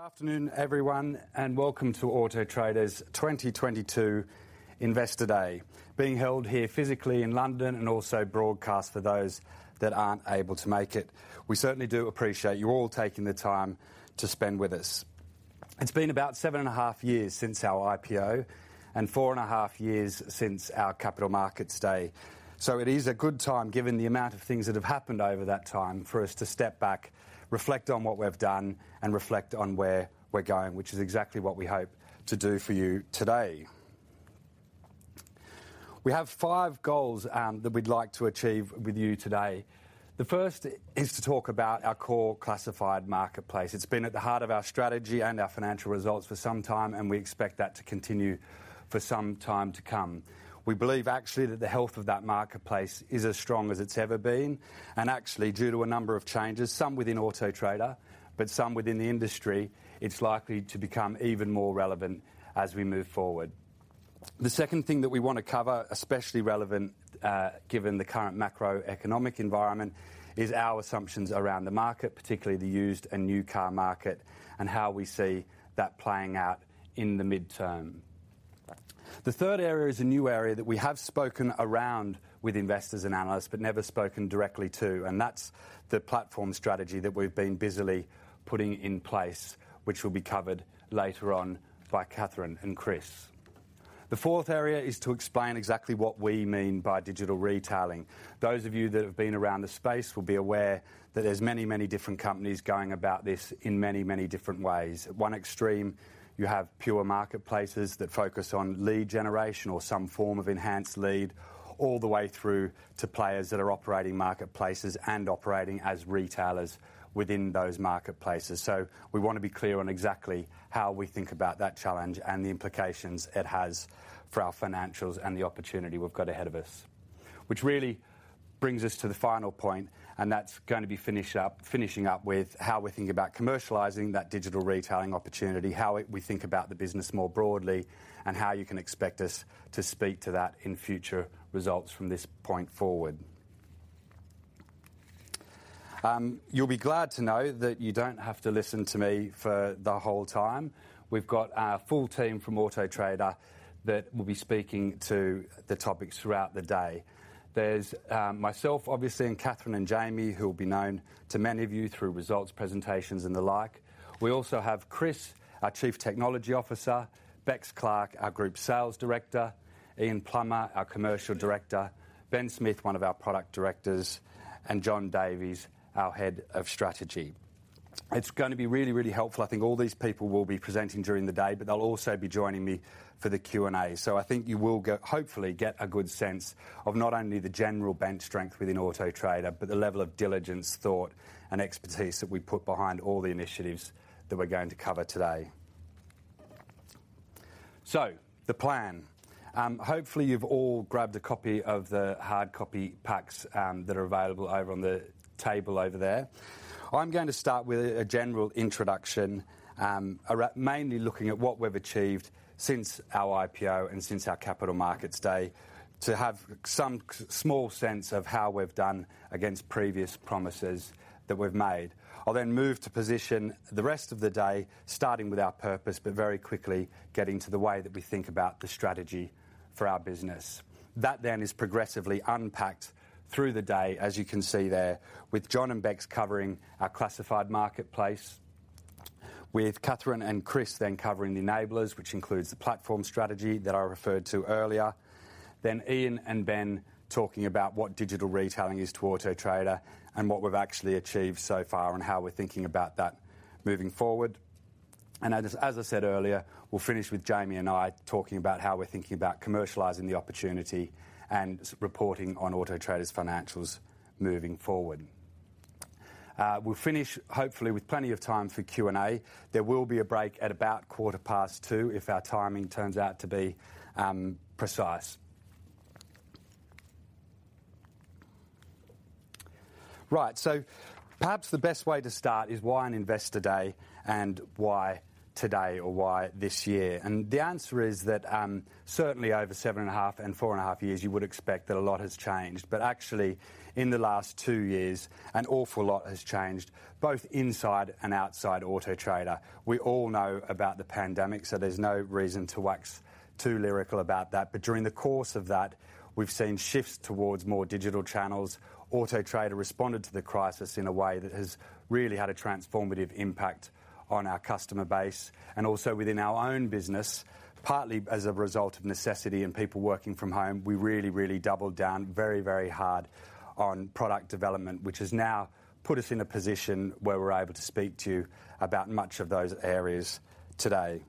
Good afternoon, everyone, and welcome to Auto Trader's 2022 Investor Day, being held here physically in London and also broadcast for those that aren't able to make it. We certainly do appreciate you all taking the time to spend with us. It's been about seven and a half years since our IPO and four and a half years since our Capital Markets Day. It is a good time, given the amount of things that have happened over that time for us to step back, reflect on what we've done and reflect on where we're going, which is exactly what we hope to do for you today. We have five goals, that we'd like to achieve with you today. The first is to talk about our core classified marketplace. It's been at the heart of our strategy and our financial results for some time, and we expect that to continue for some time to come. We believe actually that the health of that marketplace is as strong as it's ever been, and actually, due to a number of changes, some within Auto Trader, but some within the industry, it's likely to become even more relevant as we move forward. The second thing that we wanna cover, especially relevant, given the current macroeconomic environment, is our assumptions around the market, particularly the used and new car market, and how we see that playing out in the midterm. The third area is a new area that we have spoken around with investors and analysts but never spoken directly to, and that's the platform strategy that we've been busily putting in place, which will be covered later on by Catherine and Chris. The fourth area is to explain exactly what we mean by digital retailing. Those of you that have been around the space will be aware that there's many, many different companies going about this in many, many different ways. At one extreme, you have pure marketplaces that focus on lead generation or some form of enhanced lead, all the way through to players that are operating marketplaces and operating as retailers within those marketplaces. We wanna be clear on exactly how we think about that challenge and the implications it has for our financials and the opportunity we've got ahead of us. Which really brings us to the final point, and that's gonna be finishing up with how we think about commercializing that digital retailing opportunity, how we think about the business more broadly, and how you can expect us to speak to that in future results from this point forward. You'll be glad to know that you don't have to listen to me for the whole time. We've got our full team from Auto Trader that will be speaking to the topics throughout the day. There's myself, obviously, and Catherine and Jamie, who will be known to many of you through results, presentations, and the like. We also have Chris, our Chief Technology Officer, Bex Clark, our Group Sales Director, Ian Plummer, our Commercial Director, Ben Smith, one of our Product Directors, and Jon Davies, our Head of Strategy. It's gonna be really, really helpful. I think all these people will be presenting during the day, but they'll also be joining me for the Q&A. I think you will hopefully get a good sense of not only the general bench strength within Auto Trader, but the level of diligence, thought, and expertise that we put behind all the initiatives that we're going to cover today. The plan. Hopefully you've all grabbed a copy of the hard copy packs that are available over on the table over there. I'm going to start with a general introduction around mainly looking at what we've achieved since our IPO and since our capital markets day to have some small sense of how we've done against previous promises that we've made. I'll then move to position the rest of the day, starting with our purpose, but very quickly getting to the way that we think about the strategy for our business. That is progressively unpacked through the day, as you can see there, with Jon and Bex covering our classified marketplace. With Catherine and Chris then covering the enablers, which includes the platform strategy that I referred to earlier. Ian and Ben talking about what digital retailing is to Auto Trader and what we've actually achieved so far and how we're thinking about that moving forward. As I said earlier, we'll finish with Jamie and I talking about how we're thinking about commercializing the opportunity and reporting on Auto Trader's financials moving forward. We'll finish hopefully with plenty of time for Q&A. There will be a break at about quarter past two if our timing turns out to be precise. Right. Perhaps the best way to start is why an Investor Day and why today or why this year? The answer is that certainly over 7.5 and 4.5 years, you would expect that a lot has changed. Actually, in the last 2 years, an awful lot has changed, both inside and outside Auto Trader. We all know about the pandemic, so there's no reason to wax too lyrical about that. During the course of that, we've seen shifts towards more digital channels. Auto Trader responded to the crisis in a way that has really had a transformative impact on our customer base and also within our own business, partly as a result of necessity and people working from home. We really doubled down very hard on product development, which has now put us in a position where we're able to speak about much of those areas today.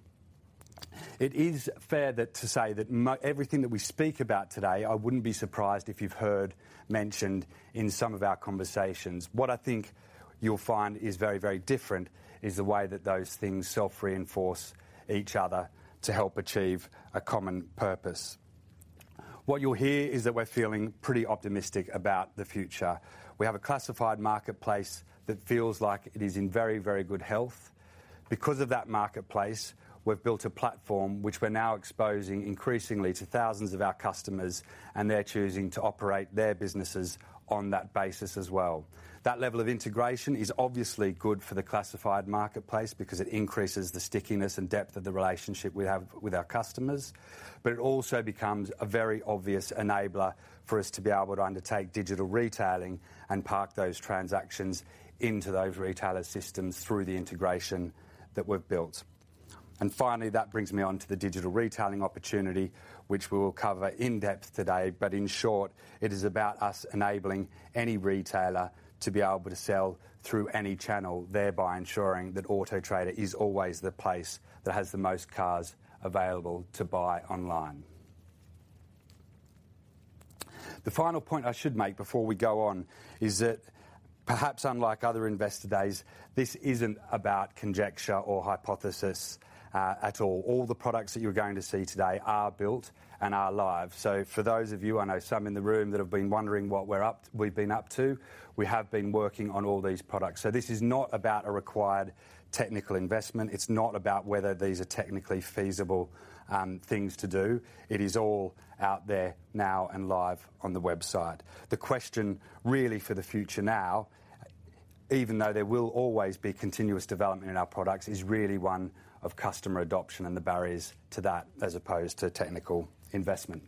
It is fair to say that everything that we speak about today, I wouldn't be surprised if you've heard mentioned in some of our conversations. What I think you'll find is very different is the way that those things self-reinforce each other to help achieve a common purpose. What you'll hear is that we're feeling pretty optimistic about the future. We have a classified marketplace that feels like it is in very good health. Because of that marketplace, we've built a platform which we're now exposing increasingly to thousands of our customers, and they're choosing to operate their businesses on that basis as well. That level of integration is obviously good for the classified marketplace because it increases the stickiness and depth of the relationship we have with our customers. It also becomes a very obvious enabler for us to be able to undertake digital retailing and park those transactions into those retailer systems through the integration that we've built. Finally, that brings me onto the digital retailing opportunity, which we will cover in depth today. In short, it is about us enabling any retailer to be able to sell through any channel, thereby ensuring that Auto Trader is always the place that has the most cars available to buy online. The final point I should make before we go on is that perhaps unlike other Investor Days, this isn't about conjecture or hypothesis at all. All the products that you're going to see today are built and are live. For those of you, I know some in the room that have been wondering what we've been up to, we have been working on all these products. This is not about a required technical investment. It's not about whether these are technically feasible, things to do. It is all out there now and live on the website. The question really for the future now, even though there will always be continuous development in our products, is really one of customer adoption and the barriers to that as opposed to technical investment.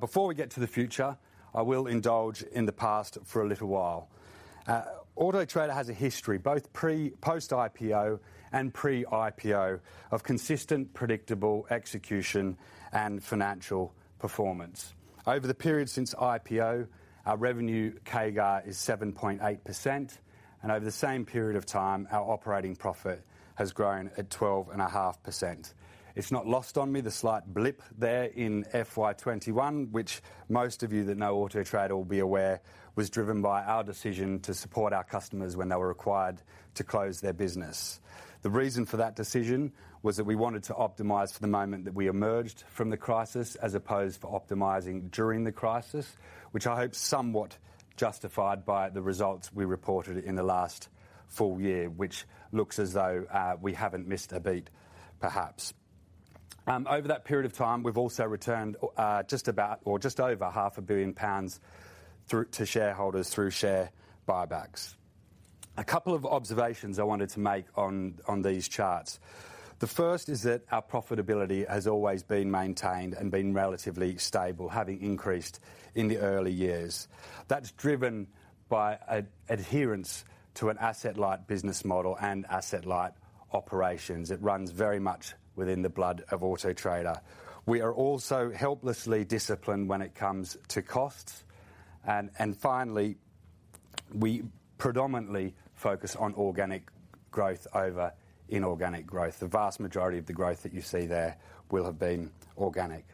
Before we get to the future, I will indulge in the past for a little while. Auto Trader has a history, both pre-IPO and post-IPO of consistent, predictable execution and financial performance. Over the period since IPO, our revenue CAGR is 7.8%, and over the same period of time, our operating profit has grown at 12.5%. It's not lost on me the slight blip there in FY 2021, which most of you that know Auto Trader will be aware was driven by our decision to support our customers when they were required to close their business. The reason for that decision was that we wanted to optimize for the moment that we emerged from the crisis as opposed to optimizing during the crisis, which I hope somewhat justified by the results we reported in the last full year, which looks as though we haven't missed a beat, perhaps. Over that period of time, we've also returned just about or just over 500 million pounds to shareholders through share buybacks. A couple of observations I wanted to make on these charts. The first is that our profitability has always been maintained and been relatively stable, having increased in the early years. That's driven by adherence to an asset-light business model and asset-light operations. It runs very much within the blood of Auto Trader. We are also ruthlessly disciplined when it comes to costs. Finally, we predominantly focus on organic growth over inorganic growth. The vast majority of the growth that you see there will have been organic.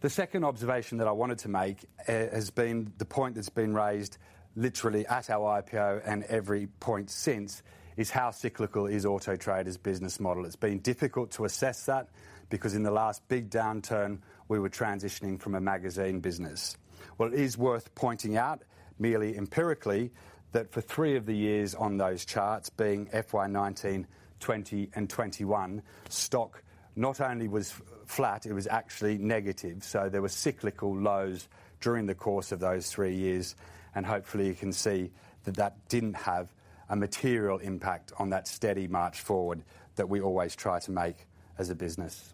The second observation that I wanted to make has been the point that's been raised literally at our IPO and every point since is how cyclical is Auto Trader's business model. It's been difficult to assess that because in the last big downturn, we were transitioning from a magazine business. Well, it is worth pointing out merely empirically that for three of the years on those charts being FY 2019, 2020, and 2021, stock not only was flat, it was actually negative. There were cyclical lows during the course of those three years, and hopefully you can see that that didn't have a material impact on that steady march forward that we always try to make as a business.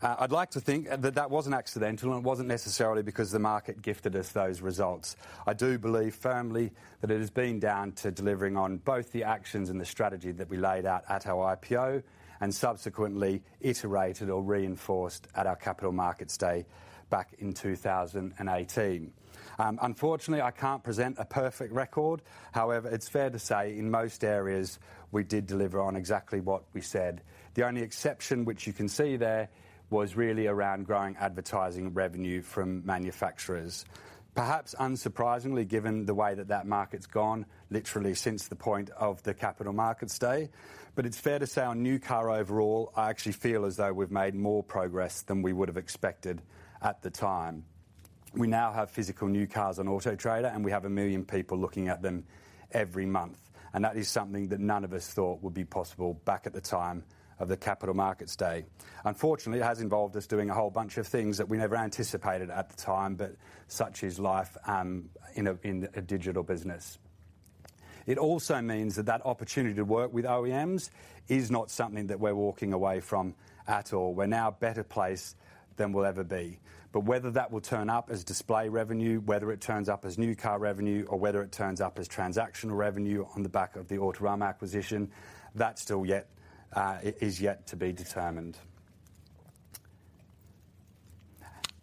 I'd like to think that that wasn't accidental, and it wasn't necessarily because the market gifted us those results. I do believe firmly that it has been down to delivering on both the actions and the strategy that we laid out at our IPO and subsequently iterated or reinforced at our Capital Markets Day back in 2018. Unfortunately, I can't present a perfect record. However, it's fair to say in most areas we did deliver on exactly what we said. The only exception which you can see there was really around growing advertising revenue from manufacturers. Perhaps unsurprisingly, given the way that that market's gone literally since the point of the Capital Markets Day. It's fair to say on new car overall, I actually feel as though we've made more progress than we would have expected at the time. We now have physical new cars on Auto Trader, and we have 1 million people looking at them every month. That is something that none of us thought would be possible back at the time of the Capital Markets Day. Unfortunately, it has involved us doing a whole bunch of things that we never anticipated at the time, but such is life in a digital business. It also means that opportunity to work with OEMs is not something that we're walking away from at all. We're now better placed than we'll ever be. Whether that will turn up as display revenue, whether it turns up as new car revenue, or whether it turns up as transactional revenue on the back of the Autorama acquisition, that still yet is yet to be determined.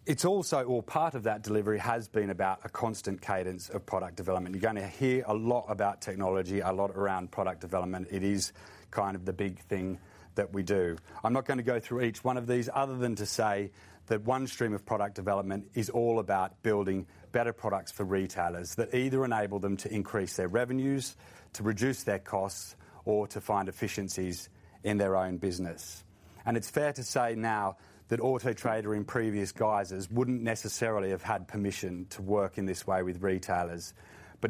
It's also part of that delivery has been about a constant cadence of product development. You're gonna hear a lot about technology, a lot around product development. It is kind of the big thing that we do. I'm not gonna go through each one of these other than to say that one stream of product development is all about building better products for retailers that either enable them to increase their revenues, to reduce their costs, or to find efficiencies in their own business. It's fair to say now that Auto Trader in previous guises wouldn't necessarily have had permission to work in this way with retailers.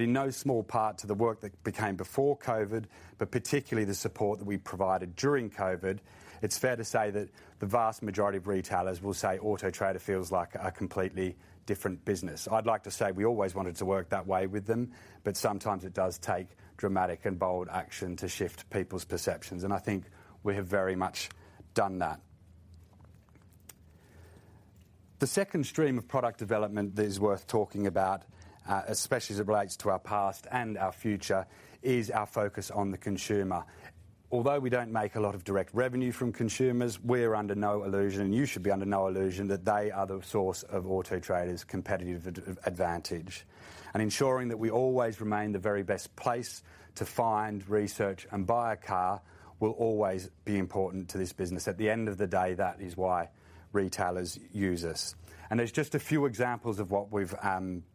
In no small part to the work that became before COVID, but particularly the support that we provided during COVID, it's fair to say that the vast majority of retailers will say Auto Trader feels like a completely different business. I'd like to say we always wanted to work that way with them, but sometimes it does take dramatic and bold action to shift people's perceptions. I think we have very much done that. The second stream of product development that is worth talking about, especially as it relates to our past and our future, is our focus on the consumer. Although we don't make a lot of direct revenue from consumers, we're under no illusion, and you should be under no illusion, that they are the source of Auto Trader's competitive advantage, and ensuring that we always remain the very best place to find research and buy a car will always be important to this business. At the end of the day, that is why retailers use us. There's just a few examples of what we've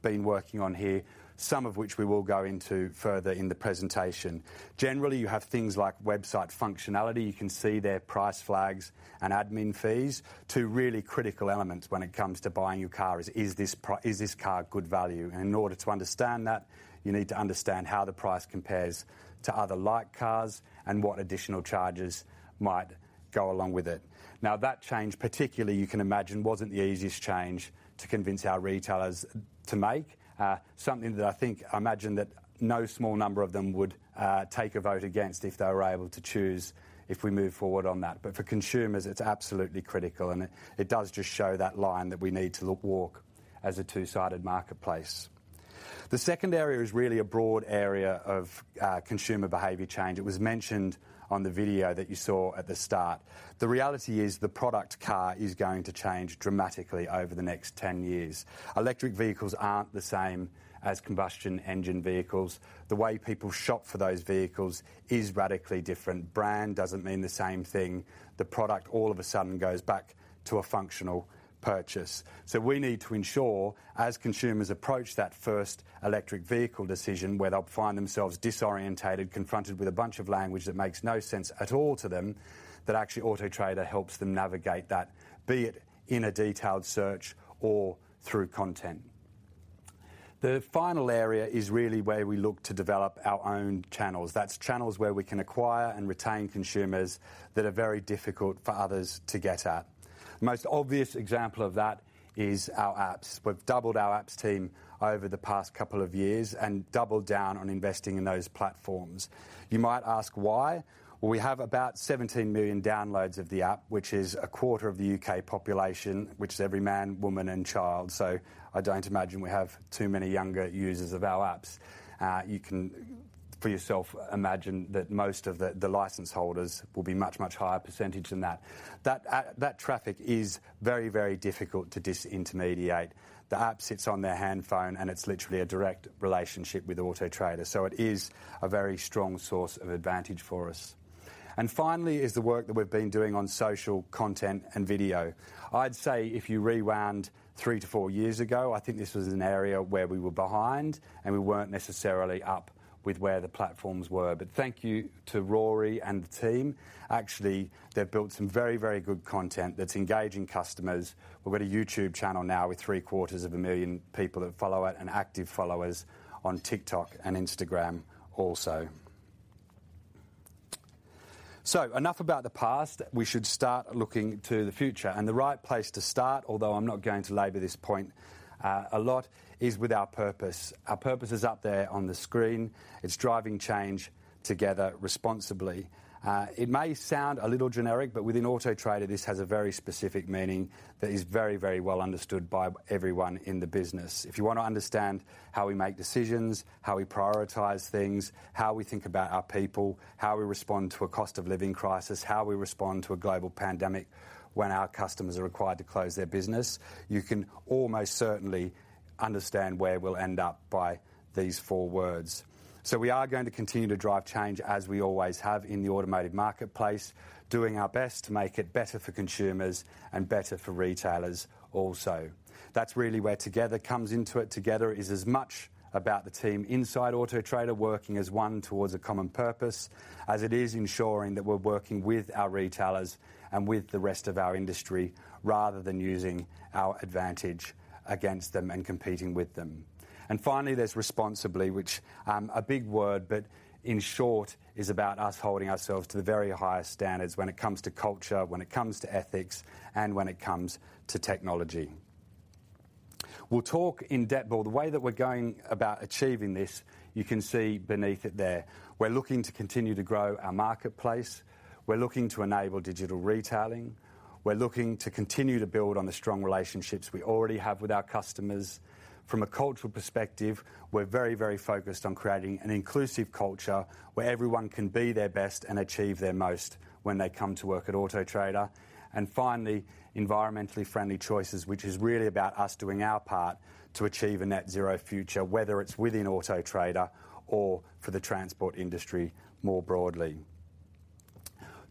been working on here, some of which we will go into further in the presentation. Generally, you have things like website functionality. You can see their price flags and admin fees. Two really critical elements when it comes to buying your car is this car good value? In order to understand that, you need to understand how the price compares to other like cars and what additional charges might go along with it. Now, that change, particularly, you can imagine, wasn't the easiest change to convince our retailers to make. Something that I think I imagine that no small number of them would take a vote against if they were able to choose if we move forward on that. For consumers, it's absolutely critical, and it does just show that line that we need to walk as a two-sided marketplace. The second area is really a broad area of consumer behavior change. It was mentioned on the video that you saw at the start. The reality is the product car is going to change dramatically over the next 10 years. Electric vehicles aren't the same as combustion engine vehicles. The way people shop for those vehicles is radically different. Brand doesn't mean the same thing. The product all of a sudden goes back to a functional purchase. We need to ensure, as consumers approach that first electric vehicle decision, where they'll find themselves disoriented, confronted with a bunch of language that makes no sense at all to them, that actually Auto Trader helps them navigate that, be it in a detailed search or through content. The final area is really where we look to develop our own channels. That's channels where we can acquire and retain consumers that are very difficult for others to get at. Most obvious example of that is our apps. We've doubled our apps team over the past couple of years and doubled down on investing in those platforms. You might ask why. Well, we have about 17 million downloads of the app, which is a quarter of the U.K. Population, which is every man, woman, and child. I don't imagine we have too many younger users of our apps. You can for yourself imagine that most of the license holders will be much, much higher percentage than that. That traffic is very, very difficult to disintermediate. The app sits on their handset, and it's literally a direct relationship with Auto Trader, so it is a very strong source of advantage for us. Finally is the work that we've been doing on social content and video. I'd say if you rewound three to four years ago, I think this was an area where we were behind, and we weren't necessarily up with where the platforms were. Thank you to Rory and the team. Actually, they've built some very, very good content that's engaging customers. We've got a YouTube channel now with 750,000 people that follow it and active followers on TikTok and Instagram also. Enough about the past. We should start looking to the future. The right place to start, although I'm not going to labor this point a lot, is with our purpose. Our purpose is up there on the screen. It's driving change together responsibly. It may sound a little generic, but within Auto Trader, this has a very specific meaning that is very, very well understood by everyone in the business. If you wanna understand how we make decisions, how we prioritize things, how we think about our people, how we respond to a cost of living crisis, how we respond to a global pandemic when our customers are required to close their business, you can almost certainly understand where we'll end up by these four words. We are going to continue to drive change as we always have in the automotive marketplace, doing our best to make it better for consumers and better for retailers also. That's really where together comes into it. Together is as much about the team inside Auto Trader working as one towards a common purpose as it is ensuring that we're working with our retailers and with the rest of our industry, rather than using our advantage against them and competing with them. Finally, there's responsibility, which, a big word, but in short, is about us holding ourselves to the very highest standards when it comes to culture, when it comes to ethics, and when it comes to technology. We'll talk in depth, but the way that we're going about achieving this, you can see beneath it there. We're looking to continue to grow our marketplace. We're looking to enable digital retailing. We're looking to continue to build on the strong relationships we already have with our customers. From a cultural perspective, we're very, very focused on creating an inclusive culture where everyone can be their best and achieve their most when they come to work at Auto Trader. Finally, environmentally friendly choices, which is really about us doing our part to achieve a net zero future, whether it's within Auto Trader or for the transport industry more broadly.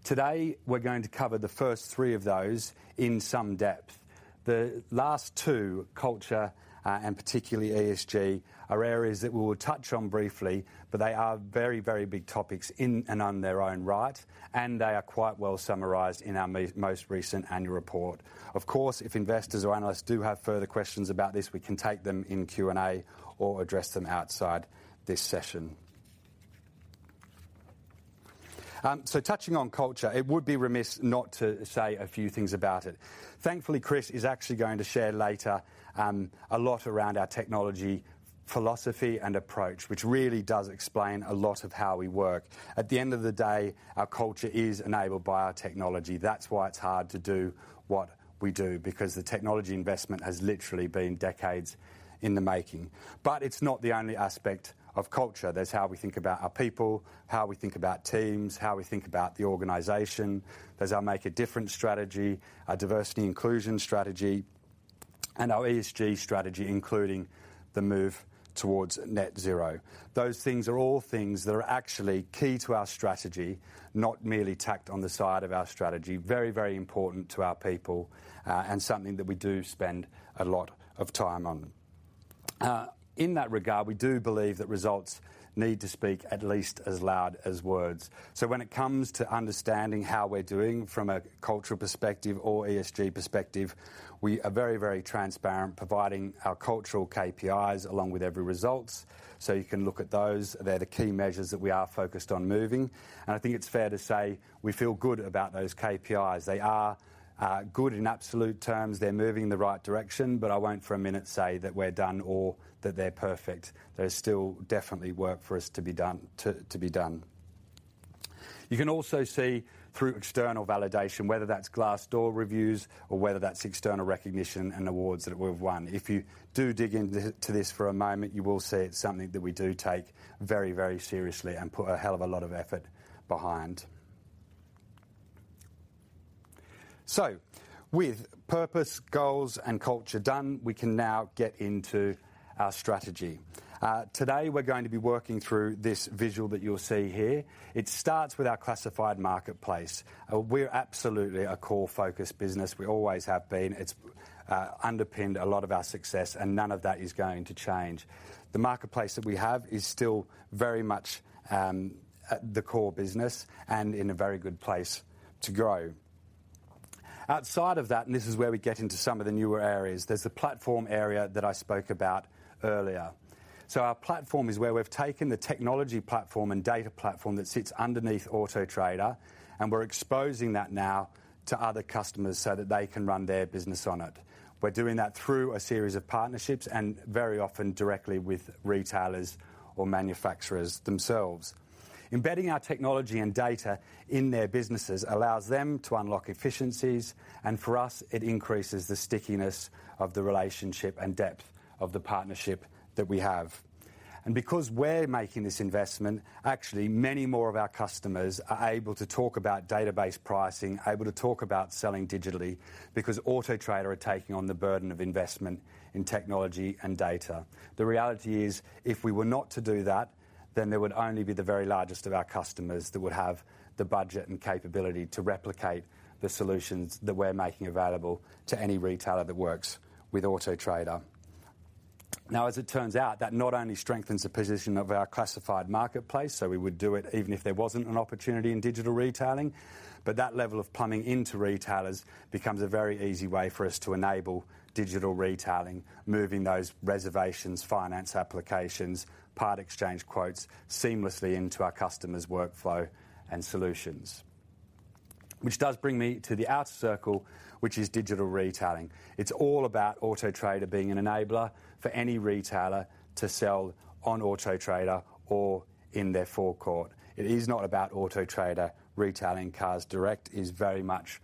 Today, we're going to cover the first three of those in some depth. The last two, culture, and particularly ESG, are areas that we'll touch on briefly, but they are very, very big topics in and on their own right, and they are quite well summarized in our most recent annual report. Of course, if investors or analysts do have further questions about this, we can take them in Q&A or address them outside this session. So touching on culture, it would be remiss not to say a few things about it. Thankfully, Chris is actually going to share later, a lot around our technology, philosophy, and approach, which really does explain a lot of how we work. At the end of the day, our culture is enabled by our technology. That's why it's hard to do what we do, because the technology investment has literally been decades in the making. It's not the only aspect of culture. There's how we think about our people, how we think about teams, how we think about the organization. There's our Make a Difference strategy, our diversity inclusion strategy. Our ESG strategy, including the move towards net zero. Those things are all things that are actually key to our strategy, not merely tacked on the side of our strategy. Very, very important to our people, and something that we do spend a lot of time on. In that regard, we do believe that results need to speak at least as loud as words. When it comes to understanding how we're doing from a cultural perspective or ESG perspective, we are very, very transparent, providing our cultural KPIs along with every results. You can look at those. They're the key measures that we are focused on moving, and I think it's fair to say we feel good about those KPIs. They are good in absolute terms. They're moving in the right direction, but I won't for a minute say that we're done or that they're perfect. There's still definitely work for us to be done. You can also see through external validation, whether that's Glassdoor reviews or whether that's external recognition and awards that we've won. If you do dig into this for a moment, you will see it's something that we do take very, very seriously and put a hell of a lot of effort behind. With purpose, goals, and culture done, we can now get into our strategy. Today we're going to be working through this visual that you'll see here. It starts with our classified marketplace. We're absolutely a core focus business. We always have been. It's underpinned a lot of our success, and none of that is going to change. The marketplace that we have is still very much at the core business and in a very good place to grow. Outside of that, and this is where we get into some of the newer areas, there's the platform area that I spoke about earlier. Our platform is where we've taken the technology platform and data platform that sits underneath Auto Trader, and we're exposing that now to other customers so that they can run their business on it. We're doing that through a series of partnerships and very often directly with retailers or manufacturers themselves. Embedding our technology and data in their businesses allows them to unlock efficiencies, and for us, it increases the stickiness of the relationship and depth of the partnership that we have. Because we're making this investment, actually, many more of our customers are able to talk about data-based pricing, able to talk about selling digitally because Auto Trader are taking on the burden of investment in technology and data. The reality is if we were not to do that, then there would only be the very largest of our customers that would have the budget and capability to replicate the solutions that we're making available to any retailer that works with Auto Trader. Now, as it turns out, that not only strengthens the position of our classified marketplace, so we would do it even if there wasn't an opportunity in digital retailing, but that level of plumbing into retailers becomes a very easy way for us to enable digital retailing, moving those reservations, finance applications, part exchange quotes seamlessly into our customers' workflow and solutions. Which does bring me to the outer circle, which is digital retailing. It's all about Auto Trader being an enabler for any retailer to sell on Auto Trader or in their forecourt. It is not about Auto Trader retailing cars direct. It's very much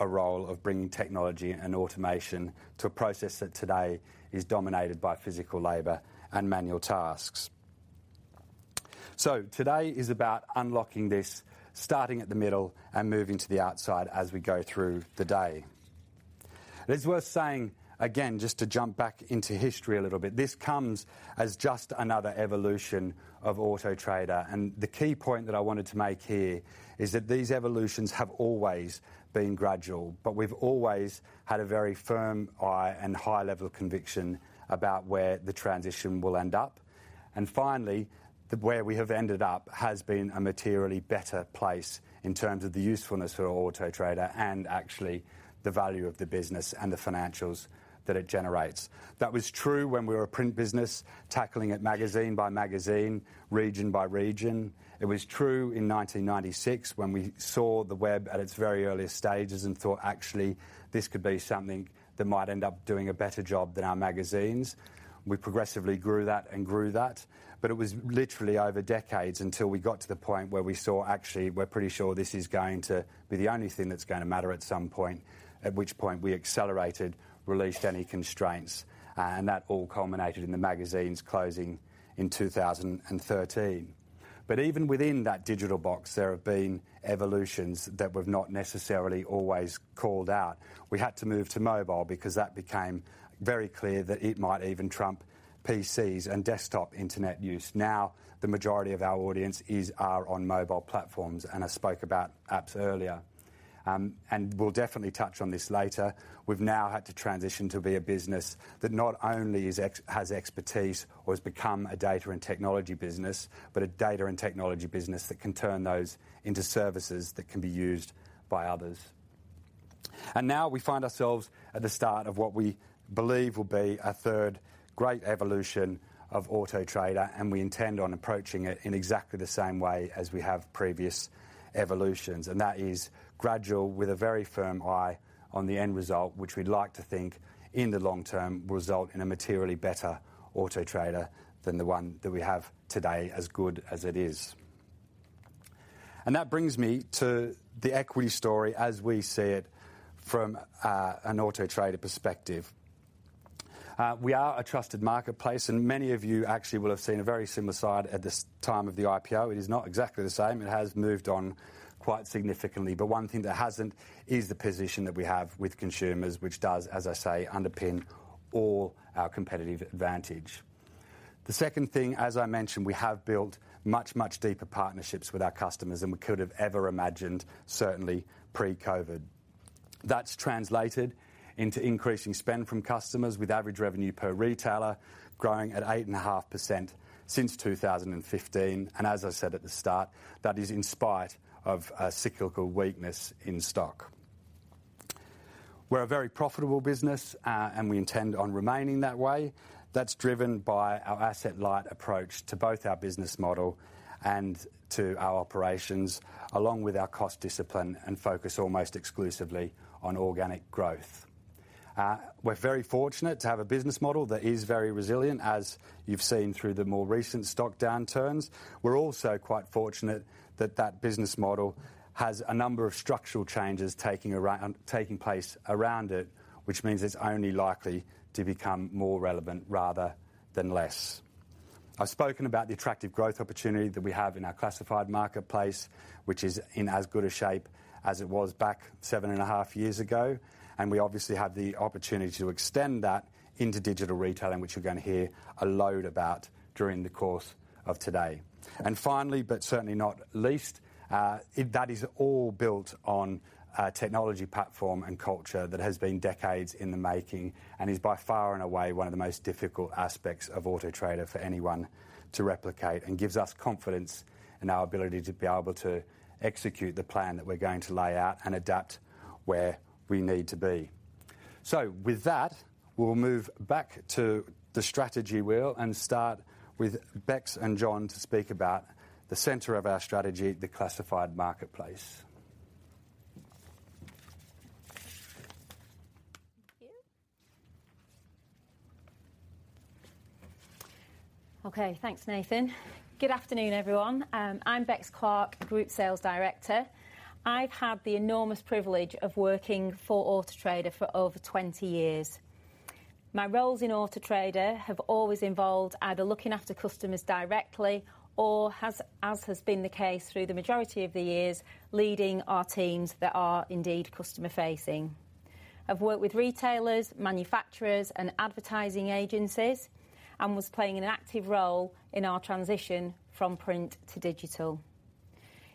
a role of bringing technology and automation to a process that today is dominated by physical labor and manual tasks. Today is about unlocking this, starting at the middle and moving to the outside as we go through the day. It is worth saying, again, just to jump back into history a little bit, this comes as just another evolution of Auto Trader, and the key point that I wanted to make here is that these evolutions have always been gradual. We've always had a very firm eye and high level of conviction about where the transition will end up. Where we have ended up has been a materially better place in terms of the usefulness for Auto Trader and actually the value of the business and the financials that it generates. That was true when we were a print business, tackling it magazine by magazine, region by region. It was true in 1996 when we saw the web at its very earliest stages and thought, "Actually, this could be something that might end up doing a better job than our magazines." We progressively grew that and grew that. It was literally over decades until we got to the point where we saw actually, we're pretty sure this is going to be the only thing that's gonna matter at some point, at which point we accelerated, released any constraints, and that all culminated in the magazines closing in 2013. Even within that digital box, there have been evolutions that were not necessarily always called out. We had to move to mobile because that became very clear that it might even trump PCs and desktop internet use. Now, the majority of our audience are on mobile platforms, and I spoke about apps earlier. We'll definitely touch on this later. We've now had to transition to be a business that not only has expertise or has become a data and technology business, but a data and technology business that can turn those into services that can be used by others. Now we find ourselves at the start of what we believe will be a third great evolution of Auto Trader, and we intend on approaching it in exactly the same way as we have previous evolutions. That is gradual with a very firm eye on the end result, which we'd like to think in the long term will result in a materially better Auto Trader than the one that we have today, as good as it is. That brings me to the equity story as we see it from an Auto Trader perspective. We are a trusted marketplace, and many of you actually will have seen a very similar slide at this time of the IPO. It is not exactly the same. It has moved on quite significantly, but one thing that hasn't is the position that we have with consumers, which does, as I say, underpin all our competitive advantage. The second thing, as I mentioned, we have built much, much deeper partnerships with our customers than we could have ever imagined, certainly pre-COVID. That's translated into increasing spend from customers with average revenue per retailer growing at 8.5% since 2015. As I said at the start, that is in spite of a cyclical weakness in stock. We're a very profitable business, and we intend on remaining that way. That's driven by our asset light approach to both our business model and to our operations, along with our cost discipline and focus almost exclusively on organic growth. We're very fortunate to have a business model that is very resilient, as you've seen through the more recent stock downturns. We're also quite fortunate that that business model has a number of structural changes taking place around it, which means it's only likely to become more relevant rather than less. I've spoken about the attractive growth opportunity that we have in our classified marketplace, which is in as good a shape as it was back seven and a half years ago, and we obviously have the opportunity to extend that into digital retailing, which you're going to hear a load about during the course of today. Finally, but certainly not least, that is all built on a technology platform and culture that has been decades in the making and is by far and away one of the most difficult aspects of Auto Trader for anyone to replicate and gives us confidence in our ability to be able to execute the plan that we're going to lay out and adapt where we need to be. With that, we'll move back to the strategy wheel and start with Bex and Jon to speak about the center of our strategy, the classified marketplace. Thank you. Okay, thanks, Nathan. Good afternoon, everyone. I'm Bex Clark, Group Sales Director. I've had the enormous privilege of working for Auto Trader for over 20 years. My roles in Auto Trader have always involved either looking after customers directly or as has been the case through the majority of the years, leading our teams that are indeed customer-facing. I've worked with retailers, manufacturers, and advertising agencies and was playing an active role in our transition from print to digital.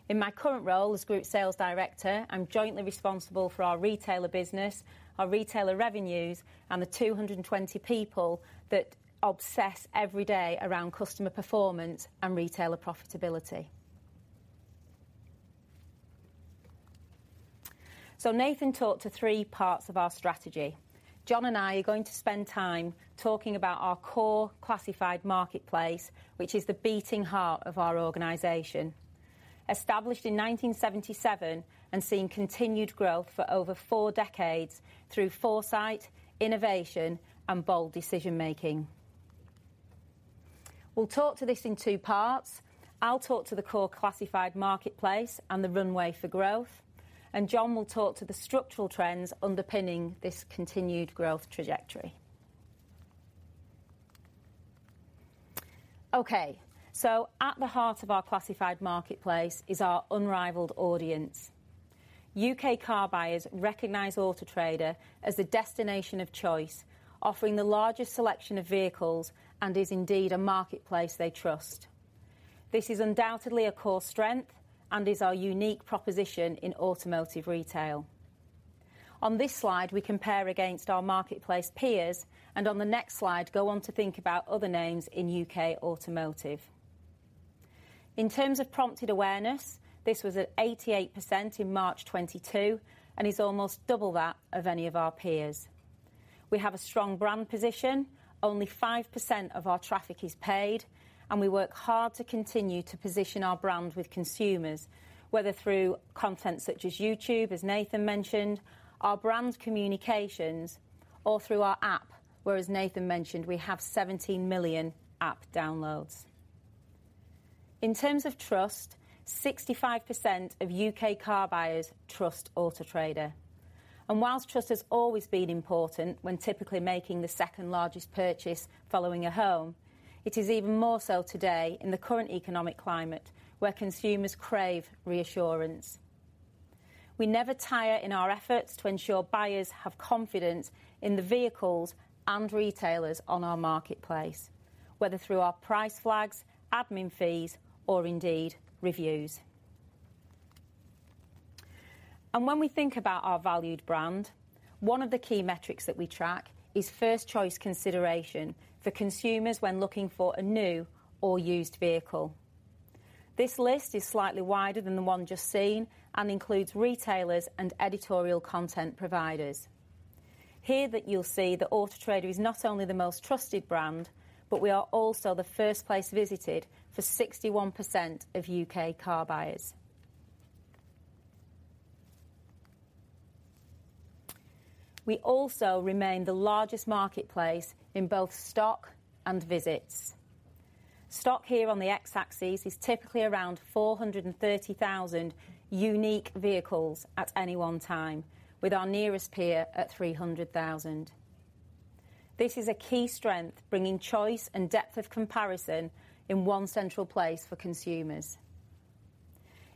In my current role as Group Sales Director, I'm jointly responsible for our retailer business, our retailer revenues, and the 220 people that obsess every day around customer performance and retailer profitability. Nathan talked to three parts of our strategy. Jon and I are going to spend time talking about our core classified marketplace, which is the beating heart of our organization. Established in 1977 and seeing continued growth for over four decades through foresight, innovation, and bold decision making. We'll talk to this in two parts. I'll talk to the core classified marketplace and the runway for growth, and Jon will talk to the structural trends underpinning this continued growth trajectory. Okay, so at the heart of our classified marketplace is our unrivaled audience. U.K. car buyers recognize Auto Trader as the destination of choice, offering the largest selection of vehicles and is indeed a marketplace they trust. This is undoubtedly a core strength and is our unique proposition in automotive retail. On this slide, we compare against our marketplace peers, and on the next slide, go on to think about other names in U.K. Automotive. In terms of prompted awareness, this was at 88% in March 2022 and is almost double that of any of our peers. We have a strong brand position. Only 5% of our traffic is paid, and we work hard to continue to position our brand with consumers, whether through content such as YouTube, as Nathan mentioned, our brand communications, or through our app, where, as Nathan mentioned, we have 17 million app downloads. In terms of trust, 65% of U.K. car buyers trust Auto Trader. While trust has always been important when typically making the second largest purchase following a home, it is even more so today in the current economic climate where consumers crave reassurance. We never tire in our efforts to ensure buyers have confidence in the vehicles and retailers on our marketplace, whether through our price flags, admin fees, or indeed reviews. When we think about our valued brand, one of the key metrics that we track is first choice consideration for consumers when looking for a new or used vehicle. This list is slightly wider than the one just seen and includes retailers and editorial content providers. Here that you'll see that Auto Trader is not only the most trusted brand, but we are also the first place visited for 61% of U.K. car buyers. We also remain the largest marketplace in both stock and visits. Stock here on the x-axis is typically around 430,000 unique vehicles at any one time, with our nearest peer at 300,000. This is a key strength, bringing choice and depth of comparison in one central place for consumers.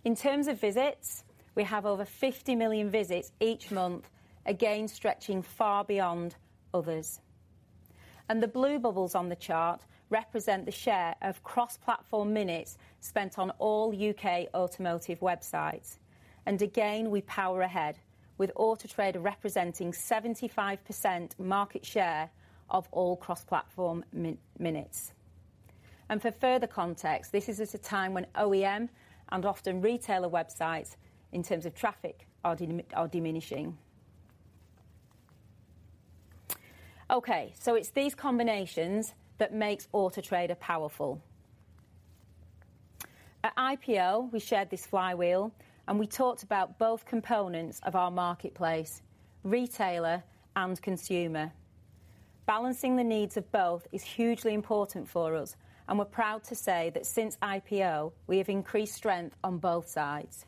In terms of visits, we have over 50 million visits each month, again, stretching far beyond others. The blue bubbles on the chart represent the share of cross-platform minutes spent on all U.K. automotive websites. Again, we power ahead with Auto Trader representing 75% market share of all cross-platform minutes. For further context, this is at a time when OEM and often retailer websites in terms of traffic are diminishing. Okay, it's these combinations that makes Auto Trader powerful. At IPO, we shared this flywheel, and we talked about both components of our marketplace, retailer and consumer. Balancing the needs of both is hugely important for us, and we're proud to say that since IPO, we have increased strength on both sides.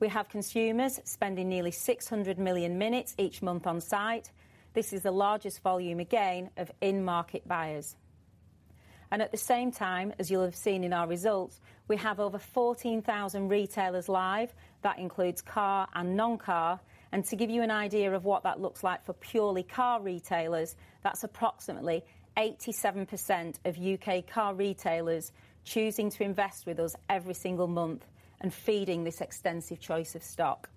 We have consumers spending nearly 600 million minutes each month on site. This is the largest volume, again, of in-market buyers. At the same time, as you'll have seen in our results, we have over 14,000 retailers live. That includes car and non-car. To give you an idea of what that looks like for purely car retailers, that's approximately 87% of U.K. car retailers choosing to invest with us every single month and feeding this extensive choice of stock.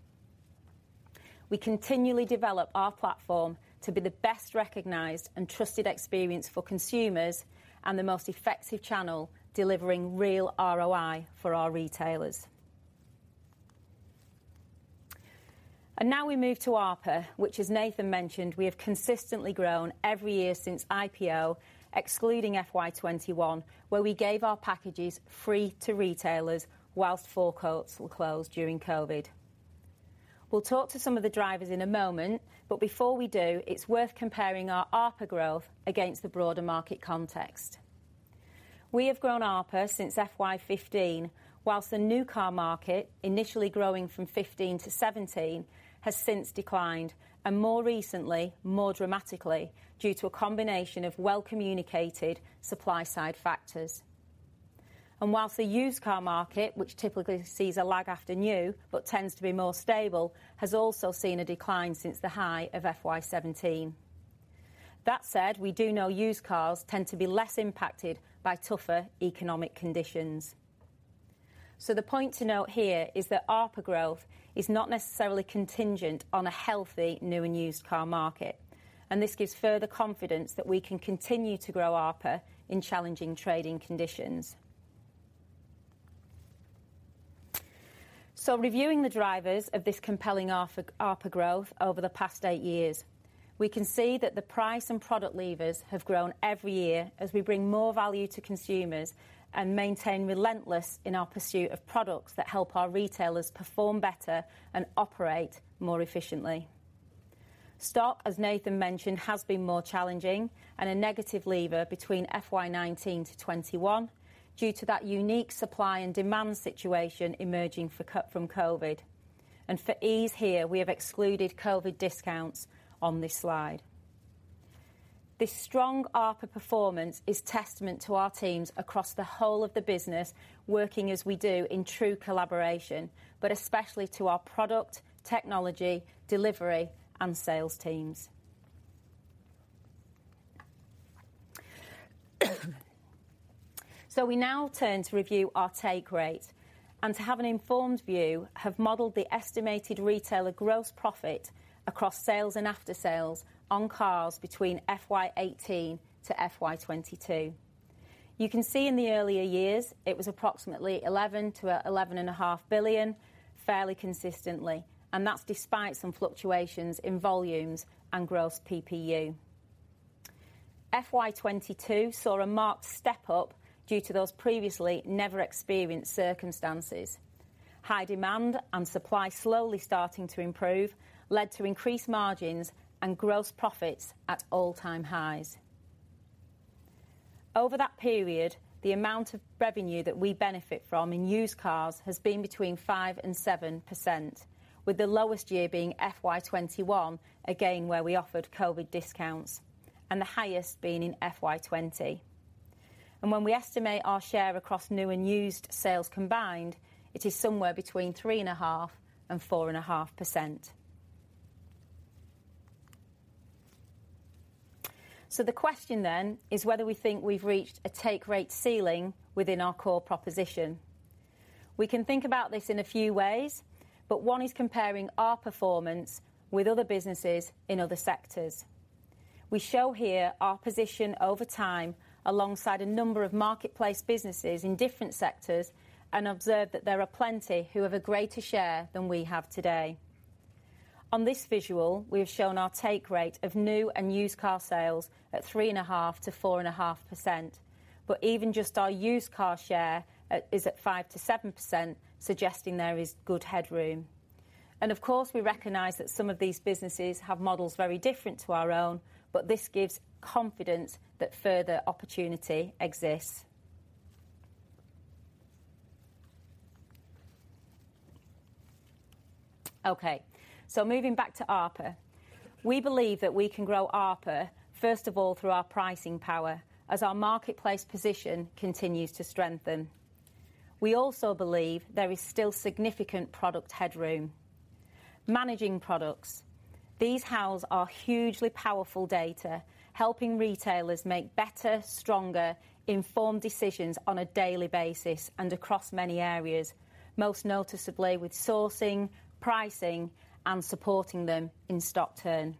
We continually develop our platform to be the best recognized and trusted experience for consumers and the most effective channel delivering real ROI for our retailers. Now we move to ARPA, which as Nathan mentioned, we have consistently grown every year since IPO, excluding FY 2021, where we gave our packages free to retailers whilst forecourts were closed during COVID. We'll talk to some of the drivers in a moment, but before we do, it's worth comparing our ARPA growth against the broader market context. We have grown ARPA since FY 2015, while the new car market initially growing from 2015 to 2017 has since declined, and more recently, more dramatically due to a combination of well-communicated supply-side factors. While the used car market, which typically sees a lag after new but tends to be more stable, has also seen a decline since the high of FY 2017. That said, we do know used cars tend to be less impacted by tougher economic conditions. The point to note here is that ARPA growth is not necessarily contingent on a healthy new and used car market, and this gives further confidence that we can continue to grow ARPA in challenging trading conditions. Reviewing the drivers of this compelling ARPA growth over the past eight years, we can see that the price and product levers have grown every year as we bring more value to consumers and maintain relentless in our pursuit of products that help our retailers perform better and operate more efficiently. Stock, as Nathan mentioned, has been more challenging and a negative lever between FY 2019-2021 due to that unique supply and demand situation emerging from COVID. For ease here, we have excluded COVID discounts on this slide. This strong ARPA performance is testament to our teams across the whole of the business working as we do in true collaboration, but especially to our product, technology, delivery, and sales teams. We now turn to review our take rate and to have an informed view, have modeled the estimated retailer gross profit across sales and after-sales on cars between FY 2018 to FY 2022. You can see in the earlier years it was approximately 11 billion-11.5 billion fairly consistently, and that's despite some fluctuations in volumes and gross PPU. FY 2022 saw a marked step up due to those previously never experienced circumstances. High demand and supply slowly starting to improve led to increased margins and gross profits at all-time highs. Over that period, the amount of revenue that we benefit from in used cars has been between 5% and 7%, with the lowest year being FY 2021, again where we offered COVID discounts, and the highest being in FY 2020. When we estimate our share across new and used sales combined, it is somewhere between 3.5% and 4.5%. The question then is whether we think we've reached a take rate ceiling within our core proposition. We can think about this in a few ways, but one is comparing our performance with other businesses in other sectors. We show here our position over time alongside a number of marketplace businesses in different sectors and observe that there are plenty who have a greater share than we have today. On this visual, we have shown our take rate of new and used car sales at 3.5%-4.5%. Even just our used car share is at 5%-7%, suggesting there is good headroom. Of course, we recognize that some of these businesses have models very different to our own, but this gives confidence that further opportunity exists. Okay, so moving back to ARPA, we believe that we can grow ARPA, first of all, through our pricing power as our marketplace position continues to strengthen. We also believe there is still significant product headroom. Managing products. These house our hugely powerful data, helping retailers make better, stronger, informed decisions on a daily basis and across many areas, most noticeably with sourcing, pricing and supporting them in stock turn.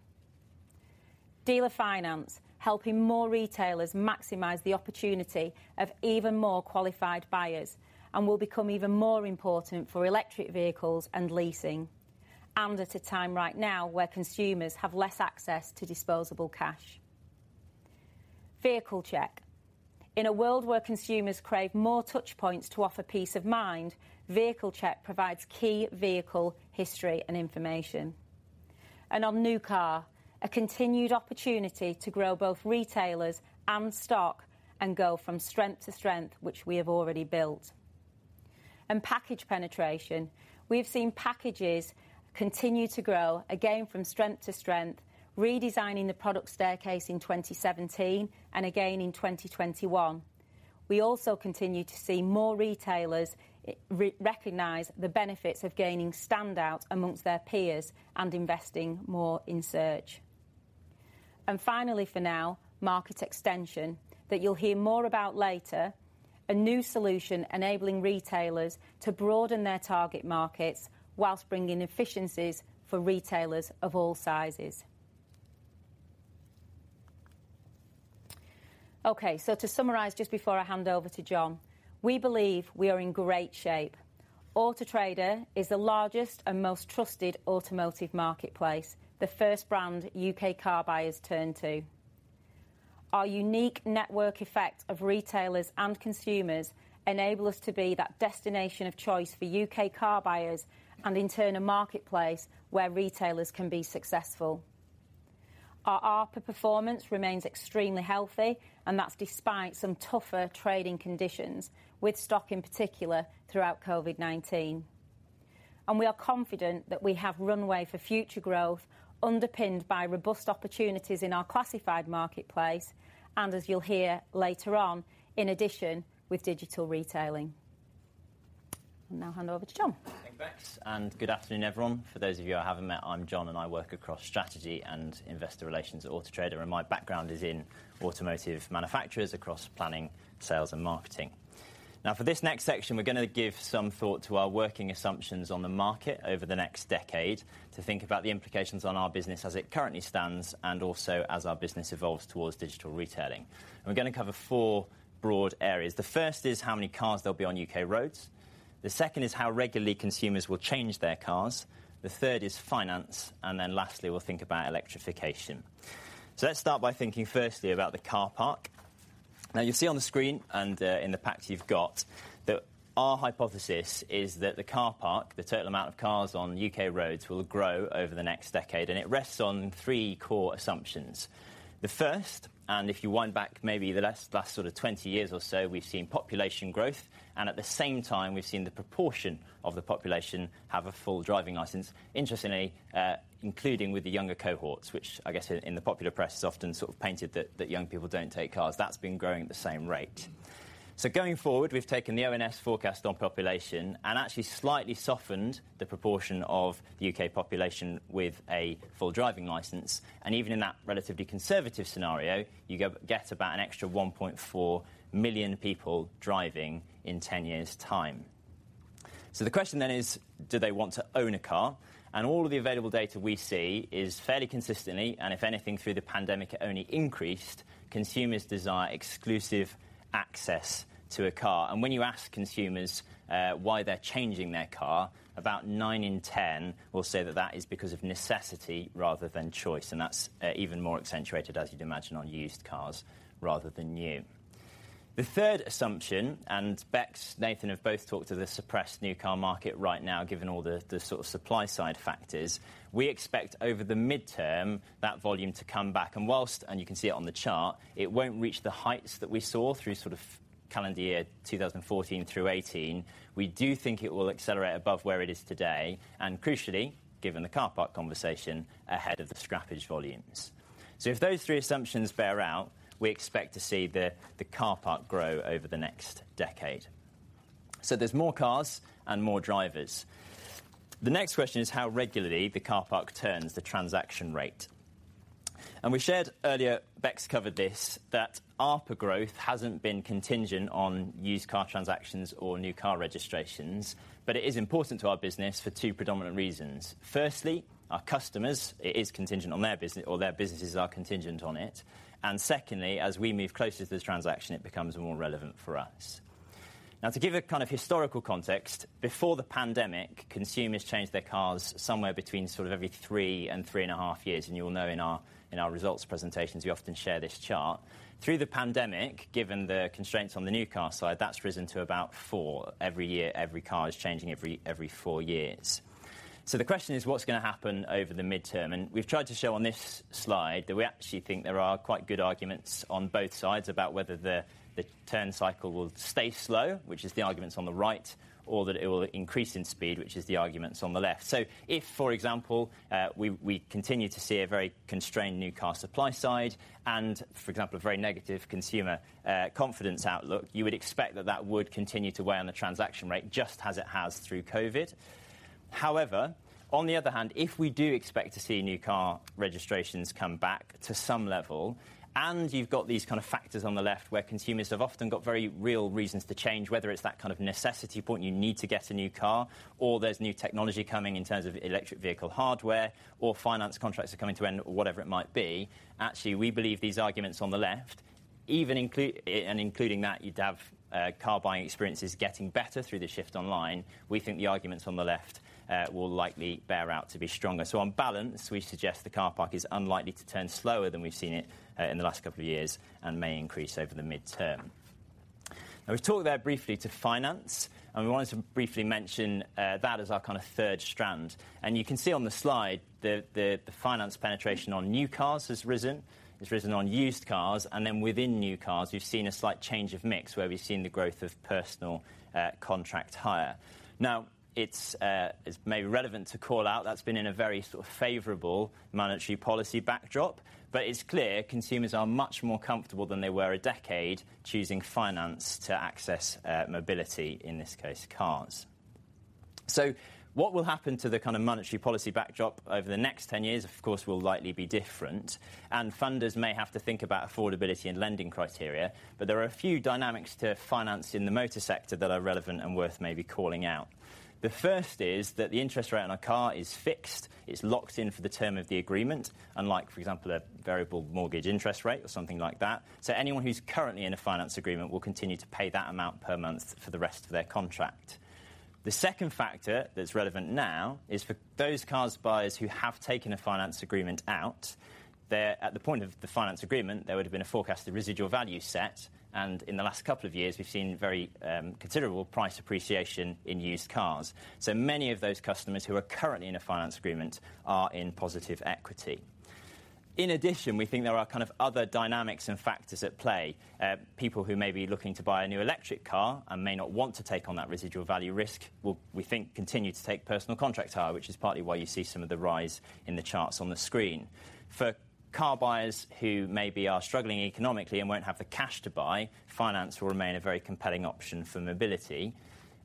Dealer Finance, helping more retailers maximize the opportunity of even more qualified buyers and will become even more important for electric vehicles and leasing, and at a time right now where consumers have less access to disposable cash. Vehicle Check. In a world where consumers crave more touch points to offer peace of mind, Vehicle Check provides key vehicle history and information. On new car, a continued opportunity to grow both retailers and stock and go from strength to strength which we have already built. Package penetration. We've seen packages continue to grow, again from strength to strength, redesigning the product staircase in 2027 and again in 2021. We also continue to see more retailers recognize the benefits of gaining stand out among their peers and investing more in search. Finally for now, Market Extension that you'll hear more about later. A new solution enabling retailers to broaden their target markets while bringing efficiencies for retailers of all sizes. Okay, to summarize just before I hand over to Jon, we believe we are in great shape. Auto Trader is the largest and most trusted automotive marketplace, the first brand U.K. car buyers turn to. Our unique network effect of retailers and consumers enable us to be that destination of choice for U.K. car buyers and in turn, a marketplace where retailers can be successful. Our ARPA performance remains extremely healthy, and that's despite some tougher trading conditions with stock in particular throughout COVID-19. We are confident that we have runway for future growth underpinned by robust opportunities in our classified marketplace, and as you'll hear later on, in addition with digital retailing. I'll now hand over to Jon. Thanks, Bex, and good afternoon, everyone. For those of you I haven't met, I'm Jon, and I work across strategy and investor relations at Auto Trader, and my background is in automotive manufacturers across planning, sales, and marketing. Now for this next section, we're gonna give some thought to our working assumptions on the market over the next decade to think about the implications on our business as it currently stands and also as our business evolves towards digital retailing. We're gonna cover four broad areas. The first is how many cars there'll be on U.K. roads. The second is how regularly consumers will change their cars. The third is finance. Then lastly, we'll think about electrification. Let's start by thinking firstly about the car park. Now you see on the screen and, in the packs you've got that our hypothesis is that the car park, the total amount of cars on U.K. roads will grow over the next decade, and it rests on three core assumptions. The first, and if you wind back maybe the last sort of 20 years or so, we've seen population growth, and at the same time we've seen the proportion of the population have a full driving license. Interestingly, including with the younger cohorts, which I guess in the popular press is often sort of painted that young people don't take cars. That's been growing at the same rate. Going forward, we've taken the ONS forecast on population and actually slightly softened the proportion of the U.K. population with a full driving license. Even in that relatively conservative scenario, you get about an extra 1.4 million people driving in 10 years' time. The question then is, do they want to own a car? All of the available data we see is fairly consistently, and if anything, through the pandemic, it only increased, consumers desire exclusive access to a car. When you ask consumers why they're changing their car, about nine in ten will say that is because of necessity rather than choice, and that's even more accentuated, as you'd imagine, on used cars rather than new. The third assumption, and Bex, Nathan have both talked to the suppressed new car market right now, given all the sort of supply side factors, we expect over the midterm that volume to come back. While you can see it on the chart, it won't reach the heights that we saw through sort of calendar year 2014 through 2018, we do think it will accelerate above where it is today and crucially, given the car park conversation, ahead of the scrappage volumes. If those three assumptions bear out, we expect to see the car park grow over the next decade. There are more cars and more drivers. The next question is how regularly the car park turns the transaction rate. We shared earlier, Bex covered this, that ARPA growth hasn't been contingent on used car transactions or new car registrations, but it is important to our business for two predominant reasons. Firstly, our customers, it is contingent on their business, or their businesses are contingent on it. Secondly, as we move closer to this transaction, it becomes more relevant for us. Now to give a kind of historical context, before the pandemic, consumers changed their cars somewhere between sort of every three and three and a half years, and you'll know in our results presentations, we often share this chart. Through the pandemic, given the constraints on the new car side, that's risen to about four. Every year every car is changing every four years. The question is what's gonna happen over the midterm? We've tried to show on this slide that we actually think there are quite good arguments on both sides about whether the turn cycle will stay slow, which is the arguments on the right, or that it will increase in speed, which is the arguments on the left. If, for example, we continue to see a very constrained new car supply side and, for example, a very negative consumer confidence outlook, you would expect that would continue to weigh on the transaction rate just as it has through COVID. However, on the other hand, if we do expect to see new car registrations come back to some level, and you've got these kind of factors on the left where consumers have often got very real reasons to change, whether it's that kind of necessity point, you need to get a new car, or there's new technology coming in terms of electric vehicle hardware or finance contracts are coming to an end or whatever it might be, actually, we believe these arguments on the left, even and including that you'd have car buying experiences getting better through the shift online. We think the arguments on the left will likely bear out to be stronger. On balance, we suggest the car parc is unlikely to turn slower than we've seen it in the last couple of years and may increase over the medium term. Now we've talked there briefly about finance, and we wanted to briefly mention that as our kind of third strand. You can see on the slide the finance penetration on new cars has risen. It's risen on used cars. Then within new cars, you've seen a slight change of mix where we've seen the growth of personal contract hire. Now, it's maybe relevant to call out that's been in a very sort of favorable monetary policy backdrop. It's clear consumers are much more comfortable than they were a decade choosing finance to access mobility, in this case, cars. What will happen to the kind of monetary policy backdrop over the next 10 years, of course, will likely be different. Funders may have to think about affordability and lending criteria. There are a few dynamics to finance in the motor sector that are relevant and worth maybe calling out. The first is that the interest rate on a car is fixed. It's locked in for the term of the agreement, unlike, for example, a variable mortgage interest rate or something like that. Anyone who's currently in a finance agreement will continue to pay that amount per month for the rest of their contract. The second factor that's relevant now is for those car buyers who have taken a finance agreement out, at the point of the finance agreement, there would've been a forecasted residual value set, and in the last couple of years we've seen very, considerable price appreciation in used cars. Many of those customers who are currently in a finance agreement are in positive equity. In addition, we think there are kind of other dynamics and factors at play. People who may be looking to buy a new electric car and may not want to take on that residual value risk will, we think, continue to take personal contract hire, which is partly why you see some of the rise in the charts on the screen. For car buyers who maybe are struggling economically and won't have the cash to buy, finance will remain a very compelling option for mobility.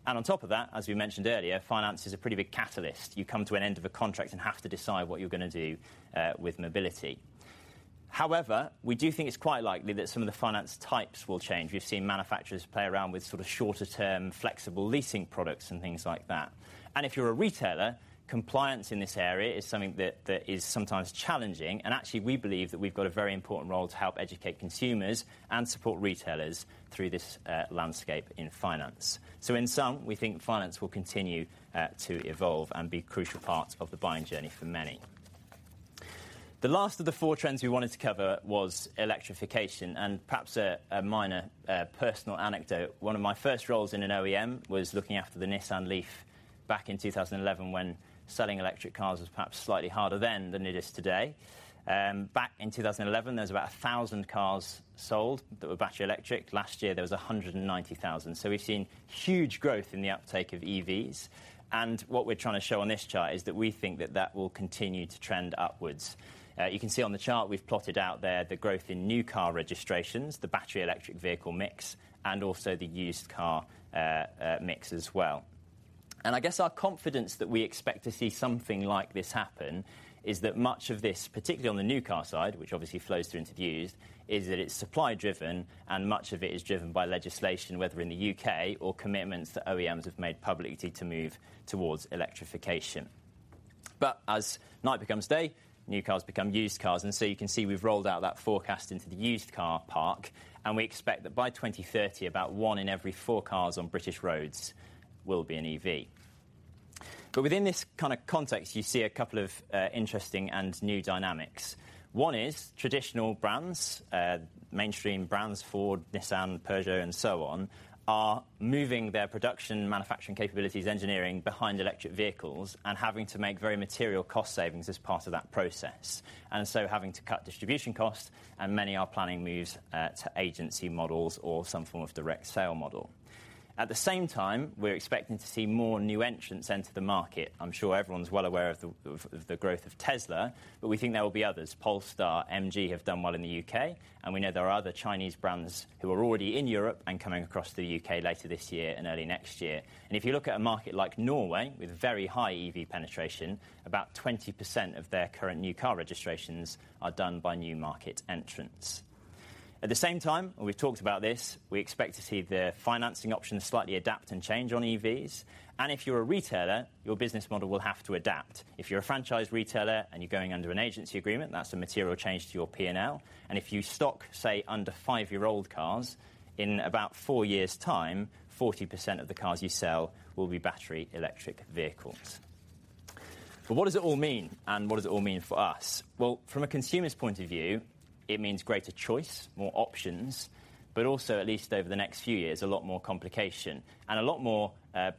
On top of that, as we mentioned earlier, finance is a pretty big catalyst. You come to an end of a contract and have to decide what you're gonna do with mobility. However, we do think it's quite likely that some of the finance types will change. We've seen manufacturers play around with sort of shorter term flexible leasing products and things like that. If you're a retailer, compliance in this area is something that is sometimes challenging. Actually, we believe that we've got a very important role to help educate consumers and support retailers through this landscape in finance. In sum, we think finance will continue to evolve and be a crucial part of the buying journey for many. The last of the four trends we wanted to cover was electrification and perhaps a minor personal anecdote. One of my first roles in an OEM was looking after the Nissan LEAF back in 2011 when selling electric cars was perhaps slightly harder than it is today. Back in 2011, there was about 1,000 cars sold that were battery electric. Last year, there was 190,000. We've seen huge growth in the uptake of EVs. What we're trying to show on this chart is that we think that will continue to trend upwards. You can see on the chart we've plotted out there the growth in new car registrations, the battery electric vehicle mix, and also the used car mix as well. I guess our confidence that we expect to see something like this happen is that much of this, particularly on the new car side, which obviously flows through into the used, is that it's supply driven and much of it is driven by legislation, whether in the U.K. or commitments that OEMs have made publicly to move towards electrification. As night becomes day, new cars become used cars. You can see we've rolled out that forecast into the used car park, and we expect that by 2030 about one in every four cars on British roads will be an EV. Within this kinda context, you see a couple of interesting and new dynamics. One is traditional brands, mainstream brands, Ford, Nissan, Peugeot and so on, are moving their production manufacturing capabilities engineering behind electric vehicles and having to make very material cost savings as part of that process. Having to cut distribution costs and many are planning moves to agency models or some form of direct sale model. At the same time, we're expecting to see more new entrants enter the market. I'm sure everyone's well aware of the growth of Tesla, but we think there will be others. Polestar, MG have done well in the U.K., and we know there are other Chinese brands who are already in Europe and coming across to the U.K. later this year and early next year. If you look at a market like Norway with very high EV penetration, about 20% of their current new car registrations are done by new market entrants. At the same time, and we've talked about this, we expect to see the financing options slightly adapt and change on EVs. If you're a retailer, your business model will have to adapt. If you're a franchise retailer and you're going under an agency agreement, that's a material change to your P&L. If you stock, say, under five-year-old cars, in about four years' time, 40% of the cars you sell will be battery electric vehicles. What does it all mean, and what does it all mean for us? Well, from a consumer's point of view, it means greater choice, more options, but also, at least over the next few years, a lot more complication and a lot more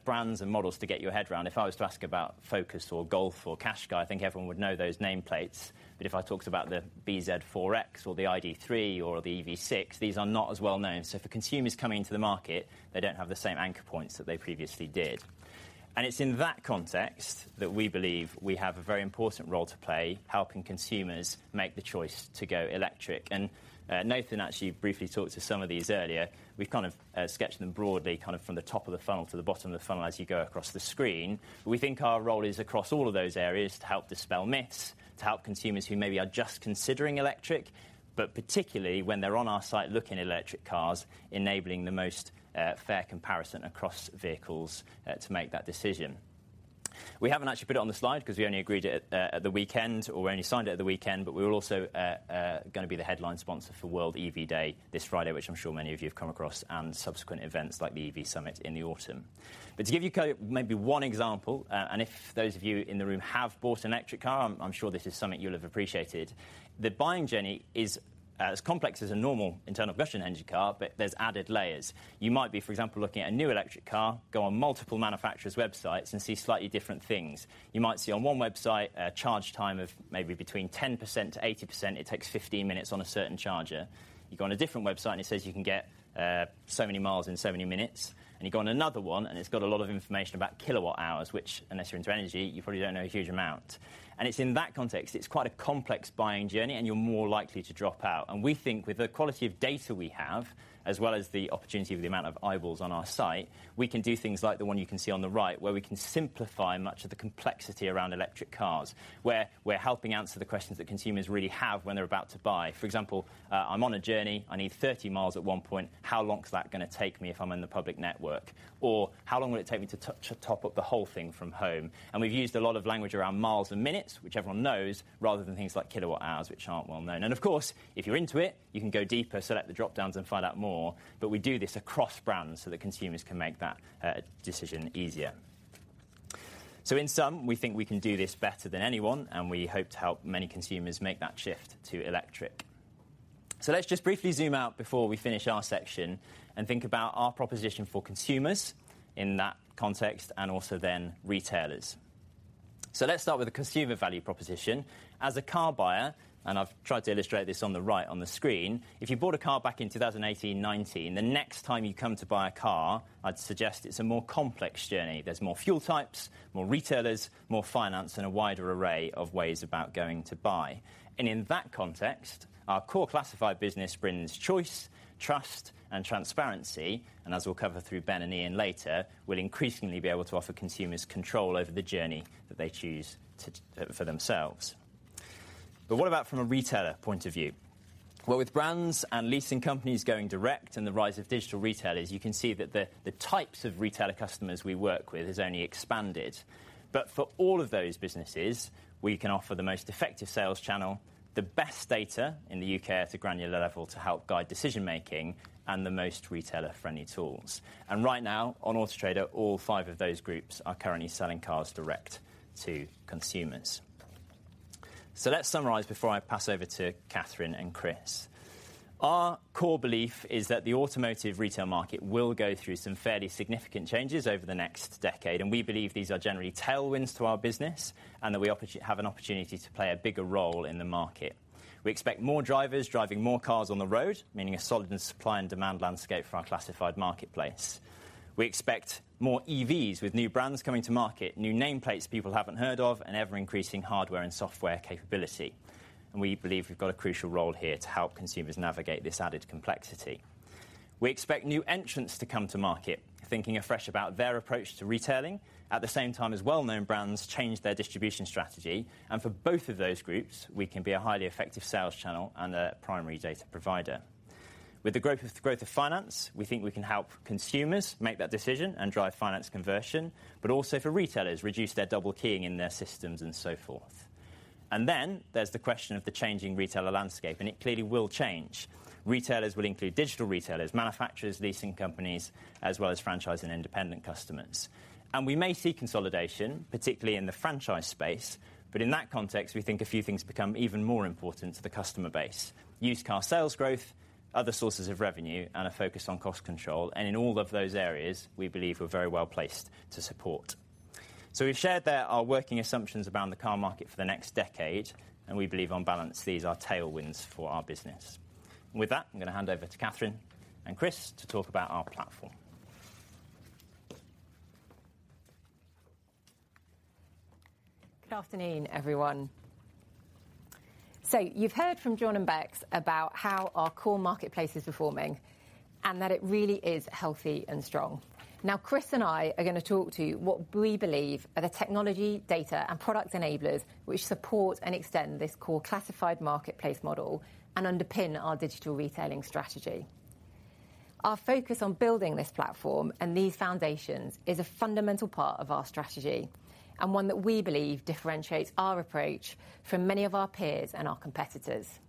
brands and models to get your head around. If I was to ask about Focus or Golf or Qashqai, I think everyone would know those nameplates. If I talked about the bZ4X or the ID.3 or the EV6, these are not as well known. If a consumer's coming to the market, they don't have the same anchor points that they previously did. It's in that context that we believe we have a very important role to play, helping consumers make the choice to go electric. Nathan actually briefly talked to some of these earlier. We've kind of sketched them broadly, kind of from the top of the funnel to the bottom of the funnel as you go across the screen. We think our role is across all of those areas to help dispel myths, to help consumers who maybe are just considering electric, but particularly when they're on our site looking at electric cars, enabling the most fair comparison across vehicles to make that decision. We haven't actually put it on the slide because we only agreed at the weekend, or only signed it at the weekend, but we're also gonna be the headline sponsor for World EV Day this Friday, which I'm sure many of you have come across, and subsequent events like the EV Summit in the autumn. Maybe one example, if those of you in the room have bought an electric car, I'm sure this is something you'll have appreciated. The buying journey is as complex as a normal internal combustion engine car, but there's added layers. You might be, for example, looking at a new electric car, go on multiple manufacturers' websites and see slightly different things. You might see on one website a charge time of maybe between 10%-80%, it takes 15 minutes on a certain charger. You go on a different website and it says you can get so many miles in so many minutes. You go on another one, and it's got a lot of information about kilowatt hours, which unless you're into energy, you probably don't know a huge amount. It's in that context, it's quite a complex buying journey and you're more likely to drop out. We think with the quality of data we have, as well as the opportunity with the amount of eyeballs on our site, we can do things like the one you can see on the right, where we can simplify much of the complexity around electric cars, where we're helping answer the questions that consumers really have when they're about to buy. For example, I'm on a journey, I need 30 mi at one point. How long is that gonna take me if I'm in the public network? Or how long will it take me to top up the whole thing from home? We've used a lot of language around miles and minutes, which everyone knows, rather than things like kilowatt hours, which aren't well known. Of course, if you're into it, you can go deeper, select the dropdowns and find out more. We do this across brands so that consumers can make that decision easier. In sum, we think we can do this better than anyone, and we hope to help many consumers make that shift to electric. Let's just briefly zoom out before we finish our section and think about our proposition for consumers in that context, and also then retailers. Let's start with the consumer value proposition. As a car buyer, and I've tried to illustrate this on the right on the screen, if you bought a car back in 2018, 2019, the next time you come to buy a car, I'd suggest it's a more complex journey. There's more fuel types, more retailers, more finance, and a wider array of ways about going to buy. In that context, our core classified business brings choice, trust, and transparency. As we'll cover through Ben and Ian later, we'll increasingly be able to offer consumers control over the journey that they choose to for themselves. What about from a retailer point of view? Well, with brands and leasing companies going direct and the rise of digital retailers, you can see that the types of retailer customers we work with has only expanded. For all of those businesses, we can offer the most effective sales channel, the best data in the U.K. at a granular level to help guide decision-making, and the most retailer-friendly tools. Right now on Auto Trader, all five of those groups are currently selling cars direct to consumers. Let's summarize before I pass over to Catherine and Chris. Our core belief is that the automotive retail market will go through some fairly significant changes over the next decade, and we believe these are generally tailwinds to our business and that we have an opportunity to play a bigger role in the market. We expect more drivers driving more cars on the road, meaning a solid supply and demand landscape for our classified marketplace. We expect more EVs with new brands coming to market, new nameplates people haven't heard of, and ever-increasing hardware and software capability. We believe we've got a crucial role here to help consumers navigate this added complexity. We expect new entrants to come to market, thinking afresh about their approach to retailing. At the same time as well-known brands change their distribution strategy. For both of those groups, we can be a highly effective sales channel and a primary data provider. With the growth of finance, we think we can help consumers make that decision and drive finance conversion, but also for retailers, reduce their double keying in their systems and so forth. Then there's the question of the changing retailer landscape, and it clearly will change. Retailers will include digital retailers, manufacturers, leasing companies, as well as franchise and independent customers. We may see consolidation, particularly in the franchise space, but in that context, we think a few things become even more important to the customer base. Used car sales growth, other sources of revenue, and a focus on cost control. In all of those areas, we believe we're very well placed to support. We've shared there our working assumptions around the car market for the next decade, and we believe on balance, these are tailwinds for our business. With that, I'm gonna hand over to Catherine and Chris to talk about our platform. Good afternoon, everyone. You've heard from Jon and Bex about how our core marketplace is performing and that it really is healthy and strong. Now, Chris and I are gonna talk to you what we believe are the technology, data, and product enablers which support and extend this core classified marketplace model and underpin our digital retailing strategy. Our focus on building this platform and these foundations is a fundamental part of our strategy and one that we believe differentiates our approach from many of our peers and our competitors.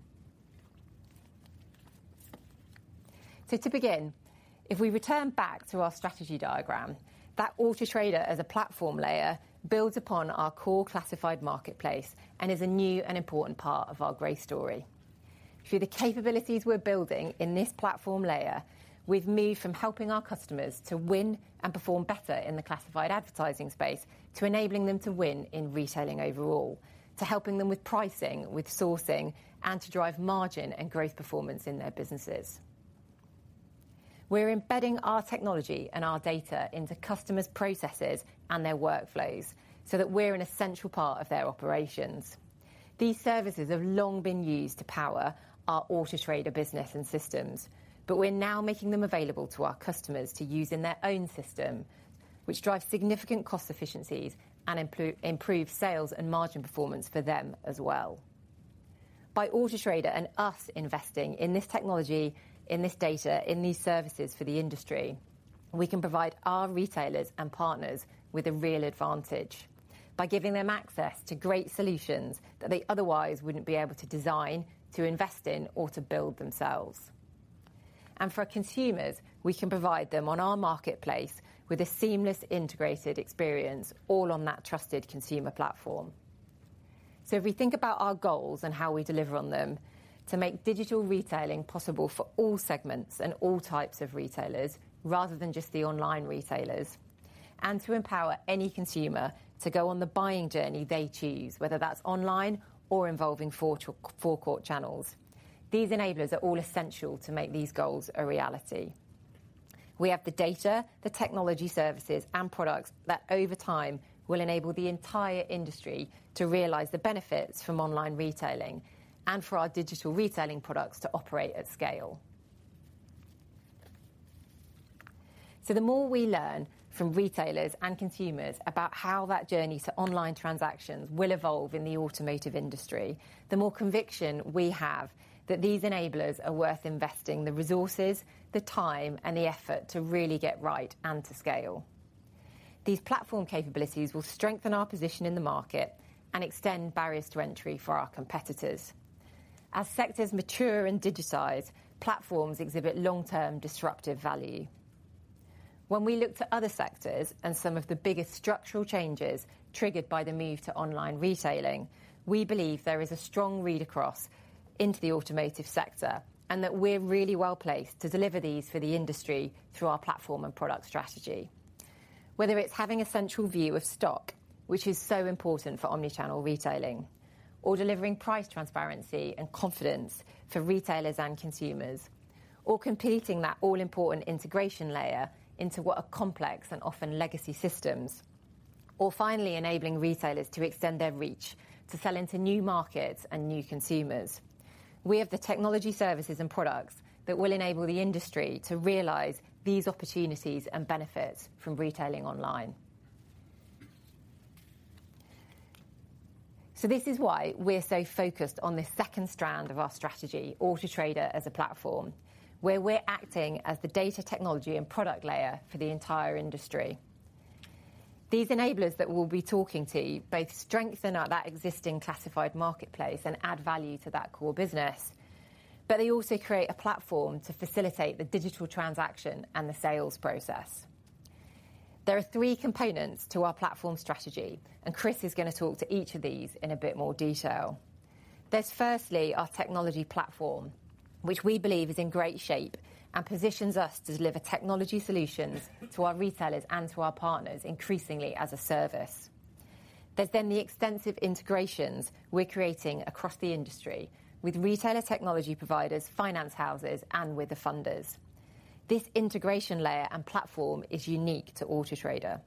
To begin, if we return back to our strategy diagram, that Auto Trader as a platform layer builds upon our core classified marketplace and is a new and important part of our growth story. Through the capabilities we're building in this platform layer, we've moved from helping our customers to win and perform better in the classified advertising space, to enabling them to win in retailing overall, to helping them with pricing, with sourcing, and to drive margin and growth performance in their businesses. We're embedding our technology and our data into customers' processes and their workflows so that we're an essential part of their operations. These services have long been used to power our Auto Trader business and systems, but we're now making them available to our customers to use in their own system, which drives significant cost efficiencies and improve sales and margin performance for them as well. By Auto Trader and us investing in this technology, in this data, in these services for the industry, we can provide our retailers and partners with a real advantage by giving them access to great solutions that they otherwise wouldn't be able to design, to invest in, or to build themselves. For consumers, we can provide them on our marketplace with a seamless, integrated experience, all on that trusted consumer platform. If we think about our goals and how we deliver on them to make digital retailing possible for all segments and all types of retailers, rather than just the online retailers, and to empower any consumer to go on the buying journey they choose, whether that's online or involving forecourt channels. These enablers are all essential to make these goals a reality. We have the data, the technology services and products that over time will enable the entire industry to realize the benefits from online retailing and for our digital retailing products to operate at scale. The more we learn from retailers and consumers about how that journey to online transactions will evolve in the automotive industry, the more conviction we have that these enablers are worth investing the resources, the time, and the effort to really get right and to scale. These platform capabilities will strengthen our position in the market and extend barriers to entry for our competitors. As sectors mature and digitize, platforms exhibit long-term disruptive value. When we look to other sectors and some of the biggest structural changes triggered by the move to online retailing, we believe there is a strong read across into the automotive sector, and that we're really well-placed to deliver these for the industry through our platform and product strategy. Whether it's having a central view of stock, which is so important for omni-channel retailing, or delivering price transparency and confidence for retailers and consumers, or completing that all-important integration layer into what are complex and often legacy systems, or finally enabling retailers to extend their reach to sell into new markets and new consumers. We have the technology services and products that will enable the industry to realize these opportunities and benefit from retailing online. This is why we're so focused on the second strand of our strategy, Auto Trader as a platform, where we're acting as the data technology and product layer for the entire industry. These enablers that we'll be talking to you about strengthen up that existing classified marketplace and add value to that core business, but they also create a platform to facilitate the digital transaction and the sales process. There are three components to our platform strategy, and Chris is gonna talk to each of these in a bit more detail. There's firstly our technology platform, which we believe is in great shape and positions us to deliver technology solutions to our retailers and to our partners increasingly as a service. There's then the extensive integrations we're creating across the industry with retailer technology providers, finance houses, and with the funders. This integration layer and platform is unique to Auto Trader.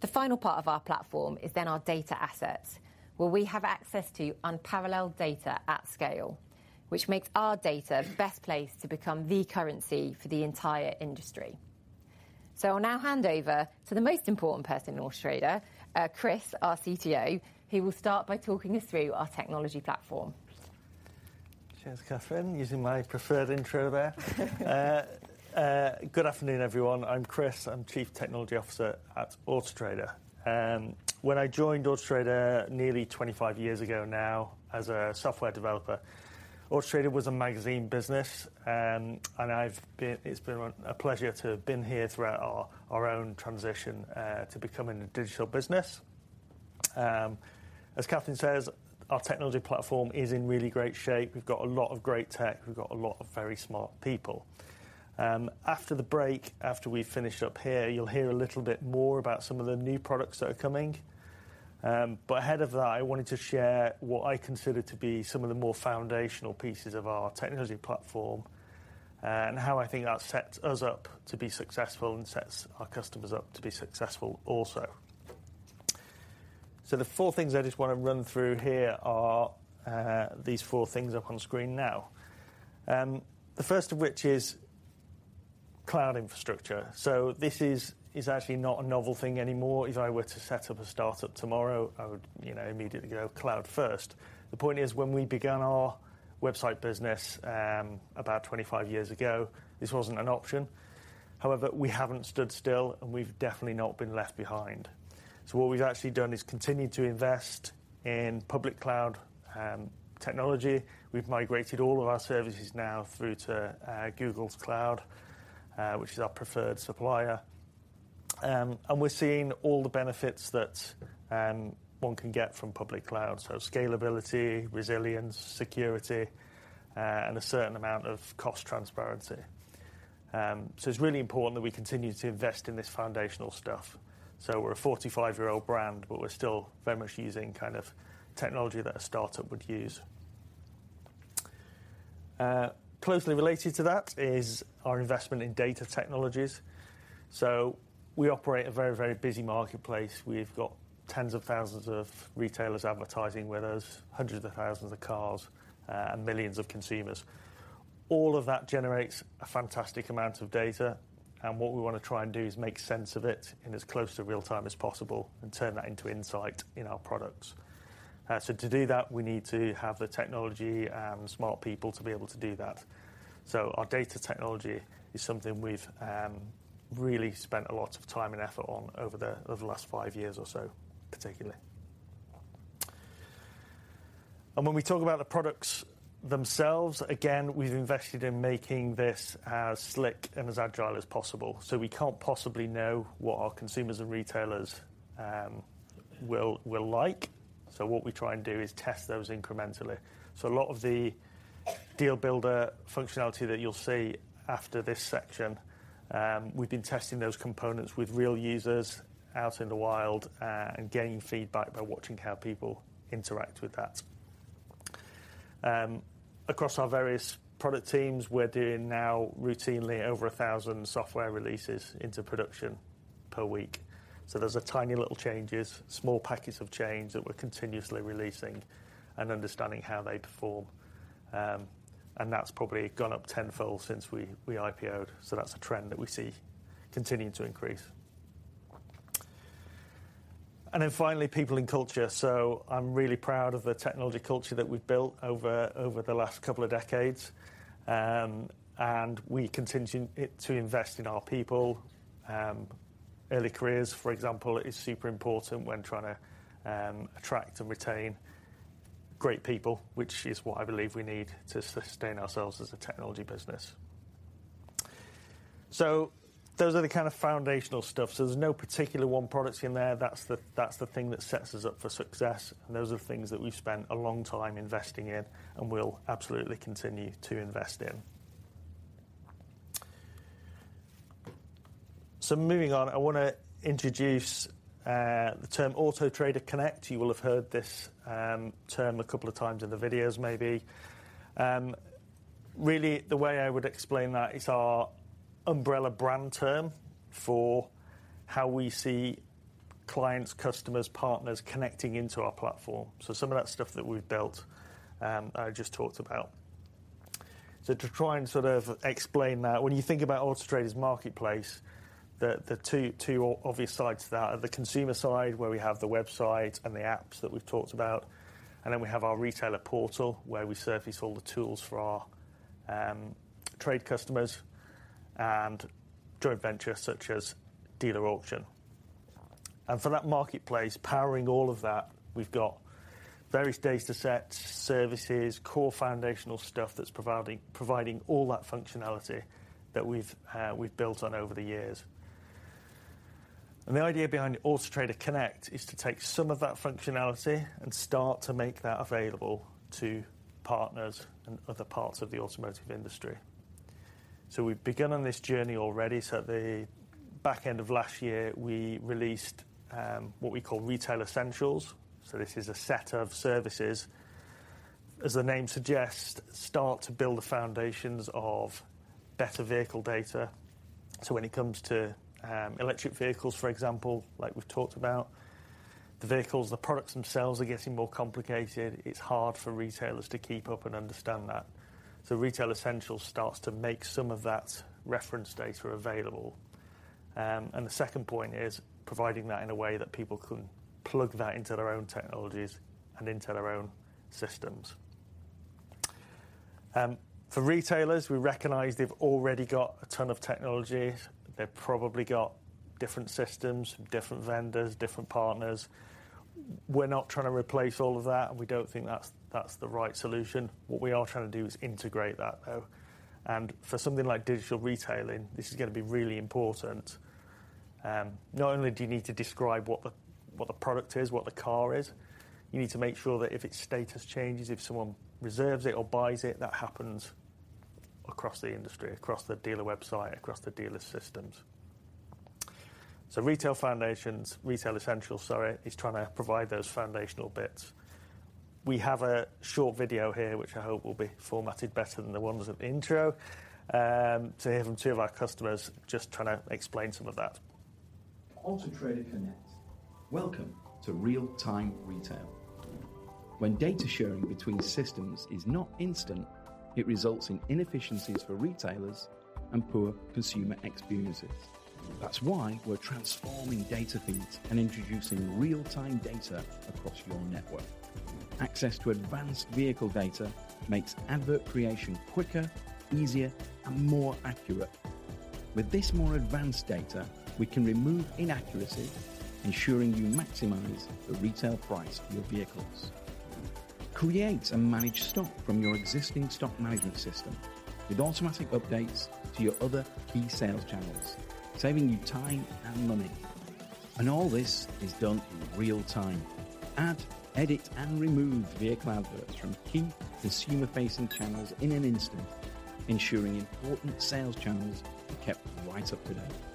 The final part of our platform is then our data assets, where we have access to unparalleled data at scale, which makes our data best placed to become the currency for the entire industry. I'll now hand over to the most important person in Auto Trader, Chris, our CTO, who will start by talking us through our technology platform. Cheers, Catherine, using my preferred intro there. Good afternoon, everyone. I'm Chris. I'm Chief Technology Officer at Auto Trader. When I joined Auto Trader nearly 25 years ago now as a software developer, Auto Trader was a magazine business. It's been a pleasure to have been here throughout our own transition to becoming a digital business. As Catherine says, our technology platform is in really great shape. We've got a lot of great tech. We've got a lot of very smart people. After the break, after we finish up here, you'll hear a little bit more about some of the new products that are coming. Ahead of that, I wanted to share what I consider to be some of the more foundational pieces of our technology platform, and how I think that sets us up to be successful and sets our customers up to be successful also. The four things I just wanna run through here are, these four things up on screen now. The first of which is cloud infrastructure. This is actually not a novel thing anymore. If I were to set up a startup tomorrow, I would, you know, immediately go cloud first. The point is, when we began our website business, about 25 years ago, this wasn't an option. However, we haven't stood still, and we've definitely not been left behind. What we've actually done is continued to invest in public cloud, technology. We've migrated all of our services now through to Google Cloud, which is our preferred supplier. We're seeing all the benefits that one can get from public cloud. Scalability, resilience, security, and a certain amount of cost transparency. It's really important that we continue to invest in this foundational stuff. We're a 45-year-old brand, but we're still very much using kind of technology that a start-up would use. Closely related to that is our investment in data technologies. We operate a very, very busy marketplace. We've got tens of thousands of retailers advertising with us, hundreds of thousands of cars, and millions of consumers. All of that generates a fantastic amount of data, and what we wanna try and do is make sense of it in as close to real time as possible and turn that into insight in our products. To do that, we need to have the technology and smart people to be able to do that. Our data technology is something we've really spent a lot of time and effort on over the last five years or so, particularly. When we talk about the products themselves, again, we've invested in making this as slick and as agile as possible. We can't possibly know what our consumers and retailers will like, so what we try and do is test those incrementally. A lot of the Deal Builder functionality that you'll see after this section, we've been testing those components with real users out in the wild, and getting feedback by watching how people interact with that. Across our various product teams, we're doing now routinely over 1,000 software releases into production per week. Those are tiny little changes, small packets of change that we're continuously releasing and understanding how they perform. That's probably gone up tenfold since we IPO'd, so that's a trend that we see continuing to increase. Finally, people and culture. I'm really proud of the technology culture that we've built over the last couple of decades. We continue to invest in our people. Early careers, for example, is super important when trying to attract and retain great people, which is what I believe we need to sustain ourselves as a technology business. Those are the kind of foundational stuff. There's no particular one product in there. That's the thing that sets us up for success, and those are things that we've spent a long time investing in, and we'll absolutely continue to invest in. Moving on, I wanna introduce the term Auto Trader Connect. You will have heard this term a couple of times in the videos, maybe. Really, the way I would explain that, it's our umbrella brand term for how we see clients, customers, partners connecting into our platform. Some of that stuff that we've built, I just talked about. To try and sort of explain that, when you think about Auto Trader's marketplace, the two obvious sides to that are the consumer side, where we have the website and the apps that we've talked about, and then we have our retailer portal, where we surface all the tools for our trade customers and joint ventures such as Dealer Auction. For that marketplace, powering all of that, we've got various data sets, services, core foundational stuff that's providing all that functionality that we've built on over the years. The idea behind Auto Trader Connect is to take some of that functionality and start to make that available to partners and other parts of the automotive industry. We've begun on this journey already. At the back end of last year, we released what we call Retail Essentials, so this is a set of services. As the name suggests, start to build the foundations of better vehicle data. When it comes to electric vehicles, for example, like we've talked about, the vehicles, the products themselves are getting more complicated. It's hard for retailers to keep up and understand that. Retail Essentials starts to make some of that reference data available. The second point is providing that in a way that people can plug that into their own technologies and into their own systems. For retailers, we recognize they've already got a ton of technology. They've probably got different systems, different vendors, different partners. We're not trying to replace all of that, and we don't think that's the right solution. What we are trying to do is integrate that, though. For something like digital retailing, this is gonna be really important. Not only do you need to describe what the product is, what the car is, you need to make sure that if its status changes, if someone reserves it or buys it, that happens across the industry, across the dealer website, across the dealer's systems. Retail Foundations, Retail Essentials, sorry, is trying to provide those foundational bits. We have a short video here, which I hope will be formatted better than the ones at the intro, to hear from two of our customers just trying to explain some of that. Auto Trader Connect. Welcome to real-time retail. When data sharing between systems is not instant, it results in inefficiencies for retailers and poor consumer experiences. That's why we're transforming data feeds and introducing real-time data across your network. Access to advanced vehicle data makes ad creation quicker, easier and more accurate. With this more advanced data, we can remove inaccuracy, ensuring you maximize the retail price of your vehicles. Create and manage stock from your existing stock management system with automatic updates to your other key sales channels, saving you time and money. All this is done in real time. Add, edit and remove via cloud bursts from key consumer-facing channels in an instant, ensuring important sales channels are kept right up to date.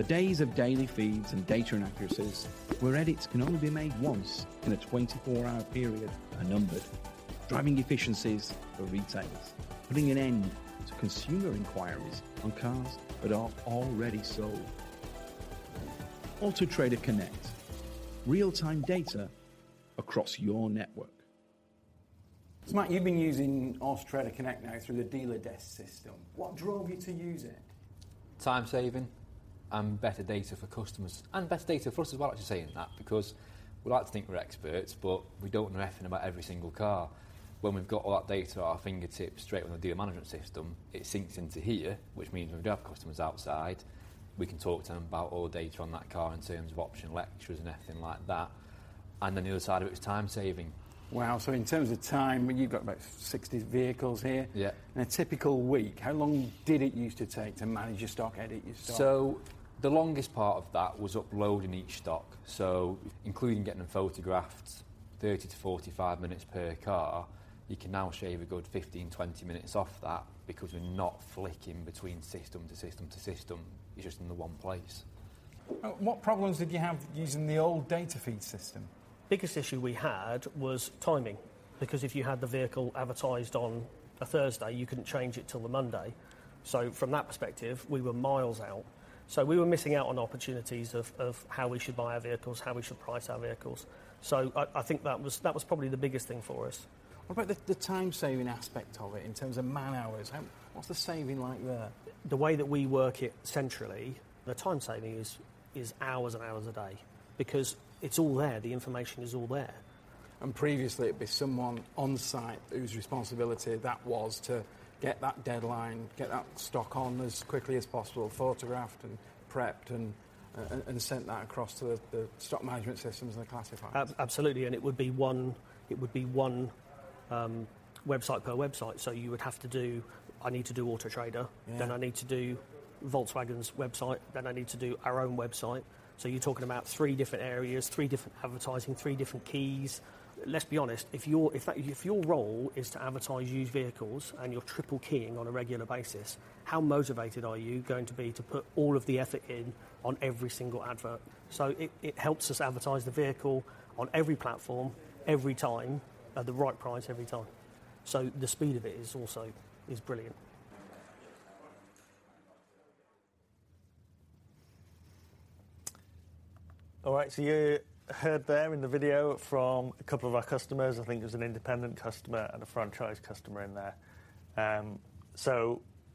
The days of daily feeds and data inaccuracies where edits can only be made once in a 24-hour period are numbered. Driving efficiencies for retailers, putting an end to consumer inquiries on cars that are already sold. Auto Trader Connect, real-time data across your network. Matt, you've been using Auto Trader Connect now through the dealer desk system. What drove you to use it? Time saving and better data for customers. Better data for us as well, I should say in that, because we like to think we're experts, but we don't know everything about every single car. When we've got all that data at our fingertips straight from the dealer management system, it syncs into here, which means when we do have customers outside, we can talk to them about all the data on that car in terms of optional extras and everything like that. The other side of it is time saving. Wow. In terms of time, when you've got about 60 vehicles here. Yeah. In a typical week, how long did it use to take to manage your stock, edit your stock? The longest part of that was uploading each stock. Including getting them photographed, 30-45 minutes per car. You can now shave a good 15-20 minutes off that because we're not flicking between system to system to system. It's just in the one place. What problems did you have using the old data feed system? Biggest issue we had was timing, because if you had the vehicle advertised on a Thursday, you couldn't change it till the Monday. From that perspective, we were miles out. We were missing out on opportunities of how we should buy our vehicles, how we should price our vehicles. I think that was probably the biggest thing for us. What about the time saving aspect of it in terms of man-hours? What's the saving like there? The way that we work it centrally, the time saving is hours and hours a day because it's all there. The information is all there. Previously, it'd be someone on-site whose responsibility that was to get that deadline, get that stock on as quickly as possible, photographed and prepped and sent that across to the stock management systems and the classifieds. Absolutely. It would be one website per website. You would have to do, "I need to do Auto Trader. Then I need to do Volkswagen's website, then I need to do our own website." You're talking about three different areas, three different advertising, three different keys. Let's be honest, if your role is to advertise used vehicles and you're triple keying on a regular basis, how motivated are you going to be to put all of the effort in on every single advert? It helps us advertise the vehicle on every platform every time, at the right price every time. The speed of it is also brilliant. All right. You heard there in the video from a couple of our customers. I think there's an independent customer and a franchise customer in there.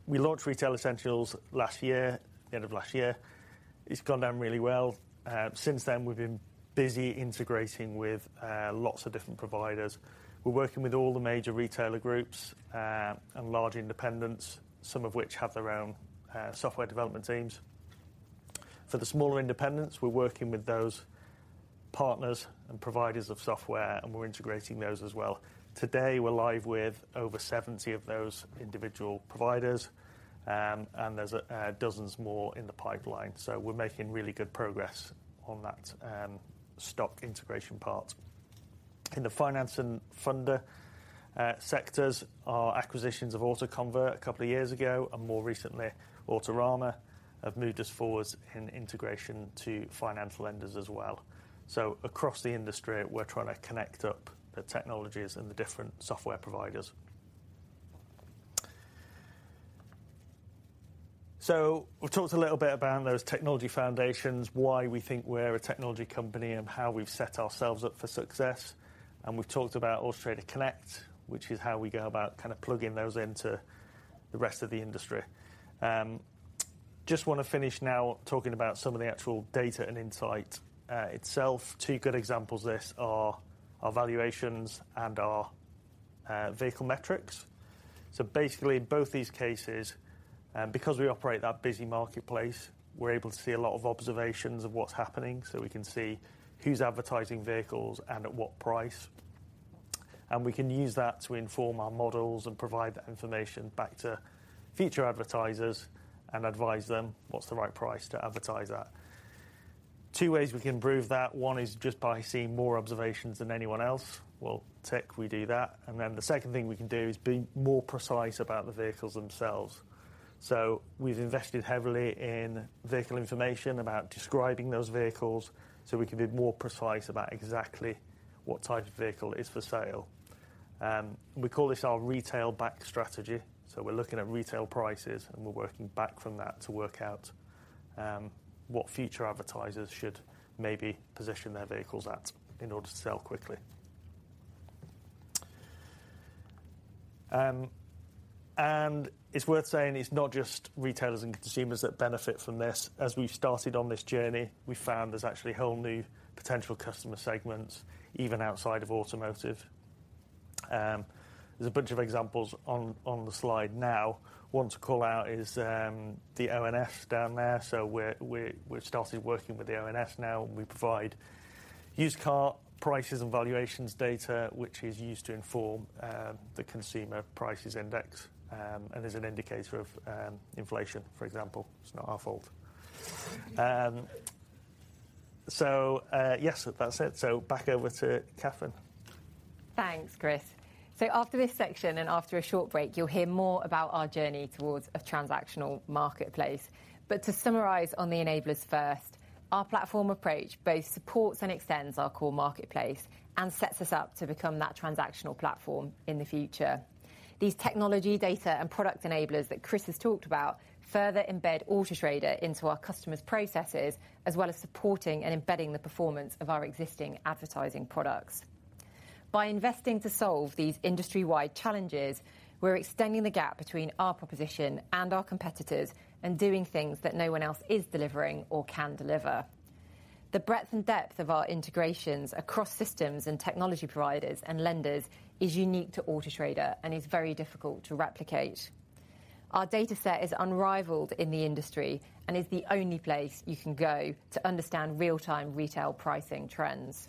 We launched Retail Essentials last year, the end of last year. It's gone down really well. Since then, we've been busy integrating with, lots of different providers. We're working with all the major retailer groups, and large independents, some of which have their own, software development teams. For the smaller independents, we're working with those partners and providers of software, and we're integrating those as well. Today, we're live with over 70 of those individual providers, and there's, dozens more in the pipeline. We're making really good progress on that, stock integration part. In the finance and funding sectors, our acquisitions of AutoConvert a couple of years ago and more recently Autorama have moved us forward in integration to financial lenders as well. Across the industry, we're trying to connect up the technologies and the different software providers. We've talked a little bit about those technology foundations, why we think we're a technology company and how we've set ourselves up for success. We've talked about Auto Trader Connect, which is how we go about kind of plugging those into the rest of the industry. Just wanna finish now talking about some of the actual data and insight itself. Two good examples of this are our valuations and our vehicle metrics. Basically in both these cases, because we operate that busy marketplace, we're able to see a lot of observations of what's happening, so we can see who's advertising vehicles and at what price. We can use that to inform our models and provide that information back to future advertisers and advise them what's the right price to advertise at. Two ways we can improve that. One is just by seeing more observations than anyone else. Well, tick, we do that. Then the second thing we can do is be more precise about the vehicles themselves. We've invested heavily in vehicle information about describing those vehicles, so we can be more precise about exactly what type of vehicle is for sale. We call this our retail back strategy. We're looking at retail prices, and we're working back from that to work out what future advertisers should maybe position their vehicles at in order to sell quickly. It's worth saying it's not just retailers and consumers that benefit from this. As we've started on this journey, we found there's actually whole new potential customer segments, even outside of automotive. There's a bunch of examples on the slide now. One to call out is the ONS down there. We've started working with the ONS now, and we provide used car prices and valuations data, which is used to inform the Consumer Prices Index and is an indicator of inflation, for example. It's not our fault. Yes, that's it. Back over to Catherine. Thanks, Chris. After this section and after a short break, you'll hear more about our journey towards a transactional marketplace. To summarize on the enablers first, our platform approach both supports and extends our core marketplace and sets us up to become that transactional platform in the future. These technology data and product enablers that Chris has talked about further embed Auto Trader into our customers' processes, as well as supporting and embedding the performance of our existing advertising products. By investing to solve these industry-wide challenges, we're extending the gap between our proposition and our competitors and doing things that no one else is delivering or can deliver. The breadth and depth of our integrations across systems and technology providers and lenders is unique to Auto Trader and is very difficult to replicate. Our data set is unrivaled in the industry and is the only place you can go to understand real-time retail pricing trends.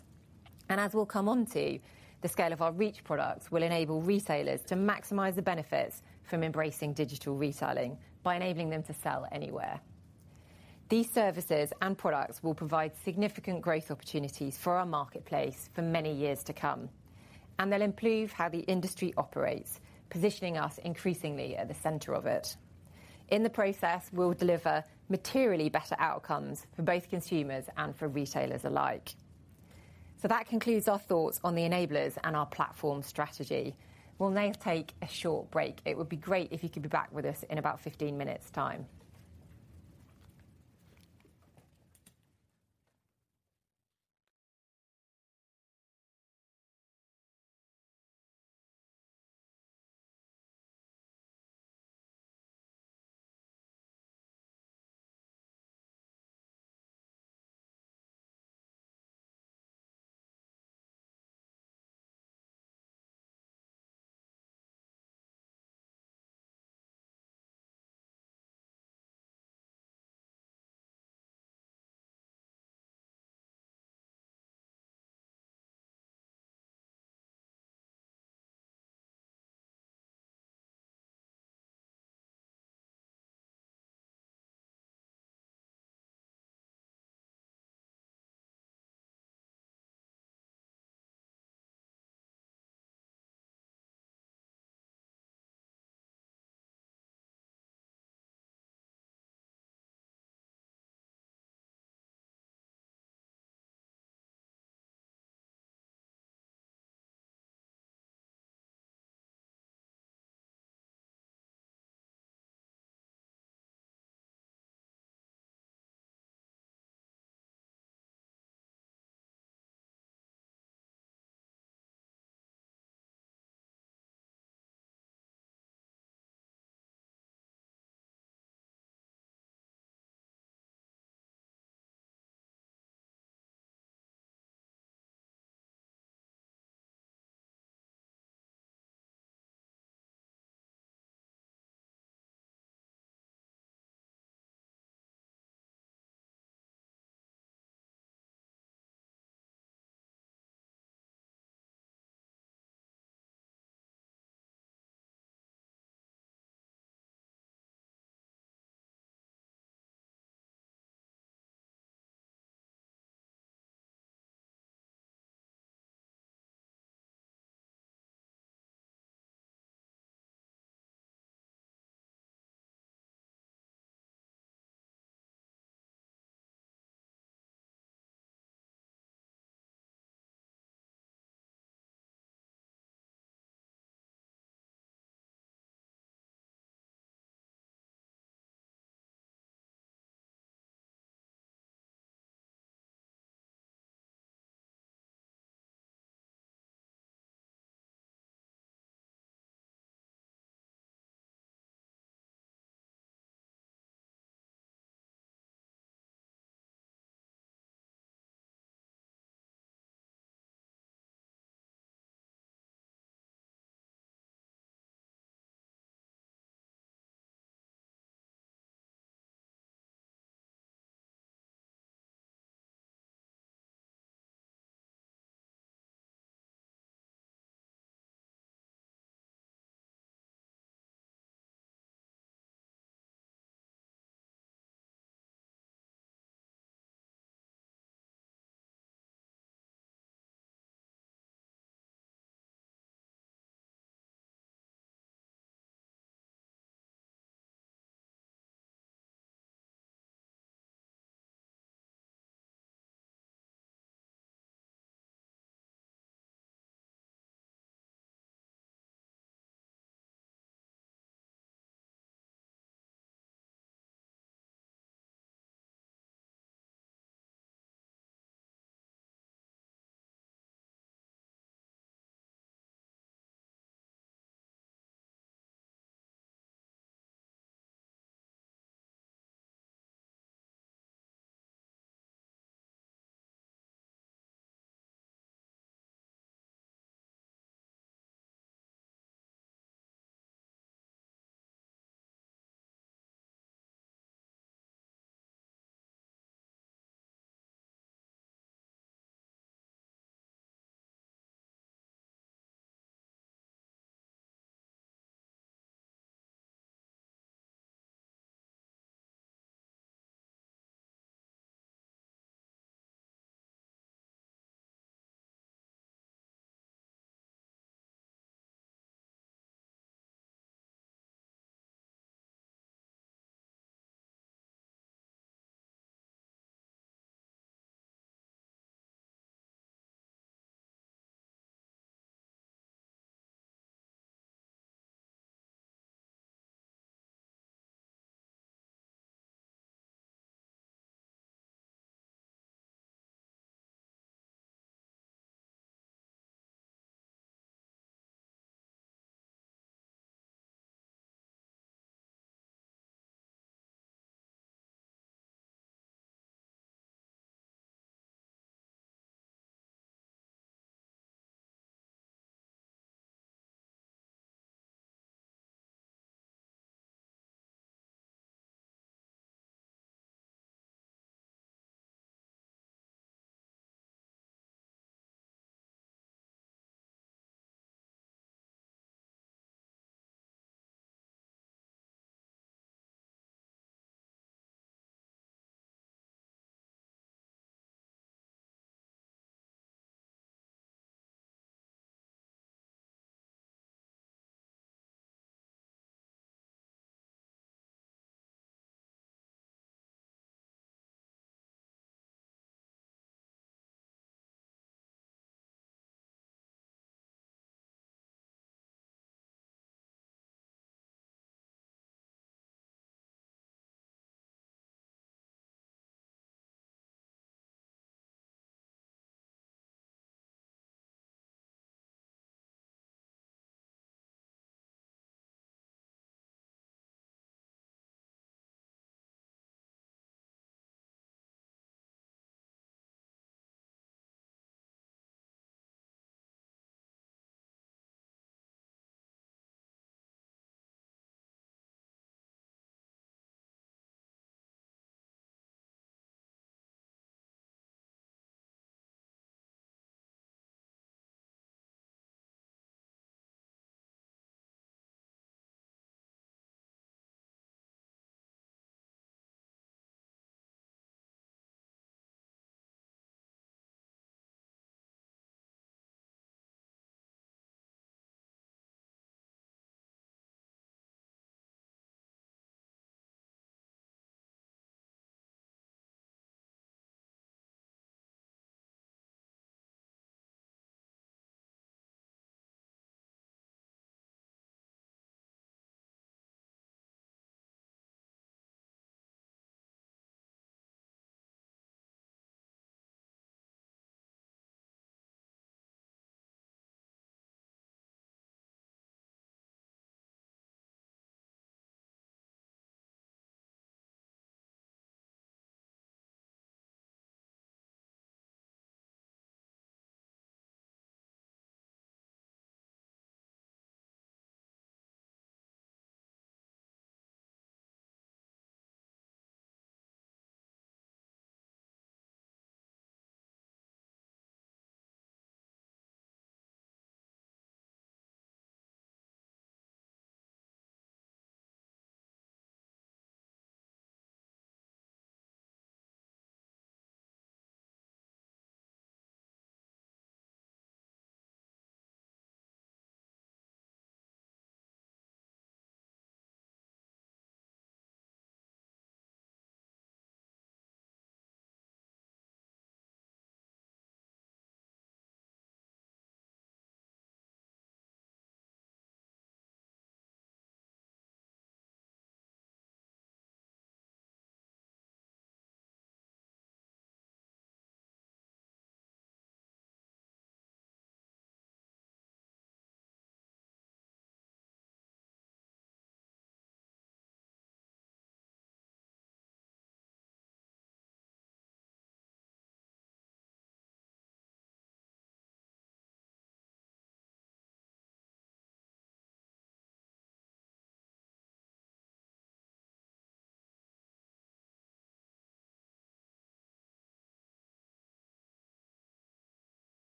As we'll come on to, the scale of our reach products will enable retailers to maximize the benefits from embracing digital retailing by enabling them to sell anywhere. These services and products will provide significant growth opportunities for our marketplace for many years to come, and they'll improve how the industry operates, positioning us increasingly at the center of it. In the process, we'll deliver materially better outcomes for both consumers and for retailers alike. That concludes our thoughts on the enablers and our platform strategy. We'll now take a short break. It would be great if you could be back with us in about 15 minutes time.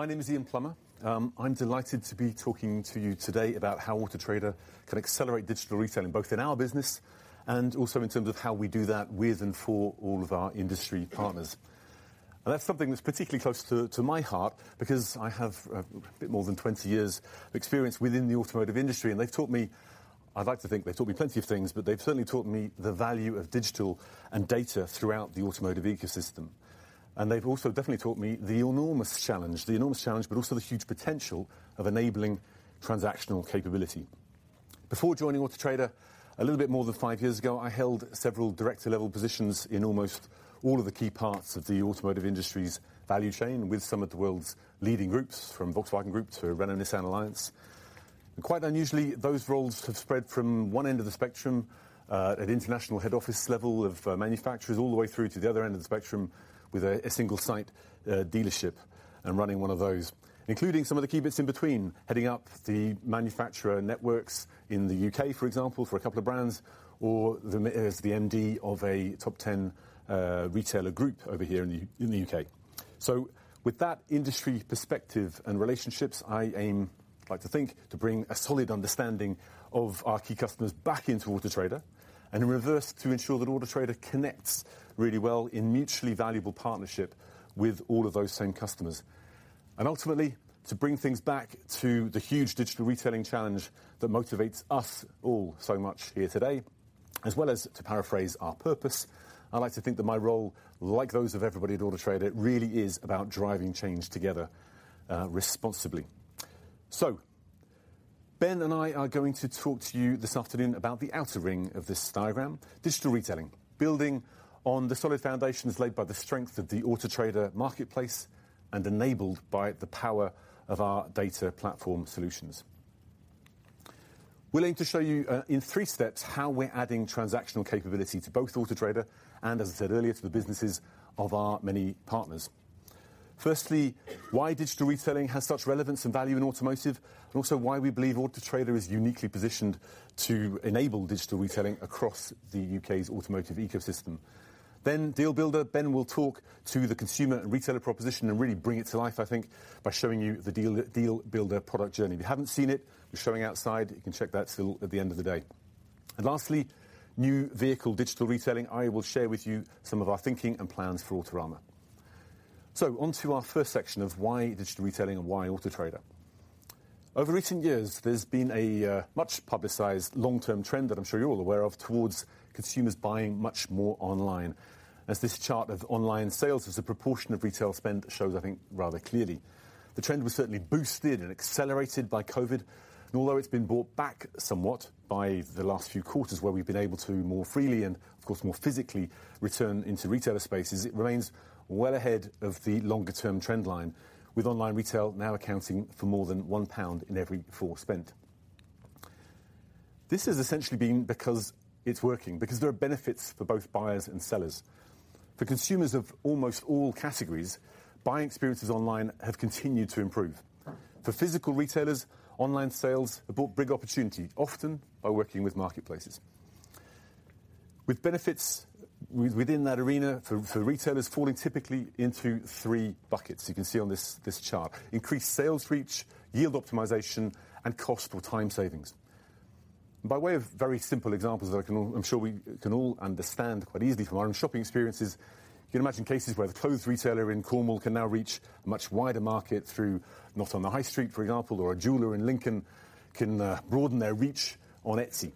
My name is Ian Plummer. I'm delighted to be talking to you today about how Auto Trader can accelerate digital retailing, both in our business and also in terms of how we do that with and for all of our industry partners. That's something that's particularly close to my heart because I have a bit more than 20 years of experience within the automotive industry, and they've taught me. I'd like to think they taught me plenty of things, but they've certainly taught me the value of digital and data throughout the automotive ecosystem. They've also definitely taught me the enormous challenge, but also the huge potential of enabling transactional capability. Before joining Auto Trader a little bit more than five years ago, I held several director-level positions in almost all of the key parts of the automotive industry's value chain with some of the world's leading groups, from Volkswagen Group to Renault-Nissan Alliance. Quite unusually, those roles have spread from one end of the spectrum, at international head office level of manufacturers, all the way through to the other end of the spectrum with a single site dealership and running one of those, including some of the key bits in between, heading up the manufacturer networks in the U.K., for example, for a couple of brands, or as the MD of a top ten retailer group over here in the U.K. With that industry perspective and relationships, I aim, like to think, to bring a solid understanding of our key customers back into Auto Trader and in reverse, to ensure that Auto Trader connects really well in mutually valuable partnership with all of those same customers. Ultimately, to bring things back to the huge digital retailing challenge that motivates us all so much here today, as well as to paraphrase our purpose, I like to think that my role, like those of everybody at Auto Trader, it really is about driving change together, responsibly. Ben and I are going to talk to you this afternoon about the outer ring of this diagram, digital retailing, building on the solid foundations laid by the strength of the Auto Trader marketplace and enabled by the power of our data platform solutions. We're going to show you in three steps how we're adding transactional capability to both Auto Trader and, as I said earlier, to the businesses of our many partners. Firstly, why digital retailing has such relevance and value in automotive, and also why we believe Auto Trader is uniquely positioned to enable digital retailing across the U.K.'s automotive ecosystem. Then Deal Builder, Ben will talk to the consumer and retailer proposition and really bring it to life, I think, by showing you the deal, Deal Builder product journey. If you haven't seen it, we're showing outside, you can check that still at the end of the day. Lastly, new vehicle digital retailing. I will share with you some of our thinking and plans for Autorama. Onto our first section of why digital retailing and why Auto Trader. Over recent years, there's been a much publicized long-term trend that I'm sure you're all aware of, toward consumers buying much more online. As this chart of online sales as a proportion of retail spend shows, I think, rather clearly. The trend was certainly boosted and accelerated by COVID, and although it's been brought back somewhat by the last few quarters where we've been able to more freely and of course more physically return into retailer spaces, it remains well ahead of the longer-term trend line, with online retail now accounting for more than 1 pound in every 4 spent. This has essentially been because it's working, because there are benefits for both buyers and sellers. For consumers of almost all categories, buying experiences online have continued to improve. For physical retailers, online sales have brought big opportunity, often by working with marketplaces. With benefits within that arena for retailers falling typically into three buckets. You can see on this chart. Increased sales reach, yield optimization, and cost or time savings. By way of very simple examples that I'm sure we can all understand quite easily from our own shopping experiences, you can imagine cases where the clothes retailer in Cornwall can now reach a much wider market through Not On The High Street, for example, or a jeweler in Lincoln can broaden their reach on Etsy.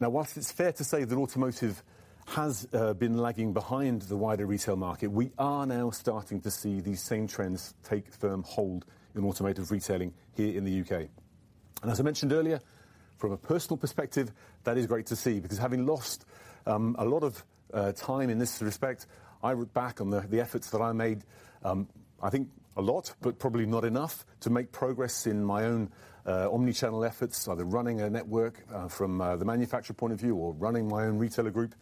Now, while it's fair to say that automotive has been lagging behind the wider retail market, we are now starting to see these same trends take firm hold in automotive retailing here in the U.K. As I mentioned earlier, from a personal perspective, that is great to see because having lost a lot of time in this respect, I look back on the efforts that I made. I think a lot, but probably not enough to make progress in my own omni-channel efforts, either running a network from the manufacturer point of view or running my own retailer group.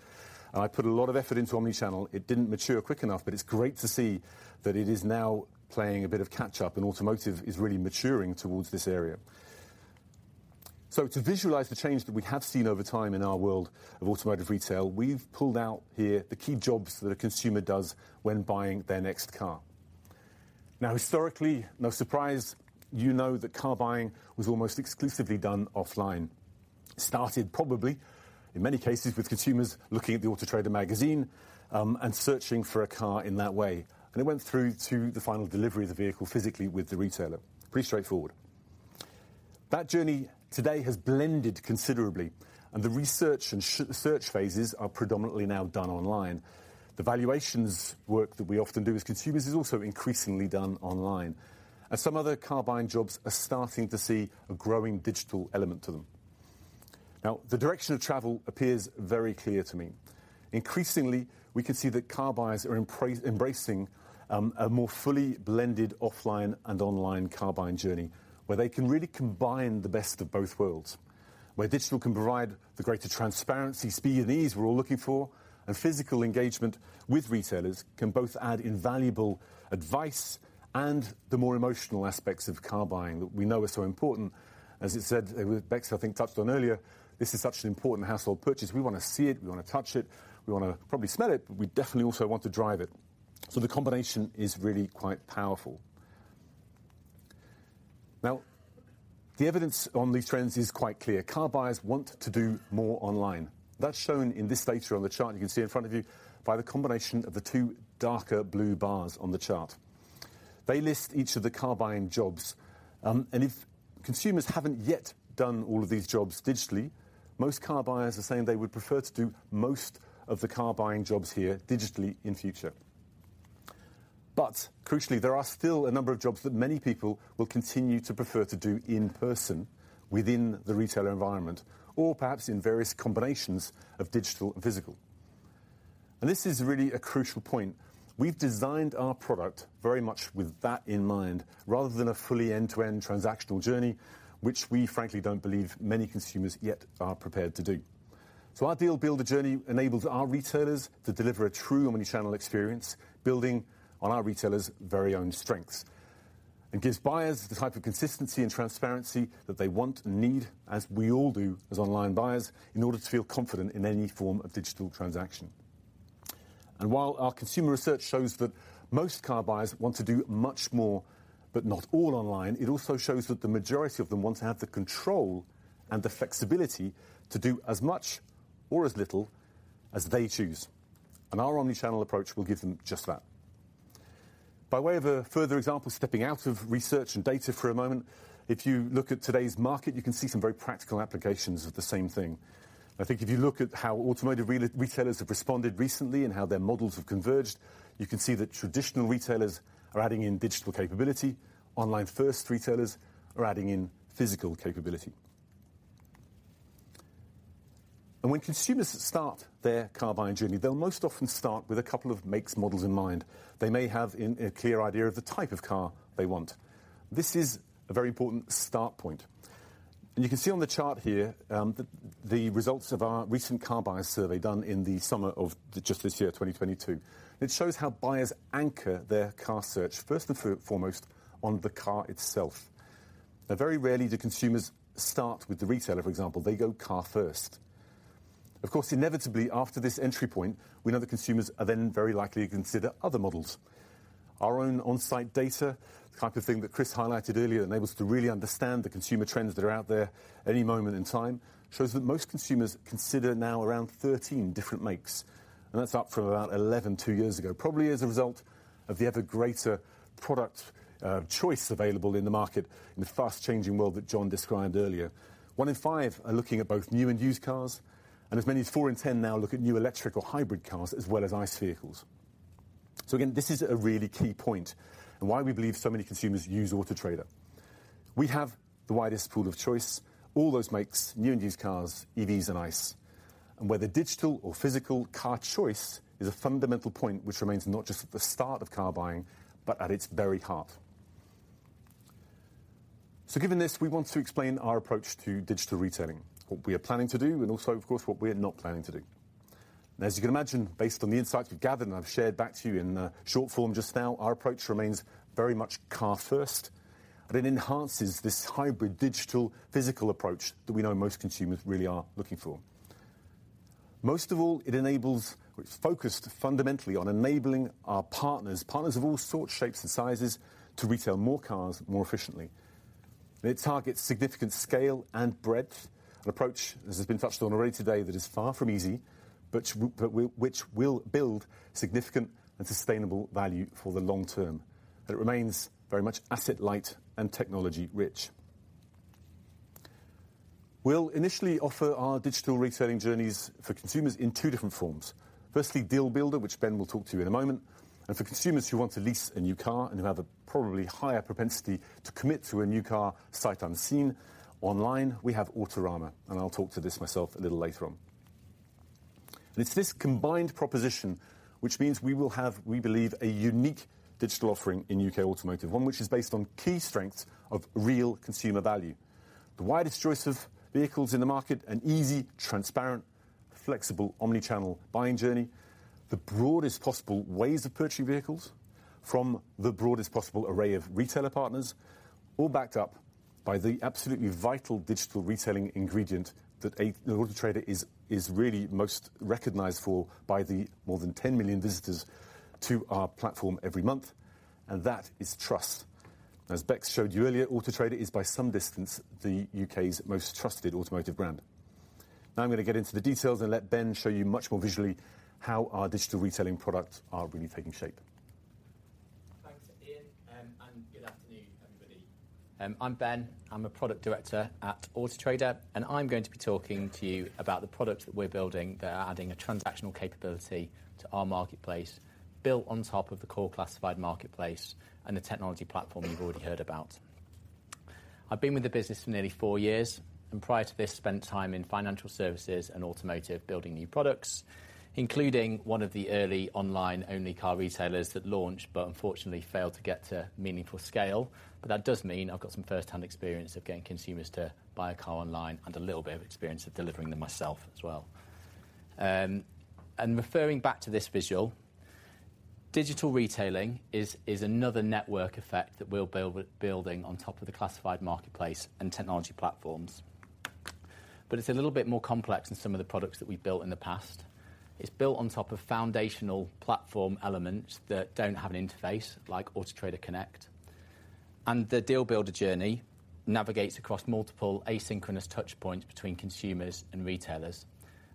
I put a lot of effort into omni-channel. It didn't mature quick enough, but it's great to see that it is now playing a bit of catch up and automotive is really maturing towards this area. To visualize the change that we have seen over time in our world of automotive retail, we've pulled out here the key jobs that a consumer does when buying their next car. Now, historically, no surprise, you know that car buying was almost exclusively done offline. Started probably, in many cases, with consumers looking at the Auto Trader magazine, and searching for a car in that way. It went through to the final delivery of the vehicle physically with the retailer. Pretty straightforward. That journey today has blended considerably, and the research and search phases are predominantly now done online. The valuations work that we often do as consumers is also increasingly done online, and some other car buying jobs are starting to see a growing digital element to them. Now, the direction of travel appears very clear to me. Increasingly, we can see that car buyers are embracing a more fully blended offline and online car buying journey, where they can really combine the best of both worlds. Where digital can provide the greater transparency, speed, and ease we're all looking for, and physical engagement with retailers can both add invaluable advice and the more emotional aspects of car buying that we know are so important. As you said, with Bex, I think touched on earlier, this is such an important household purchase. We wanna see it, we wanna touch it, we wanna probably smell it, but we definitely also want to drive it. The combination is really quite powerful. Now, the evidence on these trends is quite clear. Car buyers want to do more online. That's shown in this data on the chart you can see in front of you by the combination of the two darker blue bars on the chart. They list each of the car buying jobs, and if consumers haven't yet done all of these jobs digitally, most car buyers are saying they would prefer to do most of the car buying jobs here digitally in future. Crucially, there are still a number of jobs that many people will continue to prefer to do in person within the retailer environment, or perhaps in various combinations of digital and physical. This is really a crucial point. We've designed our product very much with that in mind, rather than a fully end-to-end transactional journey, which we frankly don't believe many consumers yet are prepared to do. Our Deal Builder journey enables our retailers to deliver a true omni-channel experience, building on our retailers' very own strengths. It gives buyers the type of consistency and transparency that they want and need, as we all do as online buyers, in order to feel confident in any form of digital transaction. While our consumer research shows that most car buyers want to do much more, but not all online, it also shows that the majority of them want to have the control and the flexibility to do as much or as little as they choose. Our omni-channel approach will give them just that. By way of a further example, stepping out of research and data for a moment, if you look at today's market, you can see some very practical applications of the same thing. I think if you look at how automotive re-retailers have responded recently and how their models have converged, you can see that traditional retailers are adding in digital capability. Online-first retailers are adding in physical capability. When consumers start their car buying journey, they'll most often start with a couple of makes, models in mind. They may have a clear idea of the type of car they want. This is a very important start point. You can see on the chart here, the results of our recent car buyer survey done in the summer of just this year, 2022. It shows how buyers anchor their car search first and foremost on the car itself. Now, very rarely do consumers start with the retailer, for example. They go car first. Of course, inevitably after this entry point, we know that consumers are then very likely to consider other models. Our own on-site data, the type of thing that Chris highlighted earlier, enables us to really understand the consumer trends that are out there at any moment in time, shows that most consumers consider now around 13 different makes, and that's up from about 11 two years ago, probably as a result of the ever greater product choice available in the market in the fast changing world that Jon described earlier. One in five are looking at both new and used cars, and as many as four in 10 now look at new electric or hybrid cars, as well as ICE vehicles. Again, this is a really key point and why we believe so many consumers use Auto Trader. We have the widest pool of choice. All those makes, new and used cars, EVs and ICE. Whether digital or physical, car choice is a fundamental point which remains not just at the start of car buying, but at its very heart. Given this, we want to explain our approach to digital retailing, what we are planning to do, and also, of course, what we are not planning to do. Now, as you can imagine, based on the insights we've gathered, and I've shared back to you in the short form just now, our approach remains very much car first, but it enhances this hybrid digital physical approach that we know most consumers really are looking for. Most of all, it enables, or it's focused fundamentally on enabling our partners of all sorts, shapes and sizes to retail more cars more efficiently. It targets significant scale and breadth, an approach, as has been touched on already today, that is far from easy, but which will build significant and sustainable value for the long term. It remains very much asset light and technology rich. We'll initially offer our digital retailing journeys for consumers in two different forms. Firstly, Deal Builder, which Ben will talk to you in a moment. For consumers who want to lease a new car and who have a probably higher propensity to commit to a new car sight unseen online, we have Autorama, and I'll talk to this myself a little later on. It's this combined proposition, which means we will have, we believe, a unique digital offering in U.K. automotive, one which is based on key strengths of real consumer value, the widest choice of vehicles in the market, an easy, transparent, flexible omni-channel buying journey, the broadest possible ways of purchasing vehicles from the broadest possible array of retailer partners, all backed up by the absolutely vital digital retailing ingredient that Auto Trader is really most recognized for by the more than 10 million visitors to our platform every month, and that is trust. As Bex showed you earlier, Auto Trader is by some distance the U.K.'s most trusted automotive brand. Now, I'm gonna get into the details and let Ben show you much more visually how our digital retailing products are really taking shape. Thanks, Ian, and good afternoon, everybody. I'm Ben. I'm a Product Director at Auto Trader, and I'm going to be talking to you about the products that we're building that are adding a transactional capability to our marketplace, built on top of the core classified marketplace and the technology platform you've already heard about. I've been with the business for nearly four years, and prior to this, spent time in financial services and automotive building new products, including one of the early online-only car retailers that launched but unfortunately failed to get to meaningful scale. That does mean I've got some firsthand experience of getting consumers to buy a car online and a little bit of experience of delivering them myself as well. Referring back to this visual, digital retailing is another network effect that we'll build on top of the classified marketplace and technology platforms. It's a little bit more complex than some of the products that we've built in the past. It's built on top of foundational platform elements that don't have an interface like Auto Trader Connect. The Deal Builder journey navigates across multiple asynchronous touchpoints between consumers and retailers,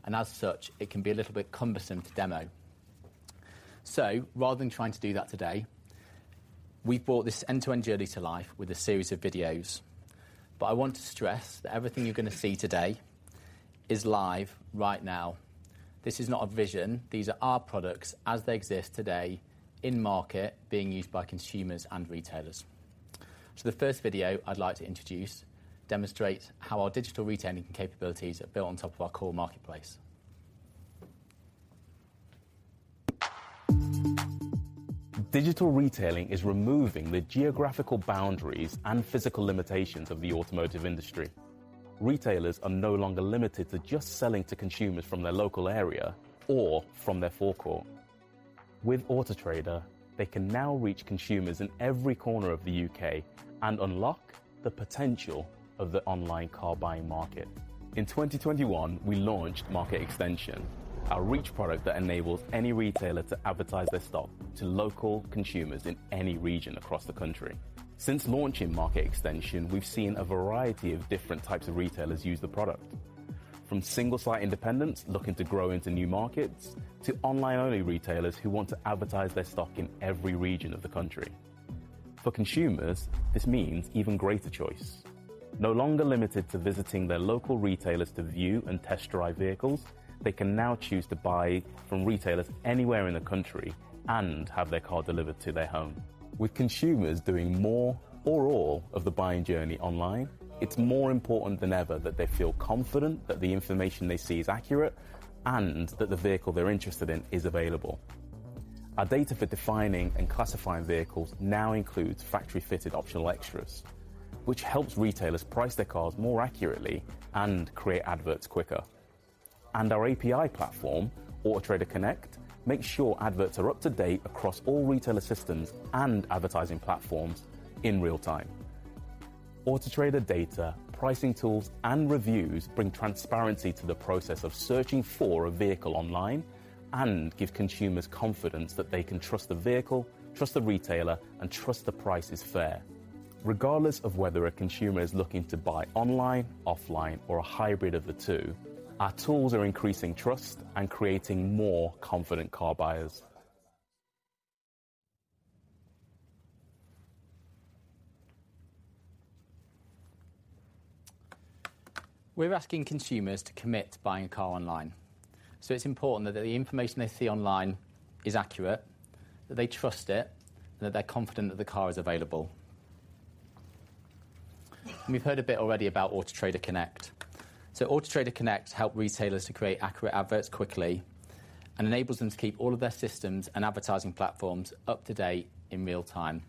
and as such, it can be a little bit cumbersome to demo. Rather than trying to do that today, we've brought this end-to-end journey to life with a series of videos, but I want to stress that everything you're gonna see today is live right now. This is not a vision. These are our products as they exist today in market being used by consumers and retailers. The first video I'd like to introduce demonstrate how our digital retailing capabilities are built on top of our core marketplace. Digital retailing is removing the geographical boundaries and physical limitations of the automotive industry. Retailers are no longer limited to just selling to consumers from their local area or from their forecourt. With Auto Trader, they can now reach consumers in every corner of the U.K. and unlock the potential of the online car buying market. In 2021, we launched Market Extension, our reach product that enables any retailer to advertise their stock to local consumers in any region across the country. Since launching Market Extension, we've seen a variety of different types of retailers use the product. From single-site independents looking to grow into new markets, to online-only retailers who want to advertise their stock in every region of the country. For consumers, this means even greater choice. No longer limited to visiting their local retailers to view and test drive vehicles, they can now choose to buy from retailers anywhere in the country and have their car delivered to their home. With consumers doing more or all of the buying journey online, it's more important than ever that they feel confident that the information they see is accurate and that the vehicle they're interested in is available. Our data for defining and classifying vehicles now includes factory-fitted optional extras, which helps retailers price their cars more accurately and create adverts quicker. Our API platform, Auto Trader Connect, makes sure adverts are up to date across all retailer systems and advertising platforms in real time. Auto Trader data, pricing tools, and reviews bring transparency to the process of searching for a vehicle online and give consumers confidence that they can trust the vehicle, trust the retailer, and trust the price is fair. Regardless of whether a consumer is looking to buy online, offline, or a hybrid of the two, our tools are increasing trust and creating more confident car buyers. We're asking consumers to commit to buying a car online, so it's important that the information they see online is accurate, that they trust it, and that they're confident that the car is available. We've heard a bit already about Auto Trader Connect. Auto Trader Connect help retailers to create accurate adverts quickly and enables them to keep all of their systems and advertising platforms up to date in real time.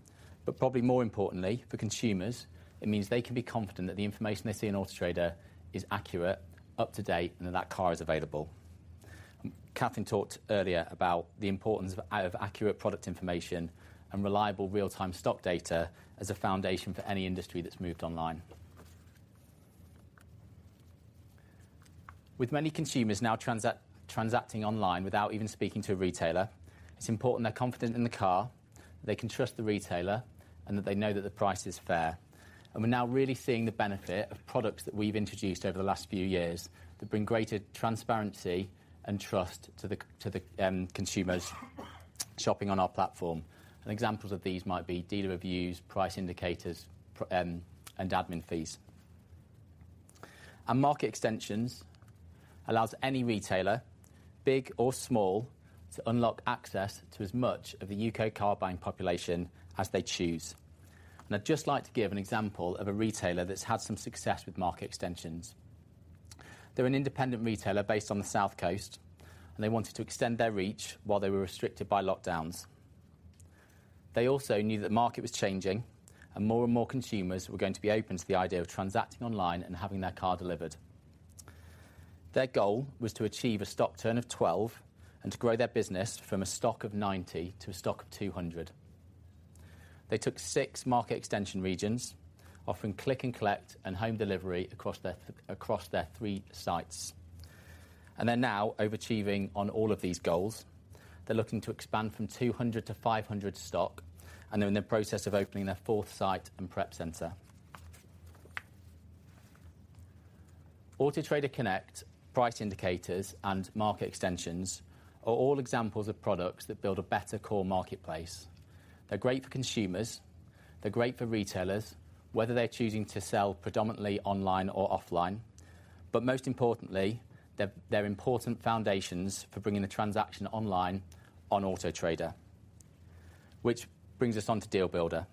Probably more importantly, for consumers, it means they can be confident that the information they see in Auto Trader is accurate, up to date, and that that car is available. Catherine talked earlier about the importance of accurate product information and reliable real-time stock data as a foundation for any industry that's moved online. With many consumers now transacting online without even speaking to a retailer, it's important they're confident in the car, they can trust the retailer, and that they know that the price is fair. We're now really seeing the benefit of products that we've introduced over the last few years that bring greater transparency and trust to the consumers shopping on our platform. Examples of these might be dealer reviews, price indicators, and admin fees. Market Extension allows any retailer, big or small, to unlock access to as much of the U.K. car buying population as they choose. I'd just like to give an example of a retailer that's had some success with Market Extension. They're an independent retailer based on the South Coast, and they wanted to extend their reach while they were restricted by lockdowns. They also knew that the market was changing and more and more consumers were going to be open to the idea of transacting online and having their car delivered. Their goal was to achieve a stock turn of 12 and to grow their business from a stock of 90 to a stock of 200. They took six Market Extension regions, offering click and collect and home delivery across their three sites. They're now overachieving on all of these goals. They're looking to expand from 200 to 500 stock, and they're in the process of opening their fourth site and prep center. Auto Trader Connect, price indicators, and Market Extensions are all examples of products that build a better core marketplace. They're great for consumers, they're great for retailers, whether they're choosing to sell predominantly online or offline, but most importantly, they're important foundations for bringing the transaction online on Auto Trader. Which brings us on to Deal Builder.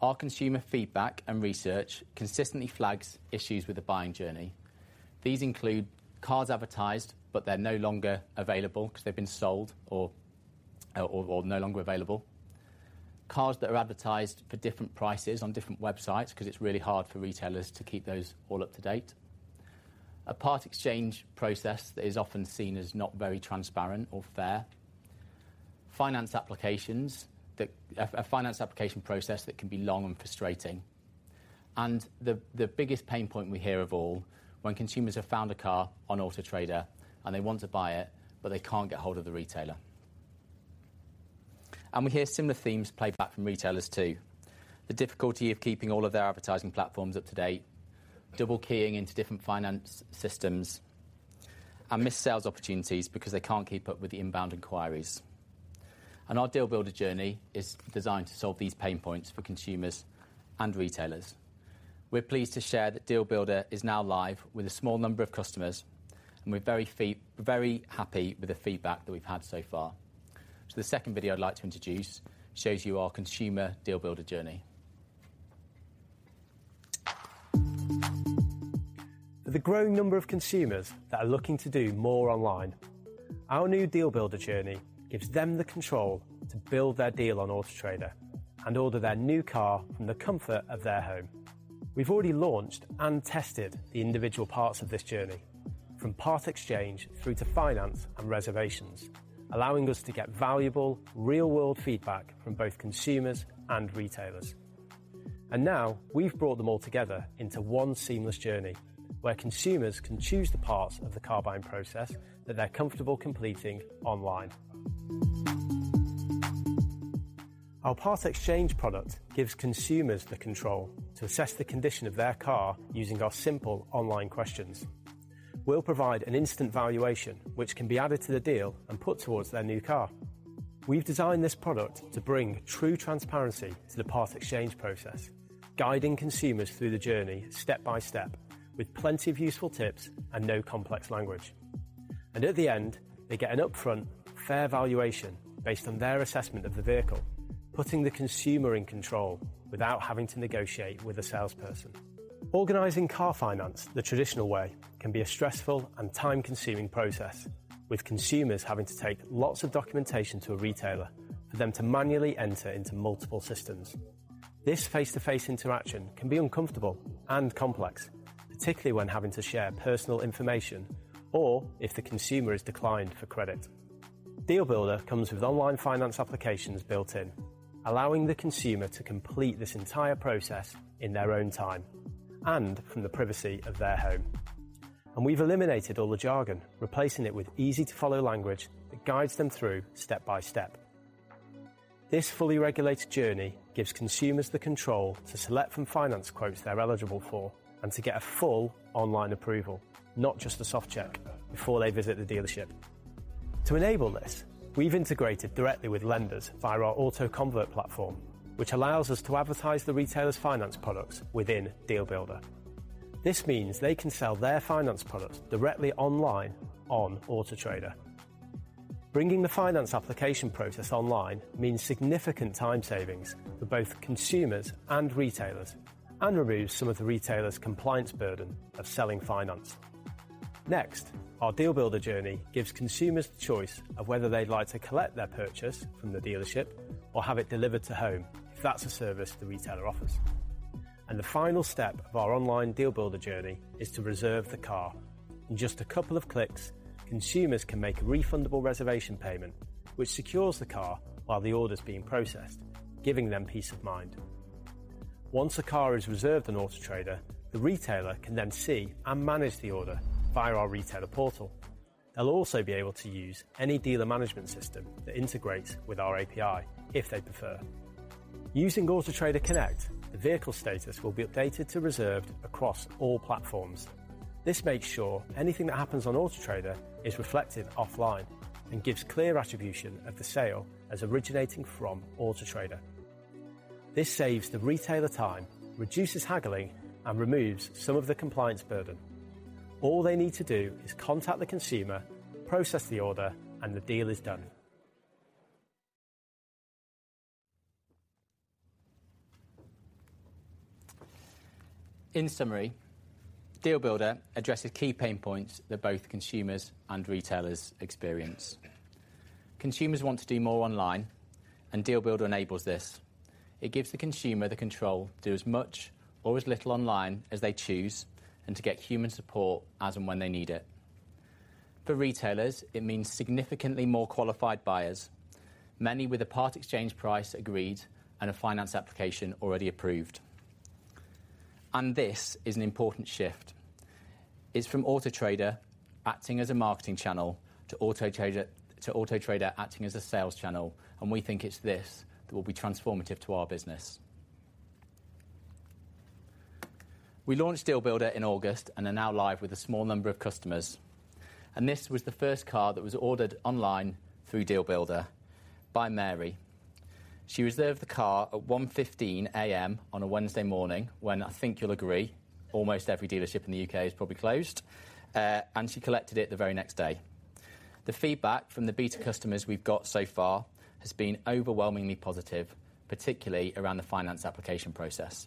Our consumer feedback and research consistently flags issues with the buying journey. These include cars advertised, but they're no longer available because they've been sold or no longer available. Cars that are advertised for different prices on different websites because it's really hard for retailers to keep those all up to date. A Part Exchange process that is often seen as not very transparent or fair. A finance application process that can be long and frustrating. The biggest pain point we hear of all, when consumers have found a car on Auto Trader and they want to buy it, but they can't get hold of the retailer. We hear similar themes played back from retailers too. The difficulty of keeping all of their advertising platforms up to date, double keying into different finance systems, and missed sales opportunities because they can't keep up with the inbound inquiries. Our Deal Builder journey is designed to solve these pain points for consumers and retailers. We're pleased to share that Deal Builder is now live with a small number of customers, and we're very happy with the feedback that we've had so far. The second video I'd like to introduce shows you our consumer Deal Builder journey. With a growing number of consumers that are looking to do more online, our new Deal Builder journey gives them the control to build their deal on Auto Trader and order their new car from the comfort of their home. We've already launched and tested the individual parts of this journey, from Part Exchange through to finance and reservations, allowing us to get valuable, real-world feedback from both consumers and retailers. Now we've brought them all together into one seamless journey, where consumers can choose the parts of the car buying process that they're comfortable completing online. Our Part Exchange product gives consumers the control to assess the condition of their car using our simple online questions. We'll provide an instant valuation, which can be added to the deal and put towards their new car. We've designed this product to bring true transparency to the Part Exchange process, guiding consumers through the journey step-by-step, with plenty of useful tips and no complex language. At the end, they get an upfront fair valuation based on their assessment of the vehicle, putting the consumer in control without having to negotiate with a salesperson. Organizing car finance the traditional way can be a stressful and time-consuming process, with consumers having to take lots of documentation to a retailer for them to manually enter into multiple systems. This face-to-face interaction can be uncomfortable and complex, particularly when having to share personal information or if the consumer is declined for credit. Deal Builder comes with online finance applications built in, allowing the consumer to complete this entire process in their own time and from the privacy of their home. We've eliminated all the jargon, replacing it with easy-to-follow language that guides them through step-by-step. This fully regulated journey gives consumers the control to select from finance quotes they're eligible for and to get a full online approval, not just a soft check before they visit the dealership. To enable this, we've integrated directly with lenders via our AutoConvert platform, which allows us to advertise the retailer's finance products within Deal Builder. This means they can sell their finance products directly online on Auto Trader. Bringing the finance application process online means significant time savings for both consumers and retailers and removes some of the retailer's compliance burden of selling finance. Next, our Deal Builder journey gives consumers the choice of whether they'd like to collect their purchase from the dealership or have it delivered to home, if that's a service the retailer offers. The final step of our online Deal Builder journey is to reserve the car. In just a couple of clicks, consumers can make a refundable reservation payment, which secures the car while the order's being processed, giving them peace of mind. Once a car is reserved on Auto Trader, the retailer can then see and manage the order via our retailer portal. They'll also be able to use any dealer management system that integrates with our API if they prefer. Using Auto Trader Connect, the vehicle status will be updated to reserved across all platforms. This makes sure anything that happens on Auto Trader is reflected offline and gives clear attribution of the sale as originating from Auto Trader. This saves the retailer time, reduces haggling, and removes some of the compliance burden. All they need to do is contact the consumer, process the order, and the deal is done. In summary, Deal Builder addresses key pain points that both consumers and retailers experience. Consumers want to do more online, and Deal Builder enables this. It gives the consumer the control to do as much or as little online as they choose, and to get human support as and when they need it. For retailers, it means significantly more qualified buyers, many with a part exchange price agreed and a finance application already approved. This is an important shift. It's from Auto Trader acting as a marketing channel to Auto Trader acting as a sales channel, and we think it's this that will be transformative to our business. We launched Deal Builder in August and are now live with a small number of customers. This was the first car that was ordered online through Deal Builder by Mary. She reserved the car at 1:15 A.M. on a Wednesday morning when, I think you'll agree, almost every dealership in the U.K. is probably closed. She collected it the very next day. The feedback from the beta customers we've got so far has been overwhelmingly positive, particularly around the finance application process.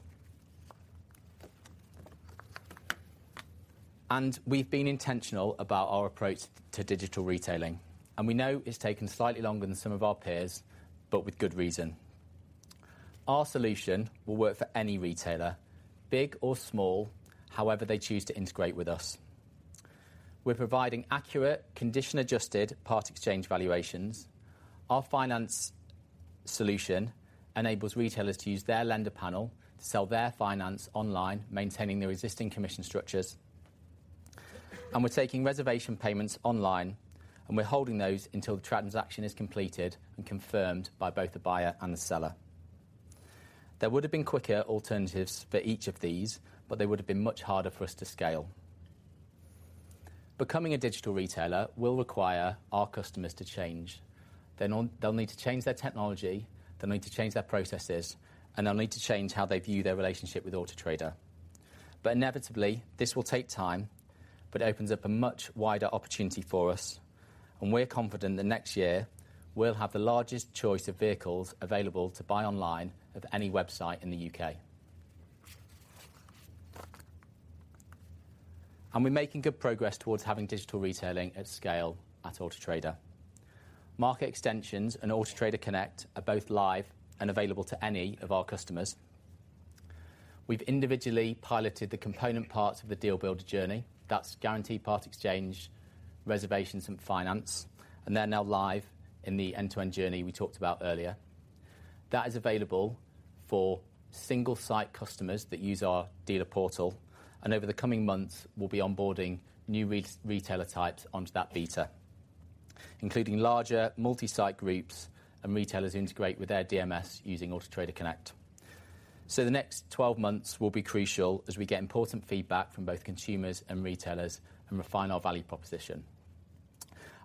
We've been intentional about our approach to digital retailing, and we know it's taken slightly longer than some of our peers, but with good reason. Our solution will work for any retailer, big or small, however they choose to integrate with us. We're providing accurate condition adjusted Part Exchange valuations. Our finance solution enables retailers to use their lender panel to sell their finance online, maintaining their existing commission structures. We're taking reservation payments online, and we're holding those until the transaction is completed and confirmed by both the buyer and the seller. There would've been quicker alternatives for each of these, but they would've been much harder for us to scale. Becoming a digital retailer will require our customers to change. They'll need to change their technology, they'll need to change their processes, and they'll need to change how they view their relationship with Auto Trader. Inevitably, this will take time, but opens up a much wider opportunity for us, and we're confident that next year we'll have the largest choice of vehicles available to buy online of any website in the U.K. We're making good progress towards having digital retailing at scale at Auto Trader. Market extensions and Auto Trader Connect are both live and available to any of our customers. We've individually piloted the component parts of the Deal Builder journey. That's guaranteed Part Exchange, reservations, and finance, and they're now live in the end-to-end journey we talked about earlier. That is available for single site customers that use our dealer portal, and over the coming months, we'll be onboarding new retailer types onto that beta, including larger multi-site groups and retailers who integrate with their DMS using Auto Trader Connect. The next 12 months will be crucial as we get important feedback from both consumers and retailers and refine our value proposition.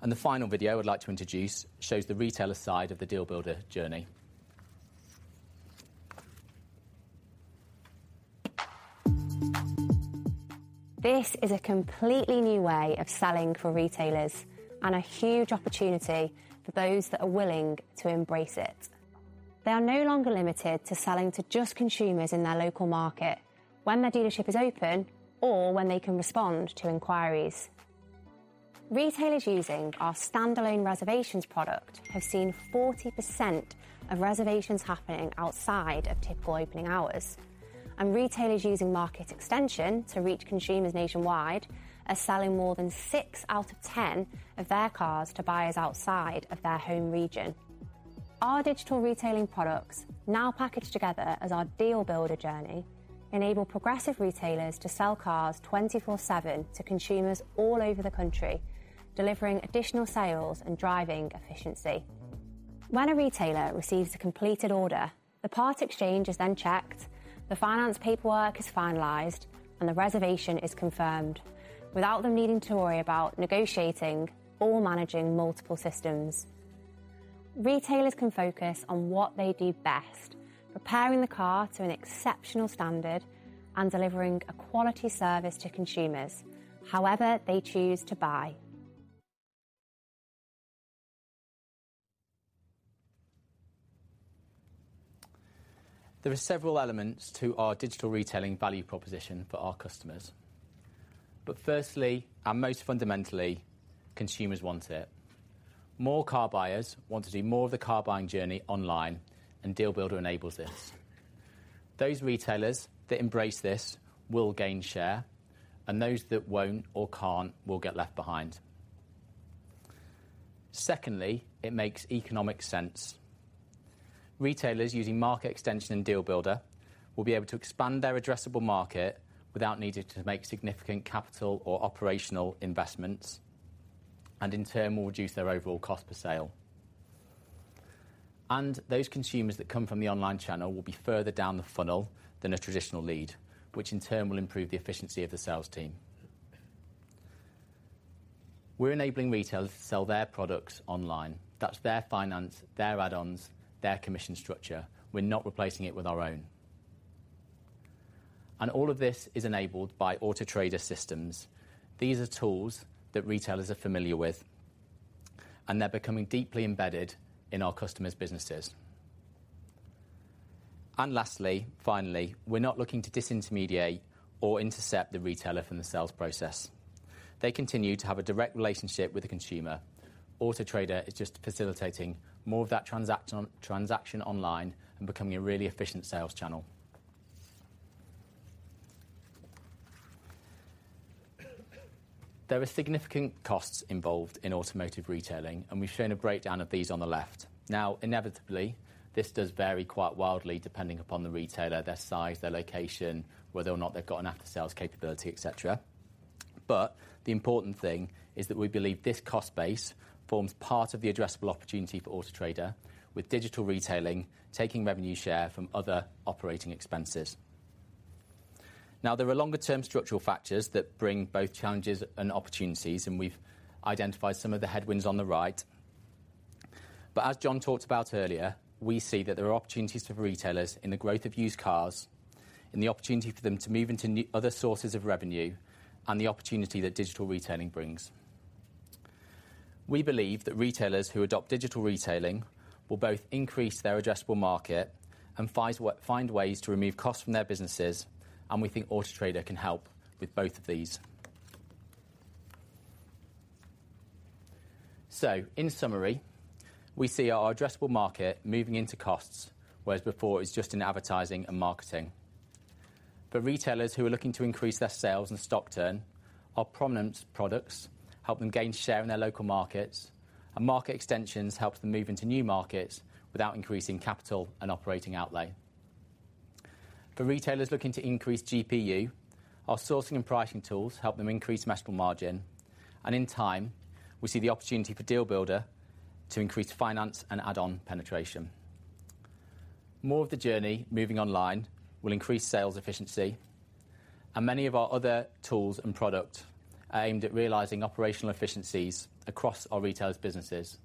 The final video I would like to introduce shows the retailer side of the Deal Builder journey. This is a completely new way of selling for retailers and a huge opportunity for those that are willing to embrace it. They are no longer limited to selling to just consumers in their local market when their dealership is open or when they can respond to inquiries. Retailers using our standalone reservations product have seen 40% of reservations happening outside of typical opening hours, and retailers using Market Extension to reach consumers nationwide are selling more than six out of 10 of their cars to buyers outside of their home region. Our digital retailing products now packaged together as our Deal Builder journey enable progressive retailers to sell cars 24/7 to consumers all over the country, delivering additional sales and driving efficiency. When a retailer receives a completed order, the part exchange is then checked, the finance paperwork is finalized, and the reservation is confirmed without them needing to worry about negotiating or managing multiple systems. Retailers can focus on what they do best, preparing the car to an exceptional standard and delivering a quality service to consumers however they choose to buy. There are several elements to our digital retailing value proposition for our customers. Firstly, and most fundamentally, consumers want it. More car buyers want to do more of the car buying journey online, and Deal Builder enables this. Those retailers that embrace this will gain share, and those that won't or can't will get left behind. Secondly, it makes economic sense. Retailers using Market Extension and Deal Builder will be able to expand their addressable market without needing to make significant capital or operational investments, and in turn will reduce their overall cost per sale. Those consumers that come from the online channel will be further down the funnel than a traditional lead, which in turn will improve the efficiency of the sales team. We're enabling retailers to sell their products online. That's their finance, their add-ons, their commission structure. We're not replacing it with our own. All of this is enabled by Auto Trader systems. These are tools that retailers are familiar with, and they're becoming deeply embedded in our customers' businesses. Lastly, finally, we're not looking to disintermediate or intercept the retailer from the sales process. They continue to have a direct relationship with the consumer. Auto Trader is just facilitating more of that transaction online and becoming a really efficient sales channel. There are significant costs involved in automotive retailing, and we've shown a breakdown of these on the left. Now, inevitably, this does vary quite wildly depending upon the retailer, their size, their location, whether or not they've got an after-sales capability, et cetera. The important thing is that we believe this cost base forms part of the addressable opportunity for Auto Trader with digital retailing, taking revenue share from other operating expenses. Now, there are longer term structural factors that bring both challenges and opportunities, and we've identified some of the headwinds on the right. As Jon talked about earlier, we see that there are opportunities for retailers in the growth of used cars and the opportunity for them to move into new other sources of revenue and the opportunity that digital retailing brings. We believe that retailers who adopt digital retailing will both increase their addressable market and find ways to remove costs from their businesses, and we think Auto Trader can help with both of these. In summary, we see our addressable market moving into costs, whereas before it's just in advertising and marketing. For retailers who are looking to increase their sales and stock turn, our prominent products help them gain share in their local markets, and Market Extension helps them move into new markets without increasing capital and operating outlay. For retailers looking to increase GPU, our sourcing and pricing tools help them increase measurable margin, and in time, we see the opportunity for Deal Builder to increase finance and add-on penetration. More of the journey moving online will increase sales efficiency, and many of our other tools and product are aimed at realizing operational efficiencies across our retailers' businesses,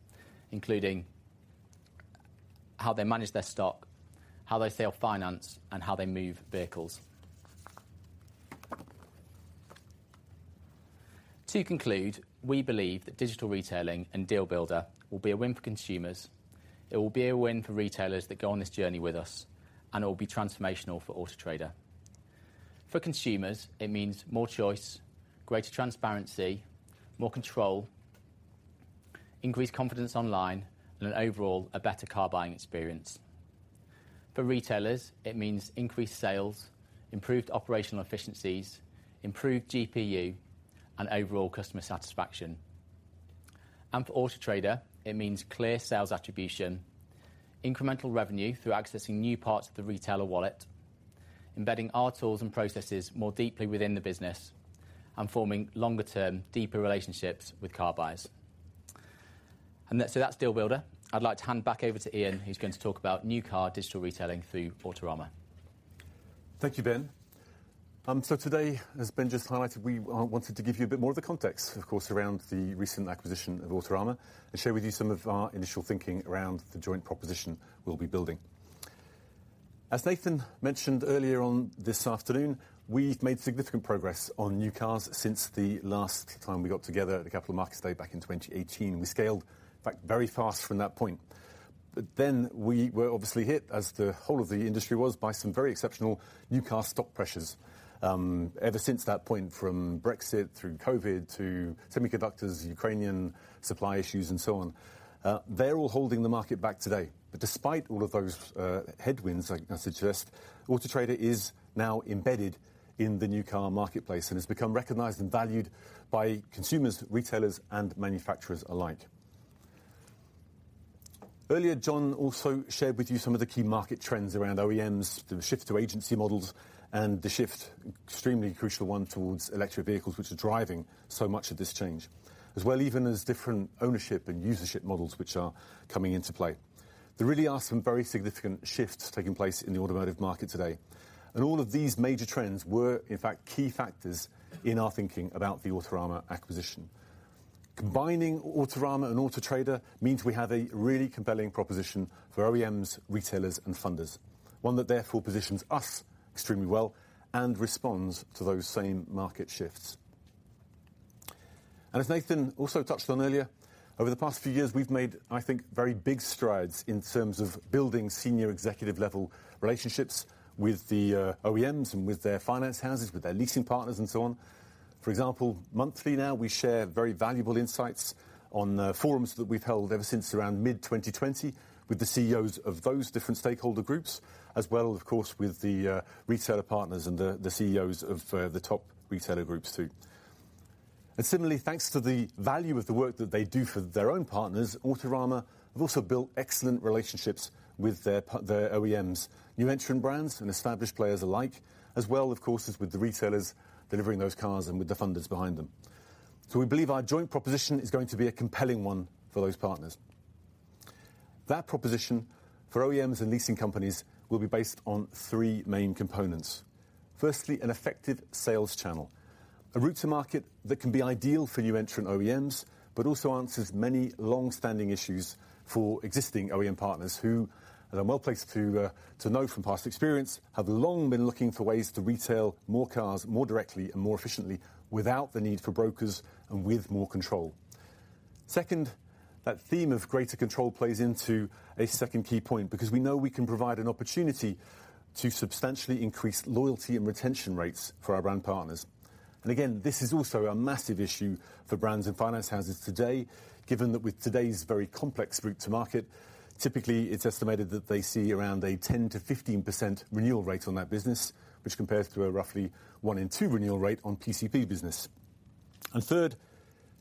including how they manage their stock, how they sell finance, and how they move vehicles. To conclude, we believe that digital retailing and Deal Builder will be a win for consumers. It will be a win for retailers that go on this journey with us, and it will be transformational for Auto Trader. For consumers, it means more choice, greater transparency, more control, increased confidence online, and overall, a better car buying experience. For retailers, it means increased sales, improved operational efficiencies, improved GPU, and overall customer satisfaction. For Auto Trader, it means clear sales attribution, incremental revenue through accessing new parts of the retailer wallet, embedding our tools and processes more deeply within the business, and forming longer term, deeper relationships with car buyers. That's Deal Builder. I'd like to hand back over to Ian, who's going to talk about new car digital retailing through Autorama. Thank you, Ben. Today, as Ben just highlighted, we wanted to give you a bit more of the context, of course, around the recent acquisition of Autorama, and share with you some of our initial thinking around the joint proposition we'll be building. As Nathan mentioned earlier on this afternoon, we've made significant progress on new cars since the last time we got together at the Capital Markets Day back in 2018. We scaled, in fact, very fast from that point. We were obviously hit, as the whole of the industry was, by some very exceptional new car stock pressures. Ever since that point, from Brexit through COVID to semiconductors, Ukrainian supply issues and so on. They're all holding the market back today. Despite all of those headwinds, I can suggest Auto Trader is now embedded in the new car marketplace and has become recognized and valued by consumers, retailers, and manufacturers alike. Earlier, Jon also shared with you some of the key market trends around OEMs, the shift to agency models, and the shift, extremely crucial one, towards electric vehicles, which are driving so much of this change. As well, even as different ownership and usership models which are coming into play. There really are some very significant shifts taking place in the automotive market today, and all of these major trends were, in fact, key factors in our thinking about the Autorama acquisition. Combining Autorama and Auto Trader means we have a really compelling proposition for OEMs, retailers, and funders, one that therefore positions us extremely well and responds to those same market shifts. As Nathan also touched on earlier, over the past few years, we've made, I think, very big strides in terms of building senior executive level relationships with the OEMs and with their finance houses, with their leasing partners and so on. For example, monthly now, we share very valuable insights on forums that we've held ever since around mid-2020 with the CEOs of those different stakeholder groups, as well, of course, with the retailer partners and the CEOs of the top retailer groups, too. Similarly, thanks to the value of the work that they do for their own partners, Autorama have also built excellent relationships with their OEMs, new entrant brands and established players alike, as well, of course, as with the retailers delivering those cars and with the funders behind them. We believe our joint proposition is going to be a compelling one for those partners. That proposition for OEMs and leasing companies will be based on three main components. Firstly, an effective sales channel, a route to market that can be ideal for new entrant OEMs, but also answers many long-standing issues for existing OEM partners who are well-placed to know from past experience, have long been looking for ways to retail more cars more directly and more efficiently without the need for brokers and with more control. Second, that theme of greater control plays into a second key point because we know we can provide an opportunity to substantially increase loyalty and retention rates for our brand partners. Again, this is also a massive issue for brands and finance houses today, given that with today's very complex route to market, typically, it's estimated that they see around a 10%-15% renewal rate on that business, which compares to a roughly one-in-two renewal rate on PCP business. Third,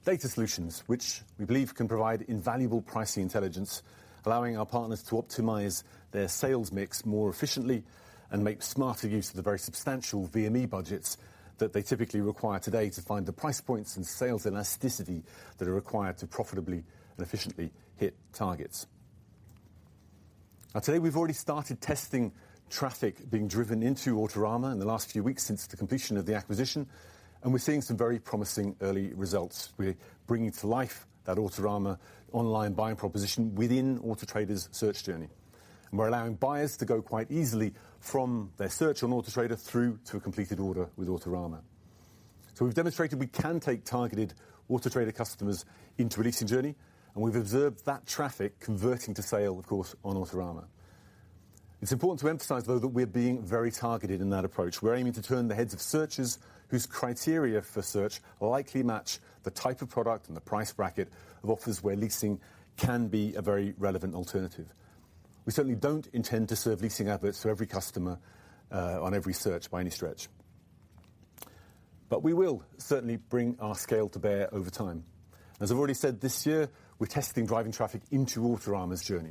data solutions, which we believe can provide invaluable pricing intelligence, allowing our partners to optimize their sales mix more efficiently and make smarter use of the very substantial VME budgets that they typically require today to find the price points and sales elasticity that are required to profitably and efficiently hit targets. Now today we've already started testing traffic being driven into Autorama in the last few weeks since the completion of the acquisition, and we're seeing some very promising early results. We're bringing to life that Autorama online buying proposition within Auto Trader's search journey. We're allowing buyers to go quite easily from their search on Auto Trader through to a completed order with Autorama. We've demonstrated we can take targeted Auto Trader customers into a leasing journey, and we've observed that traffic converting to sale, of course, on Autorama. It's important to emphasize though that we're being very targeted in that approach. We're aiming to turn the heads of searchers whose criteria for search likely match the type of product and the price bracket of offers where leasing can be a very relevant alternative. We certainly don't intend to serve leasing adverts for every customer, on every search by any stretch. We will certainly bring our scale to bear over time. As I've already said, this year, we're testing driving traffic into Autorama's journey.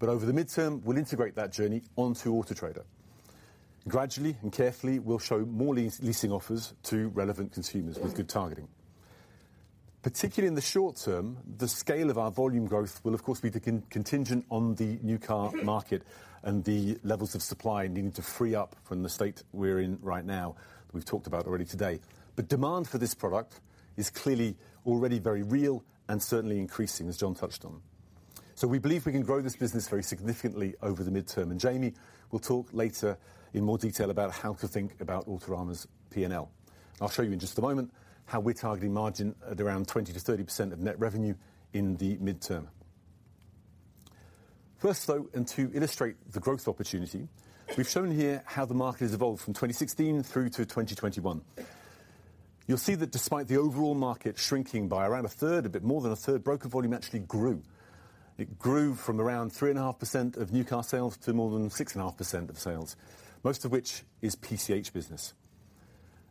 Over the midterm, we'll integrate that journey onto Auto Trader. Gradually and carefully, we'll show more leasing offers to relevant consumers with good targeting. Particularly in the short term, the scale of our volume growth will of course be contingent on the new car market and the levels of supply needing to free up from the state we're in right now, we've talked about already today. Demand for this product is clearly already very real and certainly increasing, as Jon touched on. We believe we can grow this business very significantly over the midterm. Jamie will talk later in more detail about how to think about Autorama's P&L. I'll show you in just a moment how we're targeting margin at around 20%-30% of net revenue in the midterm. First, though, to illustrate the growth opportunity, we've shown here how the market has evolved from 2016 through to 2021. You'll see that despite the overall market shrinking by around a third, a bit more than a third, broker volume actually grew. It grew from around 3.5% of new car sales to more than 6.5% of sales, most of which is PCH business.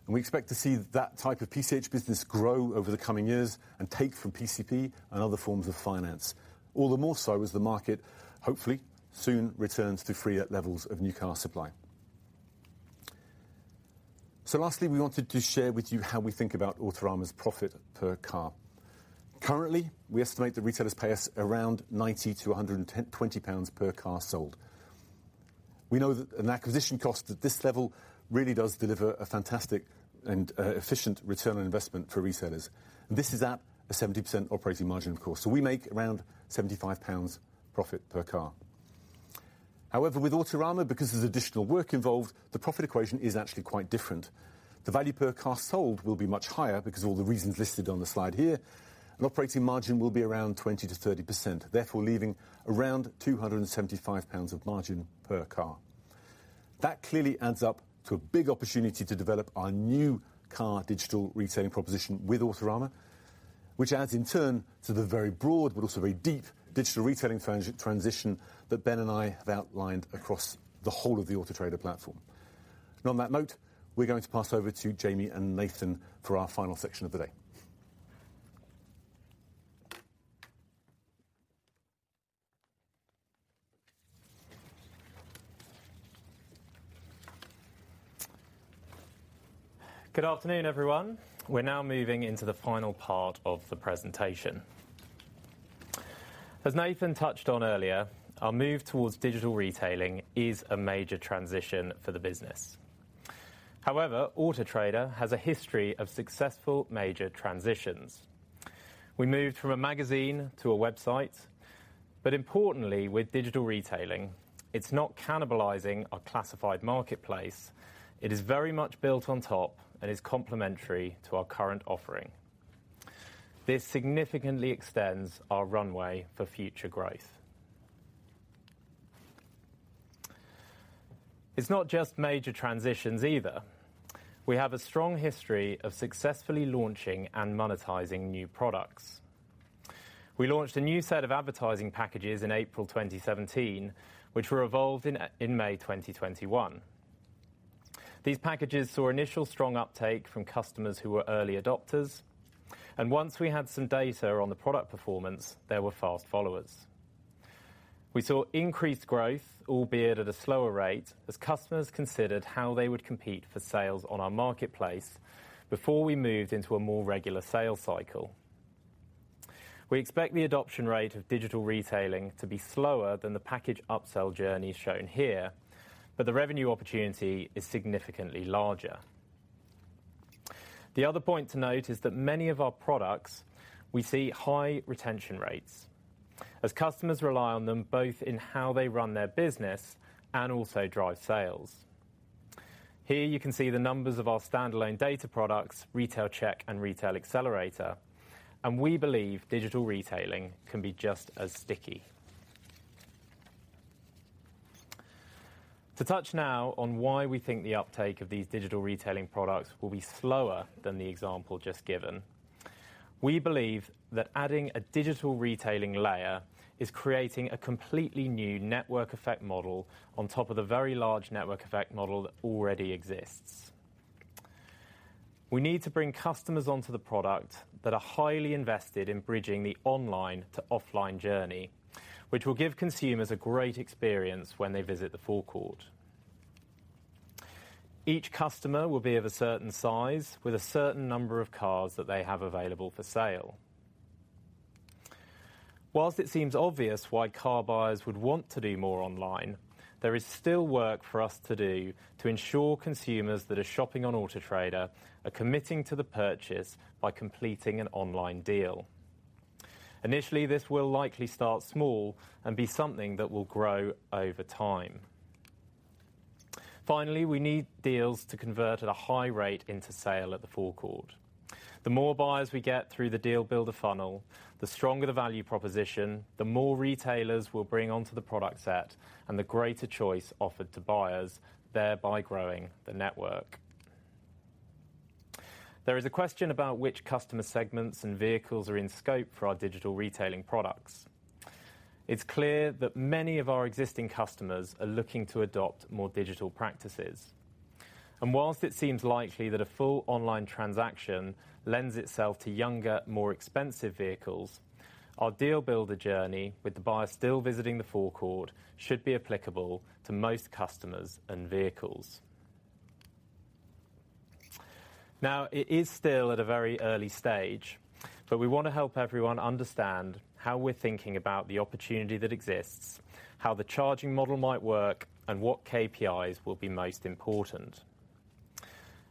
We expect to see that type of PCH business grow over the coming years and take from PCP and other forms of finance. All the more so as the market, hopefully, soon returns to freer levels of new car supply. Lastly, we wanted to share with you how we think about Autorama's profit per car. Currently, we estimate that retailers pay us around 90 to GBP 110, 120 pounds per car sold. We know that an acquisition cost at this level really does deliver a fantastic and efficient return on investment for resellers. This is at a 70% operating margin, of course. We make around 75 pounds profit per car. However, with Autorama, because there's additional work involved, the profit equation is actually quite different. The value per car sold will be much higher because all the reasons listed on the slide here, and operating margin will be around 20%-30%, therefore leaving around 275 pounds of margin per car. That clearly adds up to a big opportunity to develop our new car digital retailing proposition with Autorama, which adds in turn to the very broad but also very deep digital retailing transition that Ben and I have outlined across the whole of the Auto Trader platform. On that note, we're going to pass over to Jamie and Nathan for our final section of the day. Good afternoon, everyone. We're now moving into the final part of the presentation. As Nathan touched on earlier, our move towards digital retailing is a major transition for the business. However, Auto Trader has a history of successful major transitions. We moved from a magazine to a website, but importantly, with digital retailing, it's not cannibalizing our classified marketplace. It is very much built on top and is complementary to our current offering. This significantly extends our runway for future growth. It's not just major transitions either. We have a strong history of successfully launching and monetizing new products. We launched a new set of advertising packages in April 2017, which were evolved in May 2021. These packages saw initial strong uptake from customers who were early adopters, and once we had some data on the product performance, there were fast followers. We saw increased growth, albeit at a slower rate, as customers considered how they would compete for sales on our marketplace before we moved into a more regular sales cycle. We expect the adoption rate of digital retailing to be slower than the package upsell journey shown here, but the revenue opportunity is significantly larger. The other point to note is that many of our products. We see high retention rates as customers rely on them both in how they run their business and also drive sales. Here you can see the numbers of our standalone data products, Retail Check and Retail Accelerator, and we believe digital retailing can be just as sticky. To touch now on why we think the uptake of these digital retailing products will be slower than the example just given, we believe that adding a digital retailing layer is creating a completely new network effect model on top of the very large network effect model that already exists. We need to bring customers onto the product that are highly invested in bridging the online to offline journey, which will give consumers a great experience when they visit the forecourt. Each customer will be of a certain size with a certain number of cars that they have available for sale. Whilst it seems obvious why car buyers would want to do more online, there is still work for us to do to ensure consumers that are shopping on Auto Trader are committing to the purchase by completing an online deal. Initially, this will likely start small and be something that will grow over time. Finally, we need deals to convert at a high rate into sale at the forecourt. The more buyers we get through the Deal Builder funnel, the stronger the value proposition, the more retailers will bring onto the product set and the greater choice offered to buyers, thereby growing the network. There is a question about which customer segments and vehicles are in scope for our digital retailing products. It's clear that many of our existing customers are looking to adopt more digital practices. While it seems likely that a full online transaction lends itself to younger, more expensive vehicles, our Deal Builder journey with the buyer still visiting the forecourt should be applicable to most customers and vehicles. Now, it is still at a very early stage, but we wanna help everyone understand how we're thinking about the opportunity that exists, how the charging model might work, and what KPIs will be most important.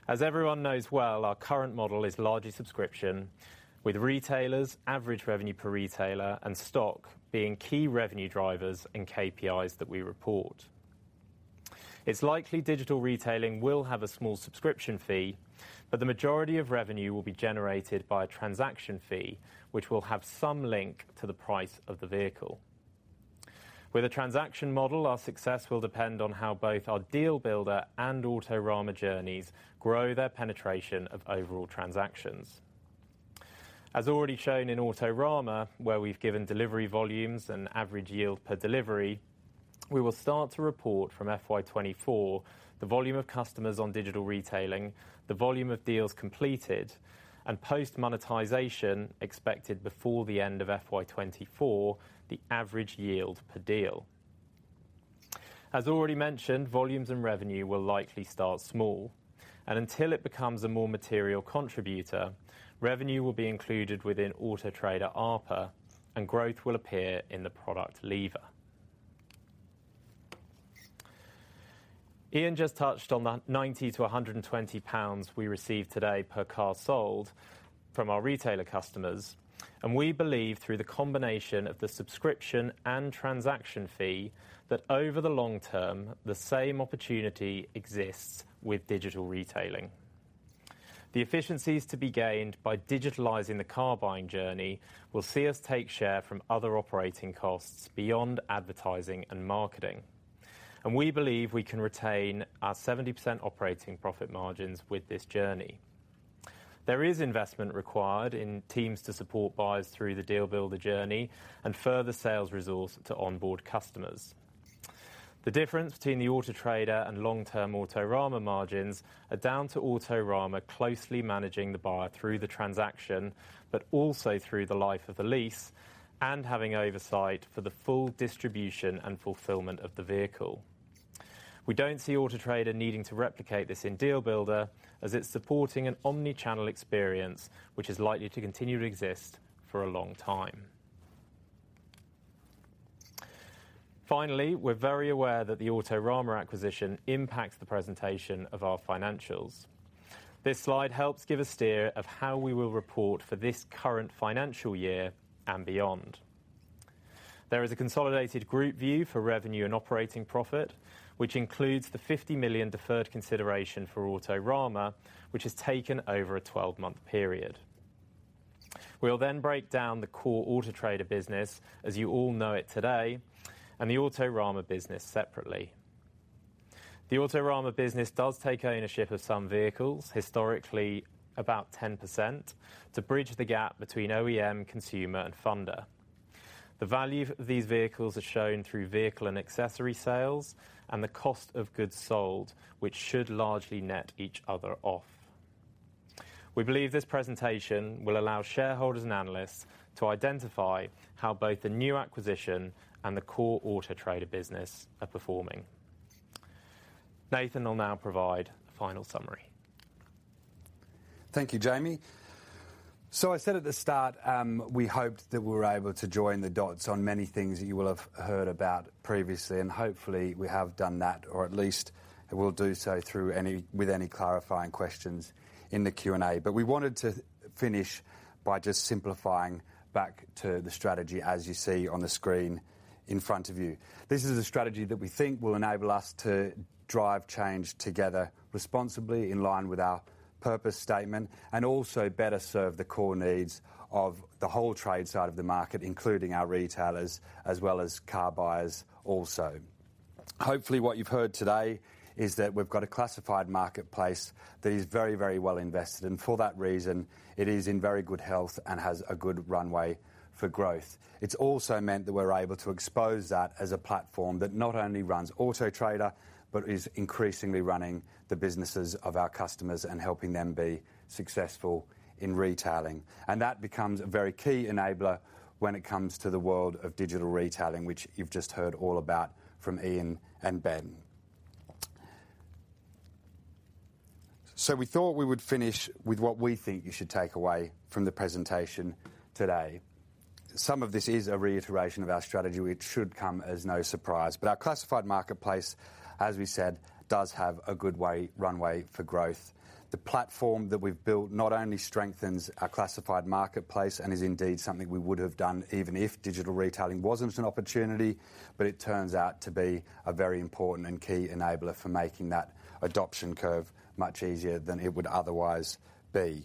As everyone knows well, our current model is largely subscription, with retailers, average revenue per retailer, and stock being key revenue drivers and KPIs that we report. It's likely digital retailing will have a small subscription fee, but the majority of revenue will be generated by a transaction fee, which will have some link to the price of the vehicle. With a transaction model, our success will depend on how both our Deal Builder and Autorama journeys grow their penetration of overall transactions. As already shown in Autorama, where we've given delivery volumes and average yield per delivery, we will start to report from FY 2024 the volume of customers on digital retailing, the volume of deals completed, and post-monetization expected before the end of FY 2024, the average yield per deal. As already mentioned, volumes and revenue will likely start small, and until it becomes a more material contributor, revenue will be included within Auto Trader ARPA, and growth will appear in the product lever. Ian just touched on 90-120 pounds we receive today per car sold from our retailer customers, and we believe through the combination of the subscription and transaction fee, that over the long term, the same opportunity exists with digital retailing. The efficiencies to be gained by digitalizing the car buying journey will see us take share from other operating costs beyond advertising and marketing, and we believe we can retain our 70% operating profit margins with this journey. There is investment required in teams to support buyers through the Deal Builder journey and further sales resource to onboard customers. The difference between the Auto Trader and long-term Autorama margins are down to Autorama closely managing the buyer through the transaction, but also through the life of the lease and having oversight for the full distribution and fulfillment of the vehicle. We don't see Auto Trader needing to replicate this in Deal Builder, as it's supporting an omni-channel experience, which is likely to continue to exist for a long time. Finally, we're very aware that the Autorama acquisition impacts the presentation of our financials. This slide helps give a steer of how we will report for this current financial year and beyond. There is a consolidated group view for revenue and operating profit, which includes the 50 million deferred consideration for Autorama, which is taken over a 12-month period. We'll then break down the core Auto Trader business as you all know it today, and the Autorama business separately. The Autorama business does take ownership of some vehicles, historically about 10%, to bridge the gap between OEM, consumer, and funder. The value of these vehicles are shown through vehicle and accessory sales and the cost of goods sold, which should largely net each other off. We believe this presentation will allow shareholders and analysts to identify how both the new acquisition and the core Auto Trader business are performing. Nathan will now provide the final summary. Thank you, Jamie. I said at the start, we hoped that we were able to join the dots on many things that you will have heard about previously, and hopefully we have done that, or at least we'll do so with any clarifying questions in the Q&A. We wanted to finish by just simplifying back to the strategy as you see on the screen in front of you. This is a strategy that we think will enable us to drive change together responsibly, in line with our purpose statement, and also better serve the core needs of the whole trade side of the market, including our retailers, as well as car buyers also. Hopefully, what you've heard today is that we've got a classified marketplace that is very, very well invested in. For that reason, it is in very good health and has a good runway for growth. It's also meant that we're able to expose that as a platform that not only runs Auto Trader, but is increasingly running the businesses of our customers and helping them be successful in retailing. That becomes a very key enabler when it comes to the world of digital retailing, which you've just heard all about from Ian and Ben. We thought we would finish with what we think you should take away from the presentation today. Some of this is a reiteration of our strategy, which should come as no surprise. Our classified marketplace, as we said, does have a good runway for growth. The platform that we've built not only strengthens our classified marketplace and is indeed something we would have done even if digital retailing wasn't an opportunity, but it turns out to be a very important and key enabler for making that adoption curve much easier than it would otherwise be.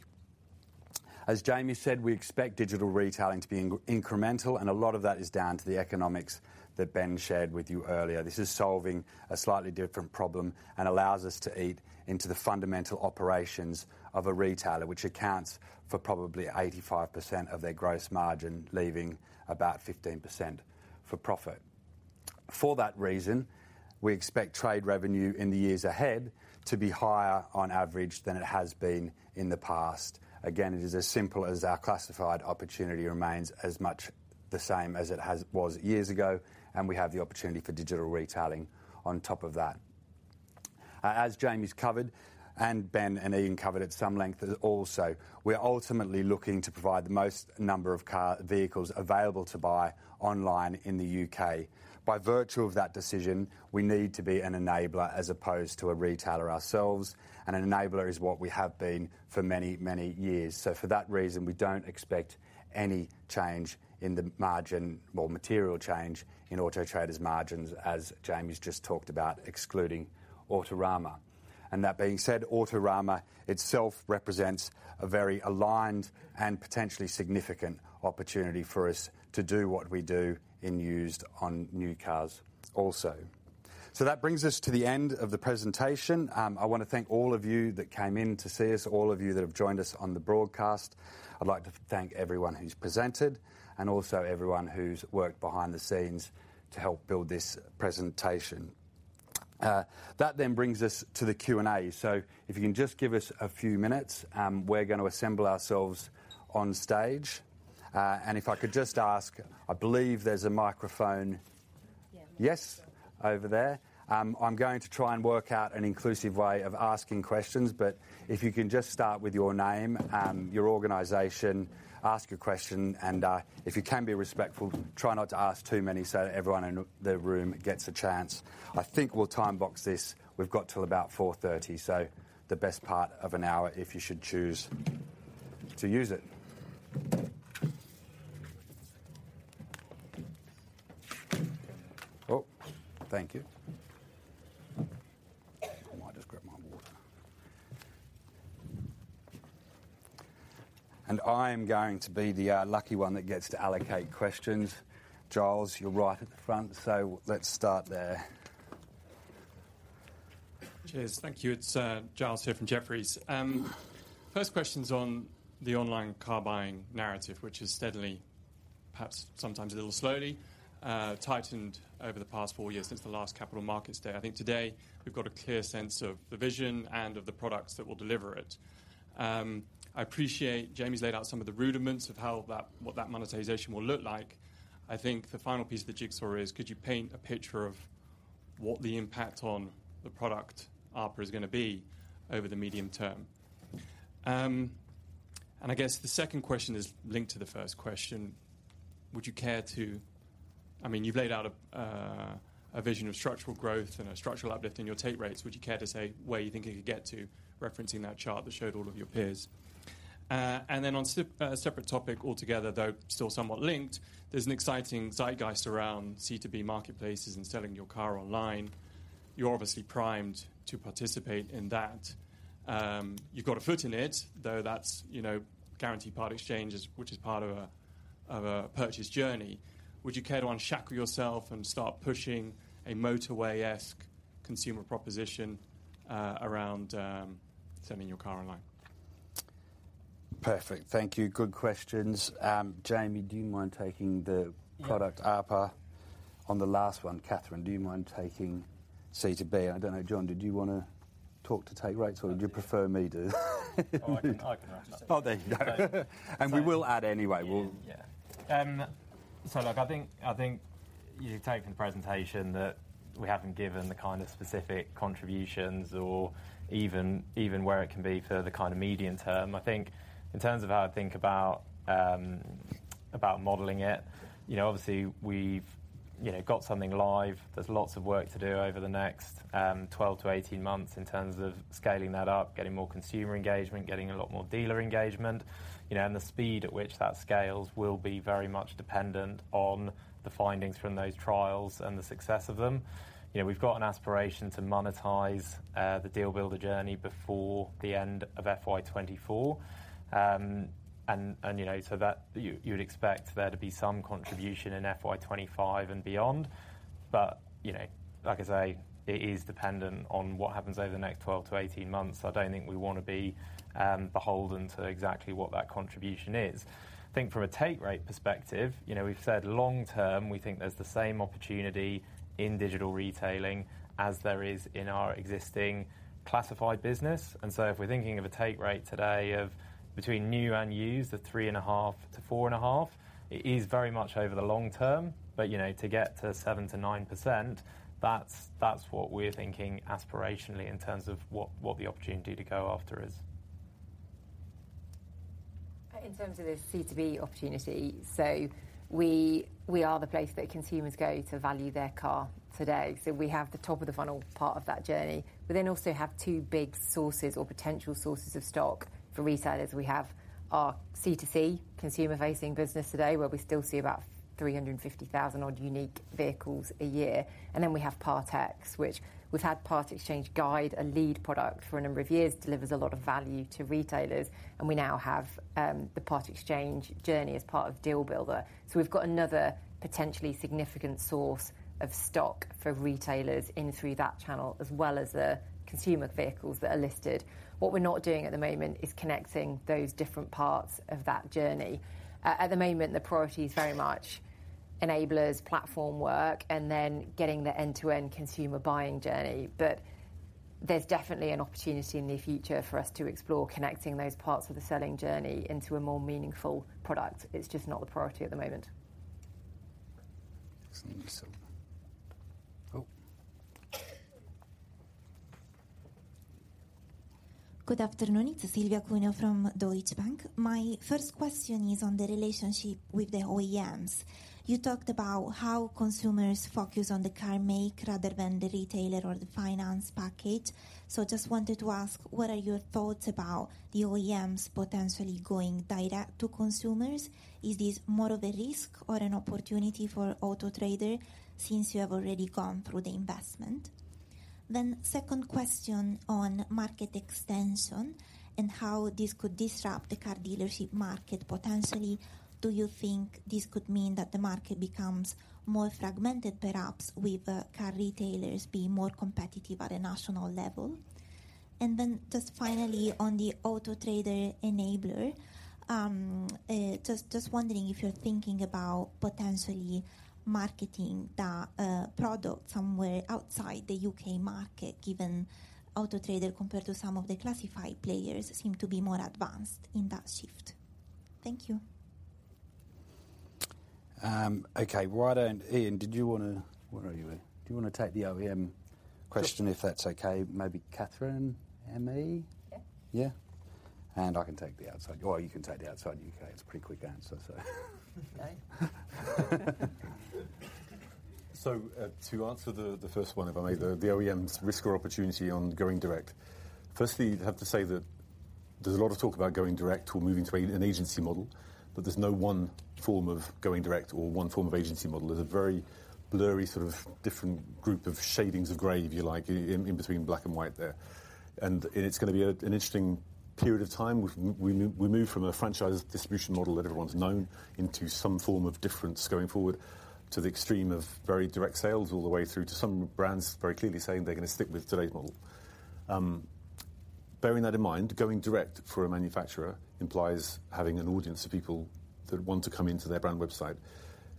As Jamie said, we expect digital retailing to be incremental, and a lot of that is down to the economics that Ben shared with you earlier. This is solving a slightly different problem and allows us to eat into the fundamental operations of a retailer, which accounts for probably 85% of their gross margin, leaving about 15% for profit. For that reason, we expect trade revenue in the years ahead to be higher on average than it has been in the past. Again, it is as simple as our classified opportunity remains as much the same as it was years ago, and we have the opportunity for digital retailing on top of that. As Jamie's covered and Ben and Ian covered at some length also, we are ultimately looking to provide the most number of car vehicles available to buy online in the U.K. By virtue of that decision, we need to be an enabler as opposed to a retailer ourselves. An enabler is what we have been for many, many years. For that reason, we don't expect any change in the margin or material change in Auto Trader's margins, as Jamie's just talked about, excluding Autorama. That being said, Autorama itself represents a very aligned and potentially significant opportunity for us to do what we do in used on new cars also. That brings us to the end of the presentation. I wanna thank all of you that came in to see us, all of you that have joined us on the broadcast. I'd like to thank everyone who's presented and also everyone who's worked behind the scenes to help build this presentation. That then brings us to the Q&A. If you can just give us a few minutes, we're gonna assemble ourselves on stage. If I could just ask, I believe there's a microphone. Yeah. Yes, over there. I'm going to try and work out an inclusive way of asking questions, but if you can just start with your name, your organization, ask a question, and if you can be respectful, try not to ask too many so everyone in the room gets a chance. I think we'll time box this. We've got till about 4:30 P.M., so the best part of an hour, if you should choose to use it. Oh, thank you. I might just grab my water. I'm going to be the lucky one that gets to allocate questions. Giles, you're right at the front, so let's start there. Cheers. Thank you. It's Giles here from Jefferies. First question's on the online car buying narrative, which is steadily, perhaps sometimes a little slowly, tightened over the past four years since the last Capital Markets Day. I think today we've got a clear sense of the vision and of the products that will deliver it. I appreciate Jamie's laid out some of the rudiments of what that monetization will look like. I think the final piece of the jigsaw is could you paint a picture of what the impact on the product ARPA is gonna be over the medium term. I guess the second question is linked to the first question. Would you care to. I mean, you've laid out a vision of structural growth and a structural uplift in your take rates. Would you care to say where you think you could get to, referencing that chart that showed all of your peers? On a separate topic altogether, though still somewhat linked, there's an exciting zeitgeist around C2B marketplaces and selling your car online. You're obviously primed to participate in that. You've got a foot in it, though that's, you know, guaranteed part exchanges, which is part of a purchase journey. Would you care to unshackle yourself and start pushing a motorway-esque consumer proposition, around selling your car online? Perfect. Thank you. Good questions. Jamie, do you mind taking the product ARPA? Yeah. On the last one, Catherine, do you mind taking C2B? I don't know. Jon, did you wanna talk to take rates or would you prefer me to? Oh, I can actually. Oh, there you go. We will add anyway. Look, I think you take from the presentation that we haven't given the kind of specific contributions or even where it can be for the kind of medium term. I think in terms of how I think about modeling it, you know, obviously we've, you know, got something live. There's lots of work to do over the next 12-18 months in terms of scaling that up, getting more consumer engagement, getting a lot more dealer engagement. You know, the speed at which that scales will be very much dependent on the findings from those trials and the success of them. You know, we've got an aspiration to monetize the Deal Builder journey before the end of FY 2024. You know, that you would expect there to be some contribution in FY 25 and beyond. But, you know, like I say, it is dependent on what happens over the next 12 to 18 months. I don't think we wanna be beholden to exactly what that contribution is. I think from a take rate perspective, you know, we've said long term, we think there's the same opportunity in digital retailing as there is in our existing classified business. If we're thinking of a take rate today of between new and used, the 3.5%-4.5%, it is very much over the long term. But, you know, to get to 7%-9%, that's what we're thinking aspirationally in terms of what the opportunity to go after is. In terms of the C2B opportunity, we are the place that consumers go to value their car today. We have the top of the funnel part of that journey. We then also have two big sources or potential sources of stock for retailers. We have our C2C consumer facing business today, where we still see about 350,000 odd unique vehicles a year. Then we have Part Exchange, which we've had part exchange guide, a lead product for a number of years, delivers a lot of value to retailers, and we now have the part exchange journey as part of Deal Builder. We've got another potentially significant source of stock for retailers in through that channel, as well as the consumer vehicles that are listed. What we're not doing at the moment is connecting those different parts of that journey. At the moment, the priority is very much enablers, platform work, and then getting the end-to-end consumer buying journey. There's definitely an opportunity in the near future for us to explore connecting those parts of the selling journey into a more meaningful product. It's just not the priority at the moment. Excellent. Good afternoon. It's Silvia Cuneo from Deutsche Bank. My first question is on the relationship with the OEMs. You talked about how consumers focus on the car make rather than the retailer or the finance package. Just wanted to ask, what are your thoughts about the OEMs potentially going direct to consumers? Is this more of a risk or an opportunity for Auto Trader since you have already gone through the investment? Second question on Market Extension and how this could disrupt the car dealership market potentially. Do you think this could mean that the market becomes more fragmented, perhaps with car retailers being more competitive at a national level? Just finally on the Auto Trader enabler, just wondering if you're thinking about potentially marketing the product somewhere outside the U.K. market, given Auto Trader compared to some of the classified players seem to be more advanced in that shift. Thank you. Okay. Where are you, Ian? Do you wanna take the OEM question, if that's okay? Maybe Catherine, me? Yeah. Yeah. I can take the outside or you can take the outside U.K. It's a pretty quick answer, so. Okay. To answer the first one, if I may. The OEMs risk or opportunity on going direct. Firstly, have to say that there's a lot of talk about going direct or moving to an agency model, but there's no one form of going direct or one form of agency model. There's a very blurry, sort of different group of shadings of gray, if you like, in between black and white there. It's gonna be an interesting period of time. We move from a franchise distribution model that everyone's known into some form of difference going forward to the extreme of very direct sales all the way through to some brands very clearly saying they're gonna stick with today's model. Bearing that in mind, going direct for a manufacturer implies having an audience of people that want to come into their brand website.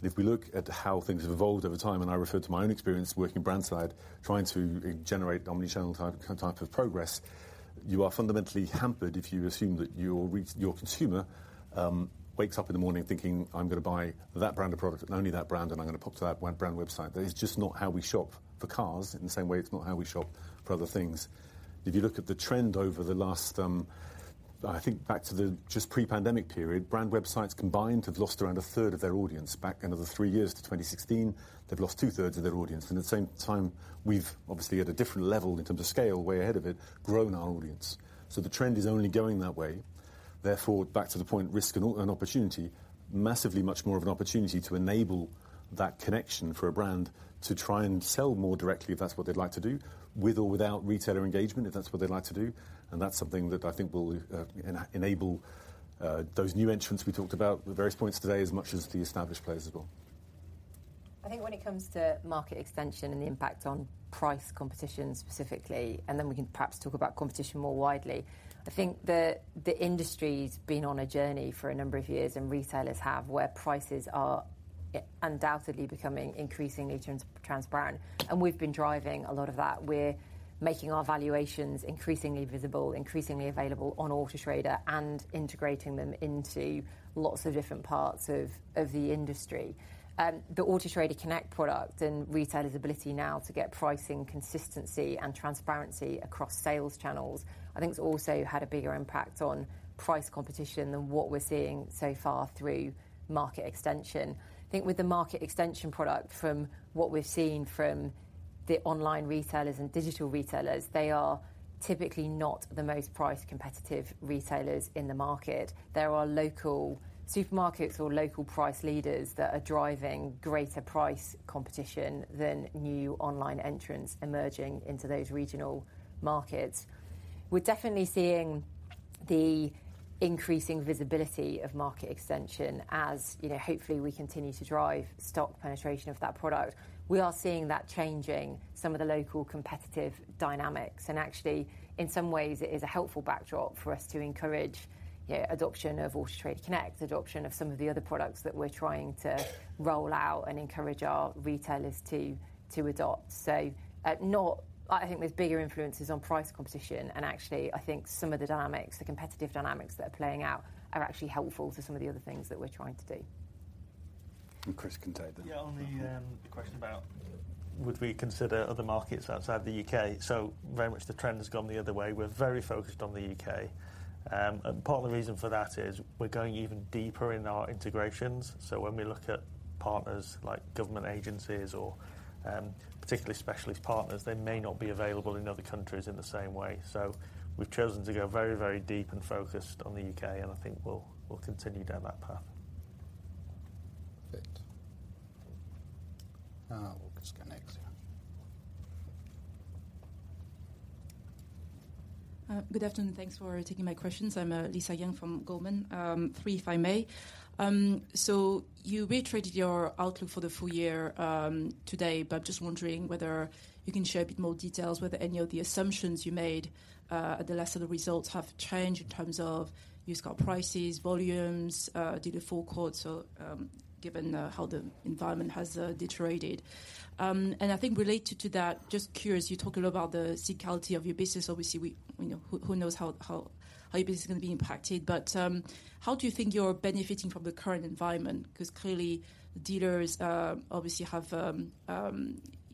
If we look at how things have evolved over time, and I refer to my own experience working brand side, trying to generate omni-channel type of progress, you are fundamentally hampered if you assume that your consumer wakes up in the morning thinking, "I'm gonna buy that brand of product and only that brand, and I'm gonna pop to that brand website." That is just not how we shop for cars in the same way it's not how we shop for other things. If you look at the trend over the last, I think back to the just pre-pandemic period, brand websites combined have lost around a third of their audience. Back another three years to 2016, they've lost two-thirds of their audience. At the same time, we've obviously, at a different level in terms of scale, way ahead of it, grown our audience. The trend is only going that way. Therefore, back to the point, risk and opportunity, massively much more of an opportunity to enable that connection for a brand to try and sell more directly, if that's what they'd like to do, with or without retailer engagement, if that's what they'd like to do. That's something that I think will enable those new entrants we talked about at various points today just as much as the established players as well. I think when it comes to Market Extension and the impact on price competition specifically, and then we can perhaps talk about competition more widely. I think the industry's been on a journey for a number of years, and retailers have where prices are undoubtedly becoming increasingly transparent. We've been driving a lot of that. We're making our valuations increasingly visible, increasingly available on Auto Trader and integrating them into lots of different parts of the industry. The Auto Trader Connect product and retailers' ability now to get pricing consistency and transparency across sales channels, I think it's also had a bigger impact on price competition than what we're seeing so far through Market Extension. I think with the Market Extension product, from what we've seen from the online retailers and digital retailers, they are typically not the most price competitive retailers in the market. There are local supermarkets or local price leaders that are driving greater price competition than new online entrants emerging into those regional markets. We're definitely seeing the increasing visibility of Market Extension as, you know, hopefully we continue to drive stock penetration of that product. We are seeing that changing some of the local competitive dynamics, and actually, in some ways, it is a helpful backdrop for us to encourage, you know, adoption of Auto Trader Connect, adoption of some of the other products that we're trying to roll out and encourage our retailers to adopt. I think there's bigger influences on price competition. Actually, I think some of the dynamics, the competitive dynamics that are playing out are actually helpful to some of the other things that we're trying to do. Chris can take that. Yeah, on the question about would we consider other markets outside the U.K. Very much the trend has gone the other way. We're very focused on the U.K. Part of the reason for that is we're going even deeper in our integrations. When we look at partners like government agencies or, particularly specialist partners, they may not be available in other countries in the same way. We've chosen to go very, very deep and focused on the U.K., and I think we'll continue down that path. Perfect. We'll just go next here. Good afternoon, thanks for taking my questions. I'm Lisa Yang from Goldman. Three if I may. You retreated your outlook for the full year today, but just wondering whether you can share a bit more details whether any of the assumptions you made at the last set of results have changed in terms of used car prices, volumes, dealer forecourt, so given how the environment has deteriorated. I think related to that, just curious, you talk a lot about the cyclicality of your business. Obviously, you know, who knows how your business is gonna be impacted. How do you think you're benefiting from the current environment? 'Cause clearly the dealers obviously have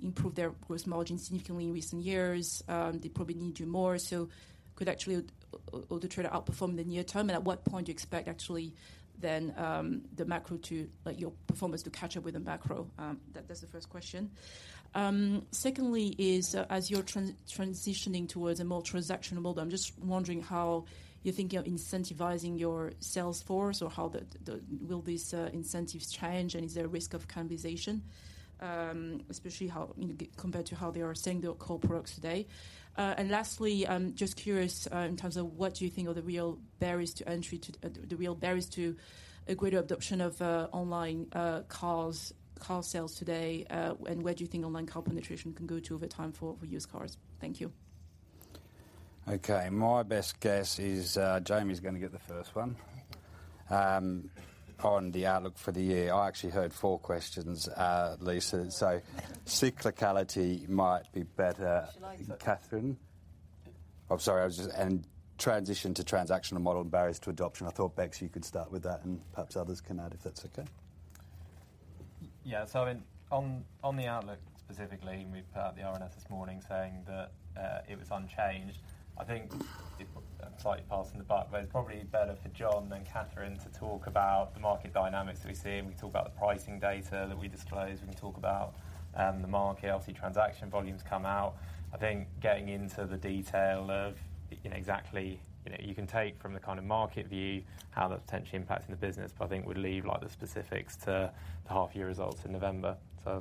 improved their gross margin significantly in recent years. They probably need you more, so Auto Trader outperform in the near term, and at what point do you expect the macro to your performance to catch up with the macro? That's the first question. Second, as you're transitioning towards a more transactional model, I'm just wondering how you think you're incentivizing your sales force or how the incentives change, and is there a risk of cannibalization, especially how, you know, compared to how they are selling their core products today. And lastly, I'm just curious, in terms of what you think are the real barriers to entry to the real barriers to a greater adoption of online car sales today, and where do you think online car penetration can go to over time for used cars? Thank you. Okay. My best guess is, Jamie's gonna give the first one, on the outlook for the year. I actually heard four questions, Lisa. Cyclicality might be better. Shall I take that? Catherine? I'm sorry. Transition to transactional model and barriers to adoption. I thought, Bex, you could start with that, and perhaps others can add if that's okay. Yeah. I mean, on the outlook specifically, we put out the RNS this morning saying that it was unchanged. I think slightly passing the buck, but it's probably better for Jon than Catherine to talk about the market dynamics that we're seeing. We can talk about the pricing data that we disclose. We can talk about the market. Obviously, transaction volumes come out. I think getting into the detail of, you know, exactly, you know, you can take from the kind of market view how that's potentially impacting the business, but I think would leave, like, the specifics to the half-year results in November.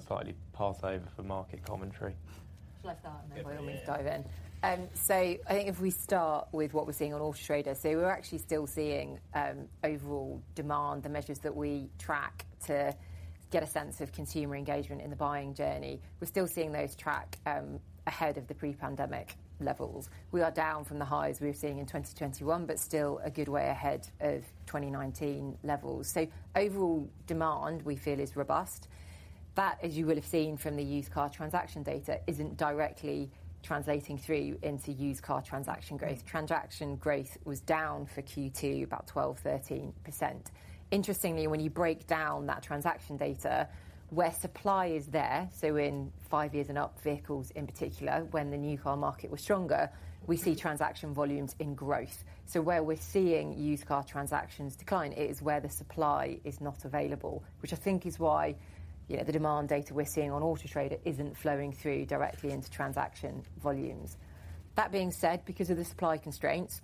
Slightly pass over for market commentary. Shall I start and then? Yeah. I think if we start with what we're seeing on Auto Trader, we're actually still seeing overall demand, the measures that we track to get a sense of consumer engagement in the buying journey. We're still seeing those track ahead of the pre-pandemic levels. We are down from the highs we were seeing in 2021, but still a good way ahead of 2019 levels. Overall demand we feel is robust. That, as you will have seen from the used car transaction data, isn't directly translating through into used car transaction growth. Transaction growth was down for Q2 about 12%-13%. Interestingly, when you break down that transaction data, where supply is there, so in five years and up vehicles in particular, when the new car market was stronger, we see transaction volumes in growth. Where we're seeing used car transactions decline is where the supply is not available, which I think is why, you know, the demand data we're seeing on Auto Trader isn't flowing through directly into transaction volumes. That being said, because of the supply constraints,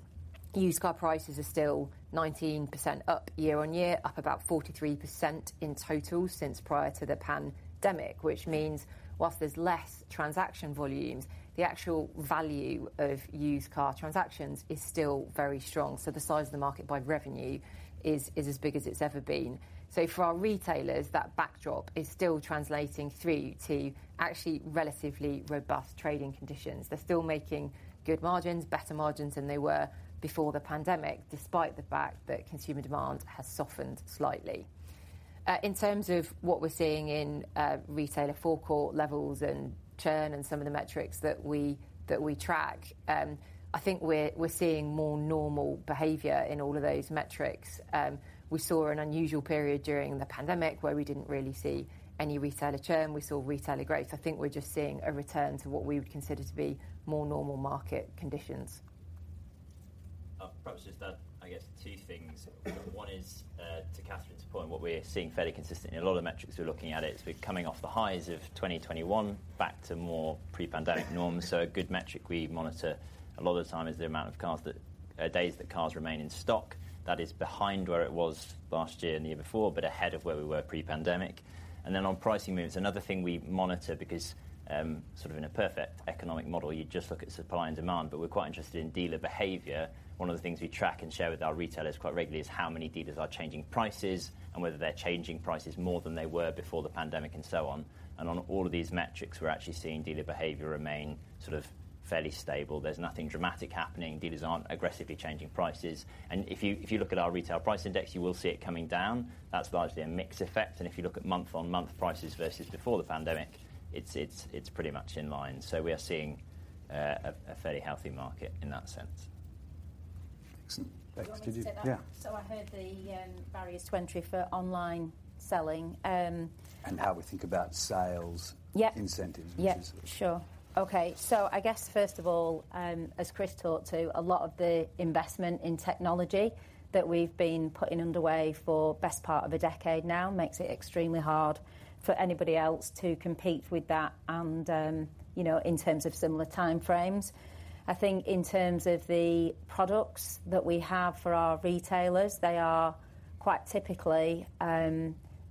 used car prices are still 19% up year-on-year, up about 43% in total since prior to the pandemic, which means while there's less transaction volumes, the actual value of used car transactions is still very strong. The size of the market by revenue is as big as it's ever been. For our retailers, that backdrop is still translating through to actually relatively robust trading conditions. They're still making good margins, better margins than they were before the pandemic, despite the fact that consumer demand has softened slightly. In terms of what we're seeing in retailer forecourt levels and churn and some of the metrics that we track, I think we're seeing more normal behavior in all of those metrics. We saw an unusual period during the pandemic where we didn't really see any retailer churn. We saw retailer growth. I think we're just seeing a return to what we would consider to be more normal market conditions. I'll perhaps just add, I guess, two things. One is to Catherine's point, what we're seeing fairly consistently in a lot of the metrics we're looking at is we're coming off the highs of 2021 back to more pre-pandemic norms. A good metric we monitor a lot of the time is days that cars remain in stock. That is behind where it was last year and the year before, but ahead of where we were pre-pandemic. On pricing moves, another thing we monitor, because sort of in a perfect economic model, you just look at supply and demand, but we're quite interested in dealer behavior. One of the things we track and share with our retailers quite regularly is how many dealers are changing prices and whether they're changing prices more than they were before the pandemic and so on. On all of these metrics, we're actually seeing dealer behavior remain sort of fairly stable. There's nothing dramatic happening. Dealers aren't aggressively changing prices. If you look at our retail price index, you will see it coming down. That's largely a mix effect. If you look at month-on-month prices versus before the pandemic, it's pretty much in line. We are seeing a fairly healthy market in that sense. Excellent. Bex, could you You want me to take that? Yeah. I heard the barriers to entry for online selling. How we think about sales. Yeah incentives, which is. Yeah, sure. Okay. I guess first of all, as Chris touched on, a lot of the investment in technology that we've been putting underway for best part of a decade now makes it extremely hard for anybody else to compete with that and, you know, in terms of similar time frames. I think in terms of the products that we have for our retailers, they are quite typically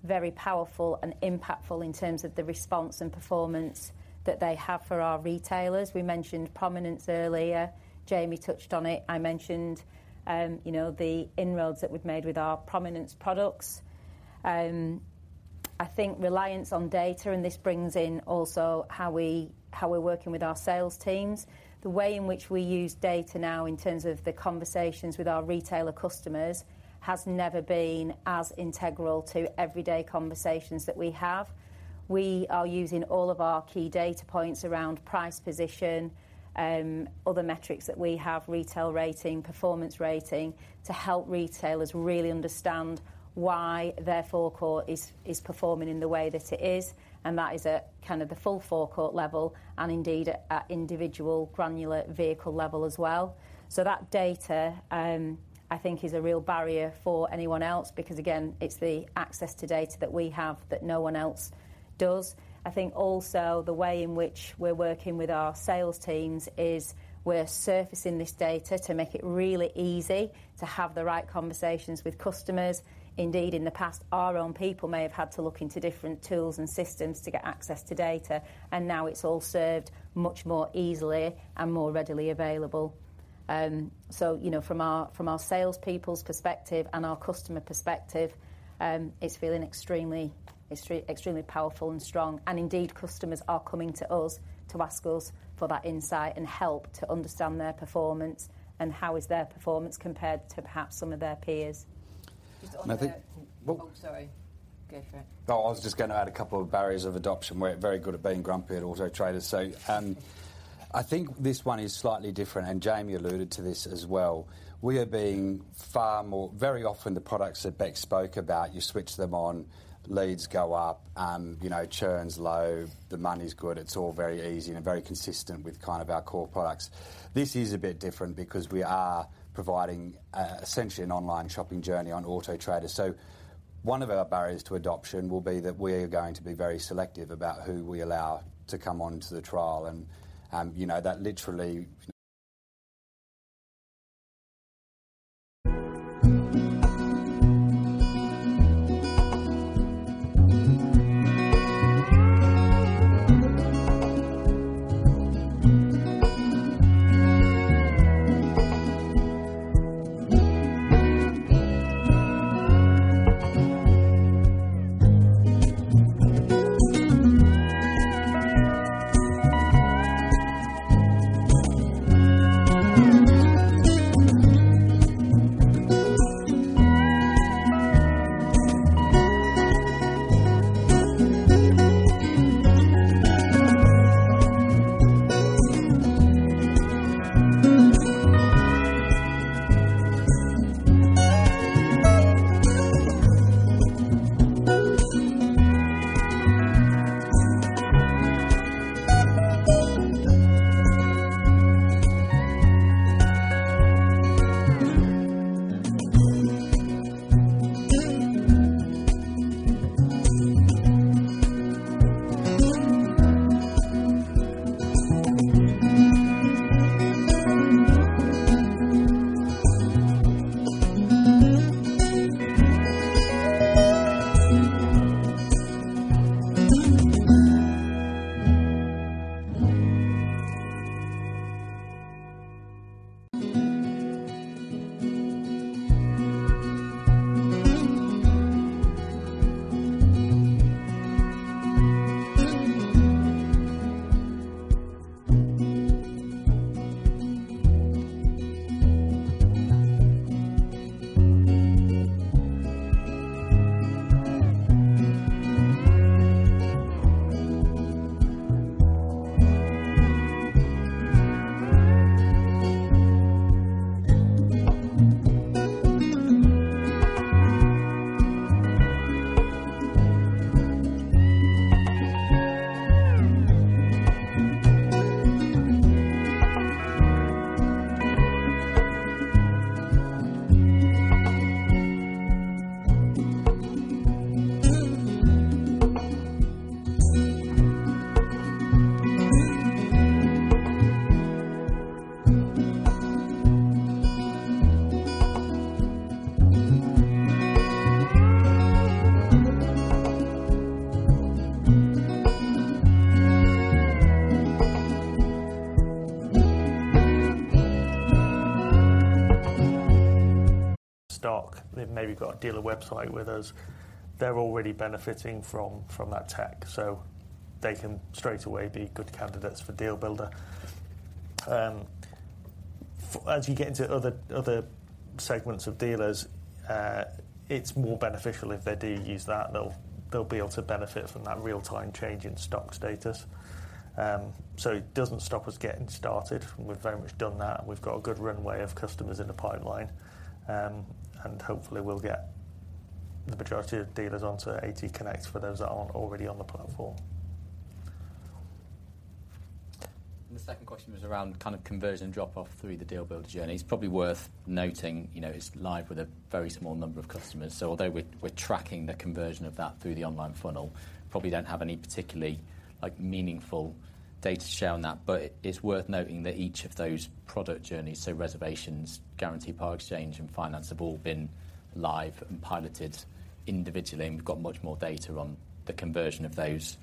very powerful and impactful in terms of the response and performance that they have for our retailers. We mentioned Prominence earlier. Jamie touched on it. I mentioned the inroads that we've made with our Prominence products. I think reliance on data, and this brings in also how we're working with our sales teams. The way in which we use data now in terms of the conversations with our retailer customers has never been as integral to everyday conversations that we have. We are using all of our key data points around price position, other metrics that we have, retail rating, performance rating, to help retailers really understand why their forecourt is performing in the way that it is, and that is at kind of the full forecourt level and indeed at individual granular vehicle level as well. That data, I think is a real barrier for anyone else because again, it's the access to data that we have that no one else does. I think also the way in which we're working with our sales teams is we're surfacing this data to make it really easy to have the right conversations with customers. Indeed, in the past, our own people may have had to look into different tools and systems to get access to data, and now it's all served much more easily and more readily available. You know, from our salespeople's perspective and our customer perspective, it's feeling extremely powerful and strong. Indeed, customers are coming to us to ask us for that insight and help to understand their performance and how is their performance compared to perhaps some of their peers. I think. Just on the- Well- Oh, Sorry. Go for it. No, I was just gonna add a couple of barriers of adoption. We're very good at being grumpy at Auto Trader. I think this one is slightly different, and Jamie alluded to this as well. Very often the products that Bex spoke about, you switch them on, leads go up, you know, churn's low, the money's good, it's all very easy and very consistent with kind of our core products. This is a bit different because we are providing essentially an online shopping journey on Auto Trader. One of our barriers to adoption will be that we're going to be very selective about who we allow to come onto the trial and, you know, that literally stock. They've maybe got a dealer website with us. They're already benefiting from that tech, so they can straight away be good candidates for Deal Builder. As you get into other segments of dealers It's more beneficial if they do use that, they'll be able to benefit from that real-time change in stock status. It doesn't stop us getting started. We've very much done that, and we've got a good runway of customers in the pipeline. Hopefully we'll get the majority of dealers onto AT Connect for those that aren't already on the platform. The second question was around kind of conversion drop-off through the Deal Builder journey. It's probably worth noting, you know, it's live with a very small number of customers. Although we're tracking the conversion of that through the online funnel, probably don't have any particularly, like, meaningful data to share on that. But it's worth noting that each of those product journeys, so reservations, guarantee Part Exchange, and finance have all been live and piloted individually, and we've got much more data on the conversion of those.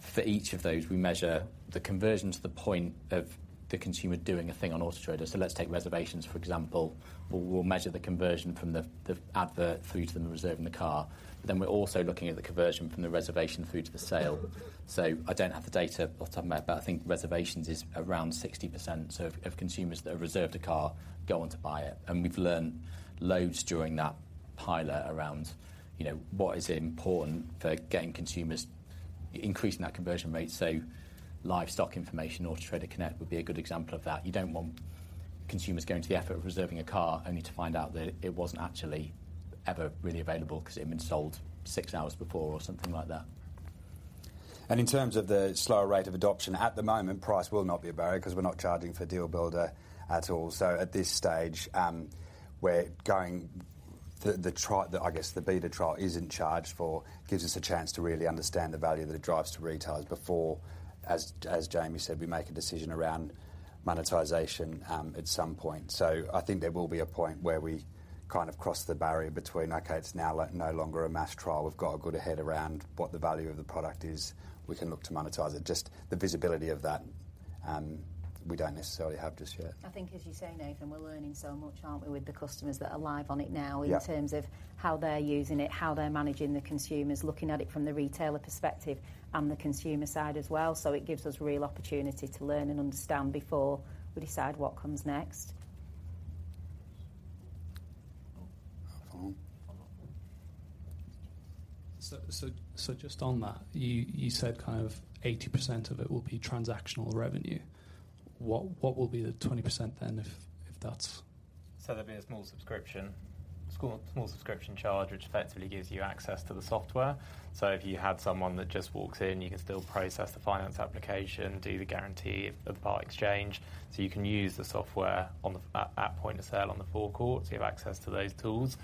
For each of those, we measure the conversion to the point of the consumer doing a thing on Auto Trader. Let's take reservations for example. We'll measure the conversion from the advert through to them reserving the car. We're also looking at the conversion from the reservation through to the sale. I don't have the data off the top of my head, but I think reservations is around 60% of consumers that reserve the car go on to buy it. We've learned loads during that pilot around, you know, what is important for getting consumers increasing that conversion rate. Live stock information, Auto Trader Connect would be a good example of that. You don't want consumers going to the effort of reserving a car only to find out that it wasn't actually ever really available because it had been sold six hours before or something like that. In terms of the slower rate of adoption, at the moment, price will not be a barrier 'cause we're not charging for Deal Builder at all. At this stage, I guess the beta trial isn't charged for, gives us a chance to really understand the value that it drives to retailers before, as Jamie said, we make a decision around monetization, at some point. I think there will be a point where we kind of cross the barrier between, okay, it's now like no longer a mass trial. We've got a good head around what the value of the product is. We can look to monetize it. Just the visibility of that, we don't necessarily have just yet. I think as you say, Nathan, we're learning so much, aren't we, with the customers that are live on it now. Yeah. In terms of how they're using it, how they're managing the consumers, looking at it from the retailer perspective and the consumer side as well. It gives us real opportunity to learn and understand before we decide what comes next. Just on that, you said kind of 80% of it will be transactional revenue. What will be the 20% then if that's... There'll be a small subscription charge, which effectively gives you access to the software. If you had someone that just walks in, you can still process the finance application, do the guarantee of part exchange. You can use the software at point of sale on the forecourt, so you have access to those tools.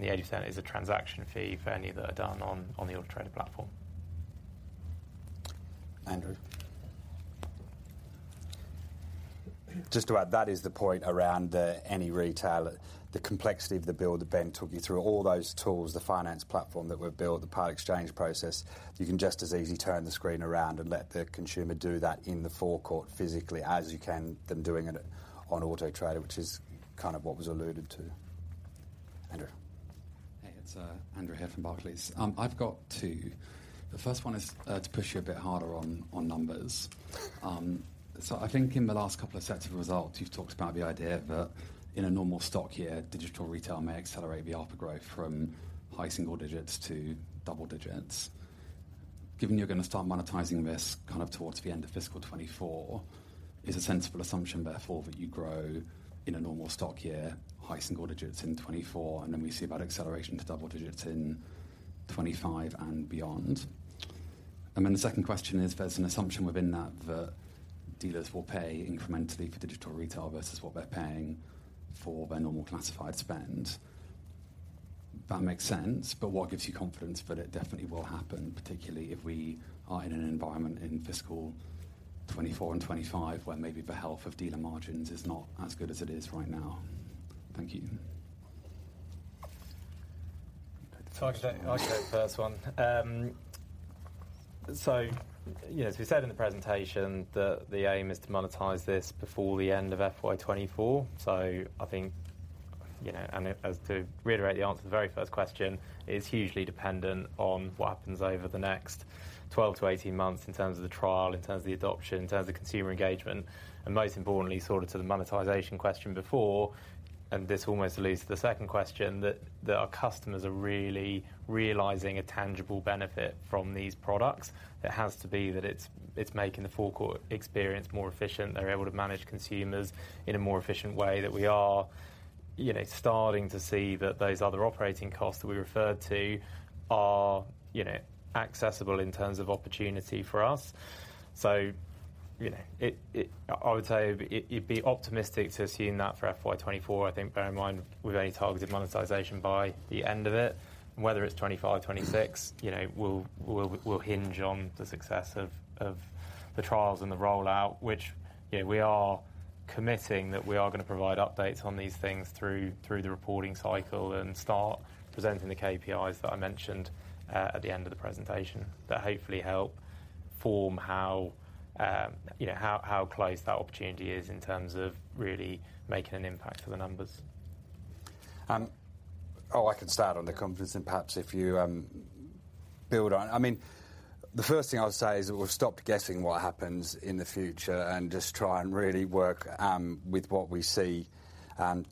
The 80% is a transaction fee for any that are done on the Auto Trader platform. Just to add, that is the point around any retailer. The complexity of the builder Ben took you through, all those tools, the finance platform that we've built, the Part Exchange process, you can just as easily turn the screen around and let the consumer do that in the forecourt physically as you can them doing it on Auto Trader, which is kind of what was alluded to. Hey, it's Andrew here from Barclays. I've got two. The first one is to push you a bit harder on numbers. I think in the last couple of sets of results, you've talked about the idea that in a normal stock year, digital retail may accelerate the output growth from high single digits to double digits. Given you're gonna start monetizing this kind of towards the end of fiscal 2024, is a sensible assumption therefore that you grow in a normal stock year, high single digits in 2024, and then we see about acceleration to double digits in 2025 and beyond? The second question is, there's an assumption within that that dealers will pay incrementally for digital retail versus what they're paying for their normal classified spend. That makes sense, but what gives you confidence that it definitely will happen, particularly if we are in an environment in fiscal 2024 and 2025 where maybe the health of dealer margins is not as good as it is right now? Thank you. I can take the first one. You know, as we said in the presentation, the aim is to monetize this before the end of FY 2024. I think, you know, and to reiterate the answer to the very first question, it is hugely dependent on what happens over the next 12-18 months in terms of the trial, in terms of the adoption, in terms of consumer engagement, and most importantly, sort of to the monetization question before, and this almost leads to the second question, that our customers are really realizing a tangible benefit from these products. It has to be that it's making the forecourt experience more efficient. They're able to manage consumers in a more efficient way that we are, you know, starting to see that those other operating costs that we referred to are, you know, accessible in terms of opportunity for us. You know, I would say it'd be optimistic to assume that for FY 2024. I think bear in mind, we've only targeted monetization by the end of it. Whether it's 2025, 2026, you know, will hinge on the success of the trials and the rollout, which, you know, we are committing that we are gonna provide updates on these things through the reporting cycle and start presenting the KPIs that I mentioned at the end of the presentation, that hopefully help form how, you know, how close that opportunity is in terms of really making an impact to the numbers. I can start on the confidence. I mean, the first thing I'll say is that we'll stop guessing what happens in the future and just try and really work with what we see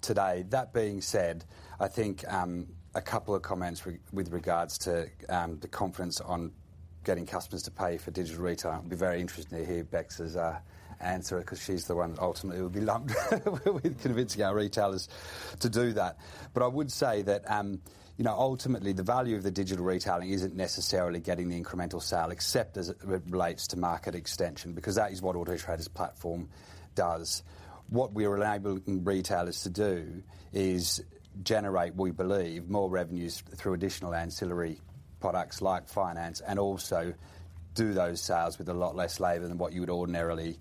today. That being said, I think a couple of comments with regards to the conference on getting customers to pay for digital retail. It'll be very interesting to hear Bex's answer 'cause she's the one that ultimately will be lumped with convincing our retailers to do that. I would say that you know, ultimately, the value of the digital retailing isn't necessarily getting the incremental sale, except as it relates to Market Extension, because that is what Auto Trader's platform does. What we are enabling retailers to do is generate, we believe, more revenues through additional ancillary products like finance, and also do those sales with a lot less labor than what you would ordinarily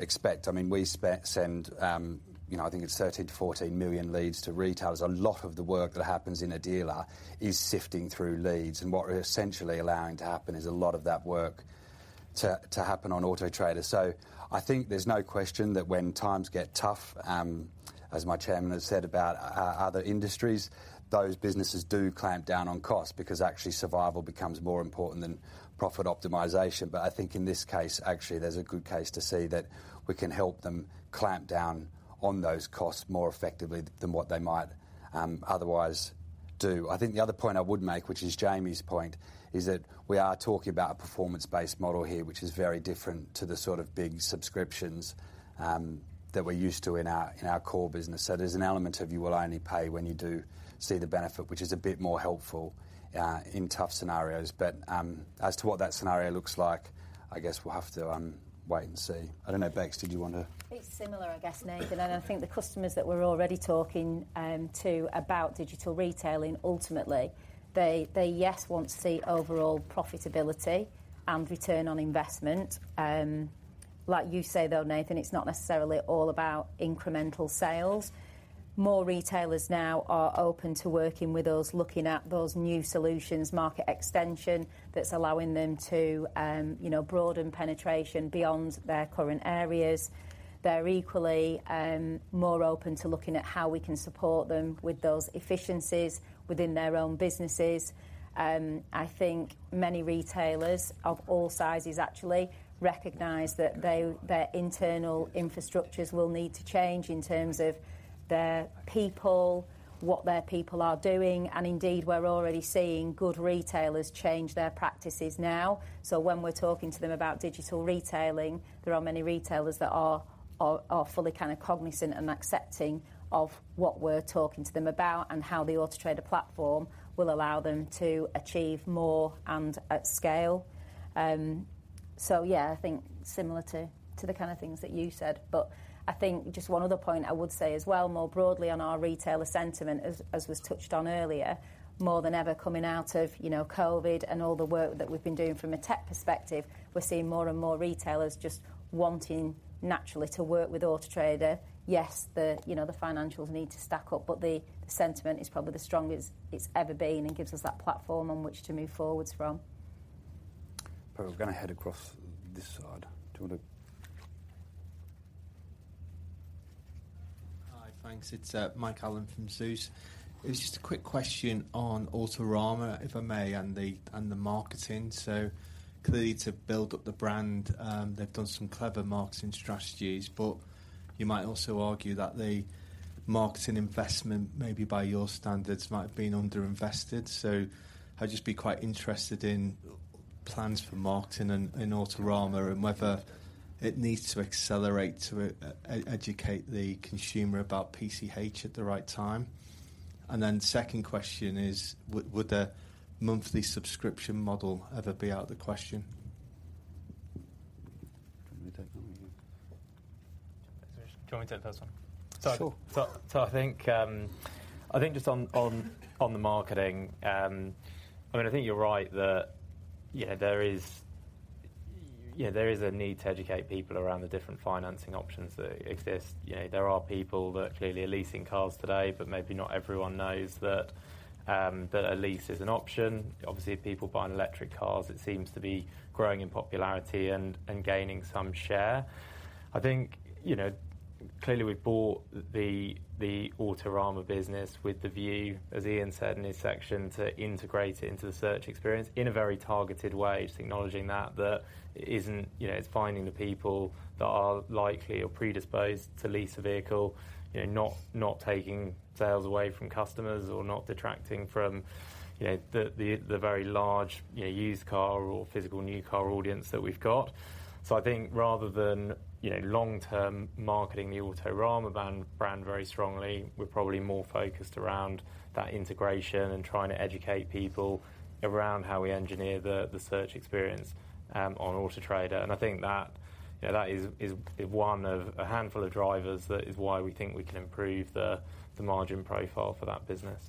expect. I mean, we send, you know, I think it's 13-14 million leads to retailers. A lot of the work that happens in a dealer is sifting through leads, and what we're essentially allowing to happen is a lot of that work to happen on Auto Trader. I think there's no question that when times get tough, as my chairman has said about other industries, those businesses do clamp down on costs because actually survival becomes more important than profit optimization. I think in this case, actually, there's a good case to say that we can help them clamp down on those costs more effectively than what they might otherwise do. I think the other point I would make, which is Jamie's point, is that we are talking about a performance-based model here, which is very different to the sort of big subscriptions that we're used to in our core business. There's an element of you will only pay when you do see the benefit, which is a bit more helpful in tough scenarios. As to what that scenario looks like, I guess we'll have to wait and see. I don't know, Bex, did you want to? It's similar, I guess, Nathan. I think the customers that we're already talking to about digital retailing, ultimately, they yes want to see overall profitability and return on investment. Like you say, though, Nathan, it's not necessarily all about incremental sales. More retailers now are open to working with us, looking at those new solutions, Market Extension that's allowing them to, you know, broaden penetration beyond their current areas. They're equally more open to looking at how we can support them with those efficiencies within their own businesses. I think many retailers of all sizes actually recognize that their internal infrastructures will need to change in terms of their people, what their people are doing, and indeed, we're already seeing good retailers change their practices now. When we're talking to them about digital retailing, there are many retailers that are fully kind of cognizant and accepting of what we're talking to them about and how the Auto Trader platform will allow them to achieve more and at scale. I think similar to the kind of things that you said. I think just one other point I would say as well, more broadly on our retailer sentiment as was touched on earlier, more than ever coming out of, you know, COVID and all the work that we've been doing from a tech perspective, we're seeing more and more retailers just wanting naturally to work with Auto Trader. Yes, you know, the financials need to stack up, but the sentiment is probably the strongest it's ever been and gives us that platform on which to move forwards from. We're gonna head across this side. Do you want to? Hi, thanks. It's Mike Allen from Zeus. It was just a quick question on Autorama, if I may, and the marketing. Clearly to build up the brand, they've done some clever marketing strategies, but you might also argue that the marketing investment, maybe by your standards, might have been underinvested. I'd just be quite interested in plans for marketing in Autorama and whether it needs to accelerate to educate the consumer about PCH at the right time. Second question is, would a monthly subscription model ever be out of the question? Do you want me to take that one, yeah? Do you want me to take the first one? Sure. I think just on the marketing, I mean, I think you're right that, you know, there is a need to educate people around the different financing options that exist. You know, there are people that clearly are leasing cars today, but maybe not everyone knows that a lease is an option. Obviously, people buying electric cars, it seems to be growing in popularity and gaining some share. I think, you know, clearly we've bought the Autorama business with the view, as Ian said in his section, to integrate it into the search experience in a very targeted way, just acknowledging that it isn't, you know, it's finding the people that are likely or predisposed to lease a vehicle, you know, not taking sales away from customers or not detracting from, you know, the very large, you know, used car or physical new car audience that we've got. I think rather than, you know, long-term marketing the Autorama brand very strongly, we're probably more focused around that integration and trying to educate people around how we engineer the search experience on Auto Trader. I think that, you know, that is one of a handful of drivers that is why we think we can improve the margin profile for that business.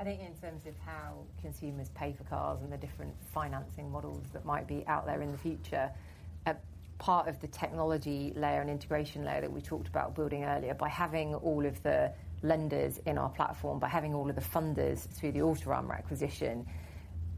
I think in terms of how consumers pay for cars and the different financing models that might be out there in the future, a part of the technology layer and integration layer that we talked about building earlier, by having all of the lenders in our platform, by having all of the funders through the Autorama acquisition.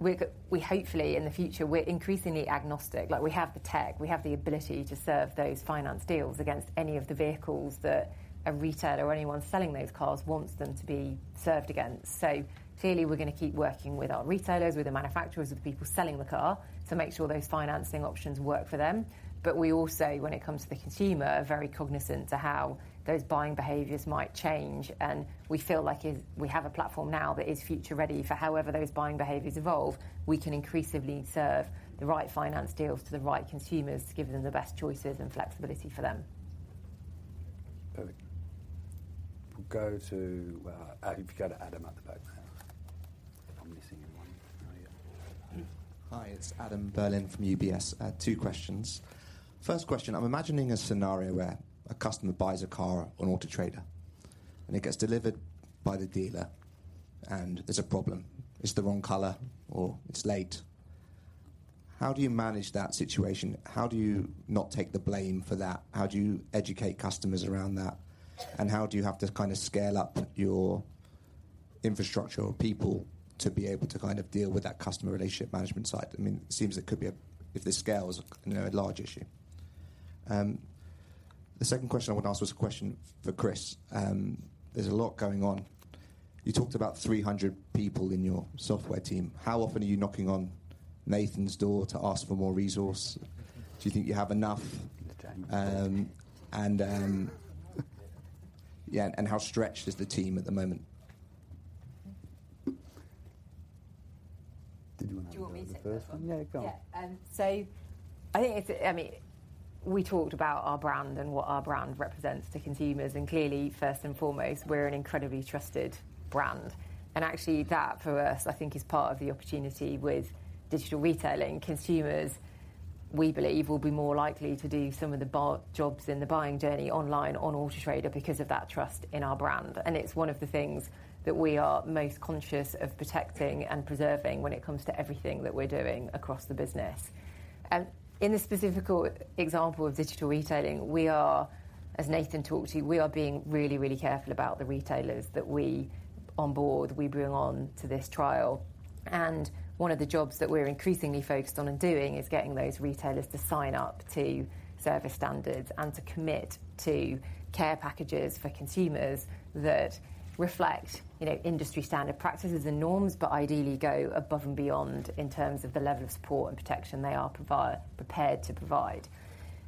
We hopefully, in the future, we're increasingly agnostic. Like, we have the tech, we have the ability to serve those finance deals against any of the vehicles that a retailer or anyone selling those cars wants them to be served against. So clearly we're gonna keep working with our retailers, with the manufacturers, with the people selling the car, to make sure those financing options work for them. But we also, when it comes to the consumer, are very cognizant to how those buying behaviors might change, and we feel like we have a platform now that is future ready for however those buying behaviors evolve. We can increasingly serve the right finance deals to the right consumers to give them the best choices and flexibility for them. Perfect. We'll go to Adam at the back there. If I'm missing anyone. How are you? Hi, it's Adam Berlin from UBS. I have two questions. First question, I'm imagining a scenario where a customer buys a car on Auto Trader, and it gets delivered by the dealer, and there's a problem. It's the wrong color or it's late. How do you manage that situation? How do you not take the blame for that? How do you educate customers around that? And how do you have to kind of scale up your infrastructure or people to be able to kind of deal with that customer relationship management side? I mean, it seems it could be a, if the scale is, you know, a large issue. The second question I want to ask was a question for Chris. There's a lot going on. You talked about 300 people in your software team. How often are you knocking on Nathan's door to ask for more resource? Do you think you have enough? How stretched is the team at the moment? Do you wanna go with the first one? Do you want me to take that one? Yeah, go on. I mean, we talked about our brand and what our brand represents to consumers, and clearly, first and foremost, we're an incredibly trusted brand. Actually that for us, I think is part of the opportunity with digital retailing. Consumers, we believe, will be more likely to do some of the jobs in the buying journey online on Auto Trader because of that trust in our brand. It's one of the things that we are most conscious of protecting and preserving when it comes to everything that we're doing across the business. In the specific example of digital retailing, we are, as Nathan talked to you, being really, really careful about the retailers that we onboard, we bring on to this trial. One of the jobs that we're increasingly focused on and doing is getting those retailers to sign up to service standards and to commit to care packages for consumers that reflect, you know, industry standard practices and norms, but ideally go above and beyond in terms of the level of support and protection they are prepared to provide.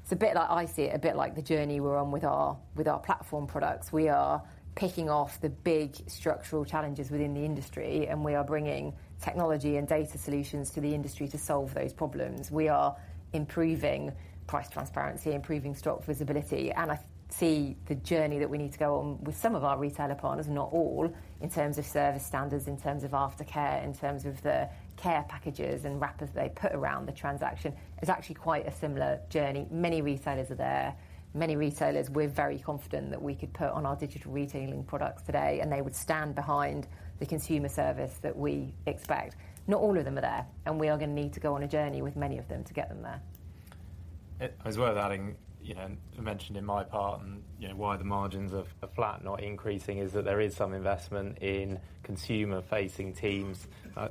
It's a bit like I see it a bit like the journey we're on with our platform products. We are picking off the big structural challenges within the industry, and we are bringing technology and data solutions to the industry to solve those problems. We are improving price transparency, improving stock visibility, and I see the journey that we need to go on with some of our retailer partners, not all, in terms of service standards, in terms of aftercare, in terms of the care packages and wrappers they put around the transaction. It's actually quite a similar journey. Many retailers are there. Many retailers, we're very confident that we could put on our digital retailing products today, and they would stand behind the consumer service that we expect. Not all of them are there, and we are gonna need to go on a journey with many of them to get them there. It's worth adding, you know, I mentioned in my part and, you know, why the margins are flat, not increasing, is that there is some investment in consumer-facing teams.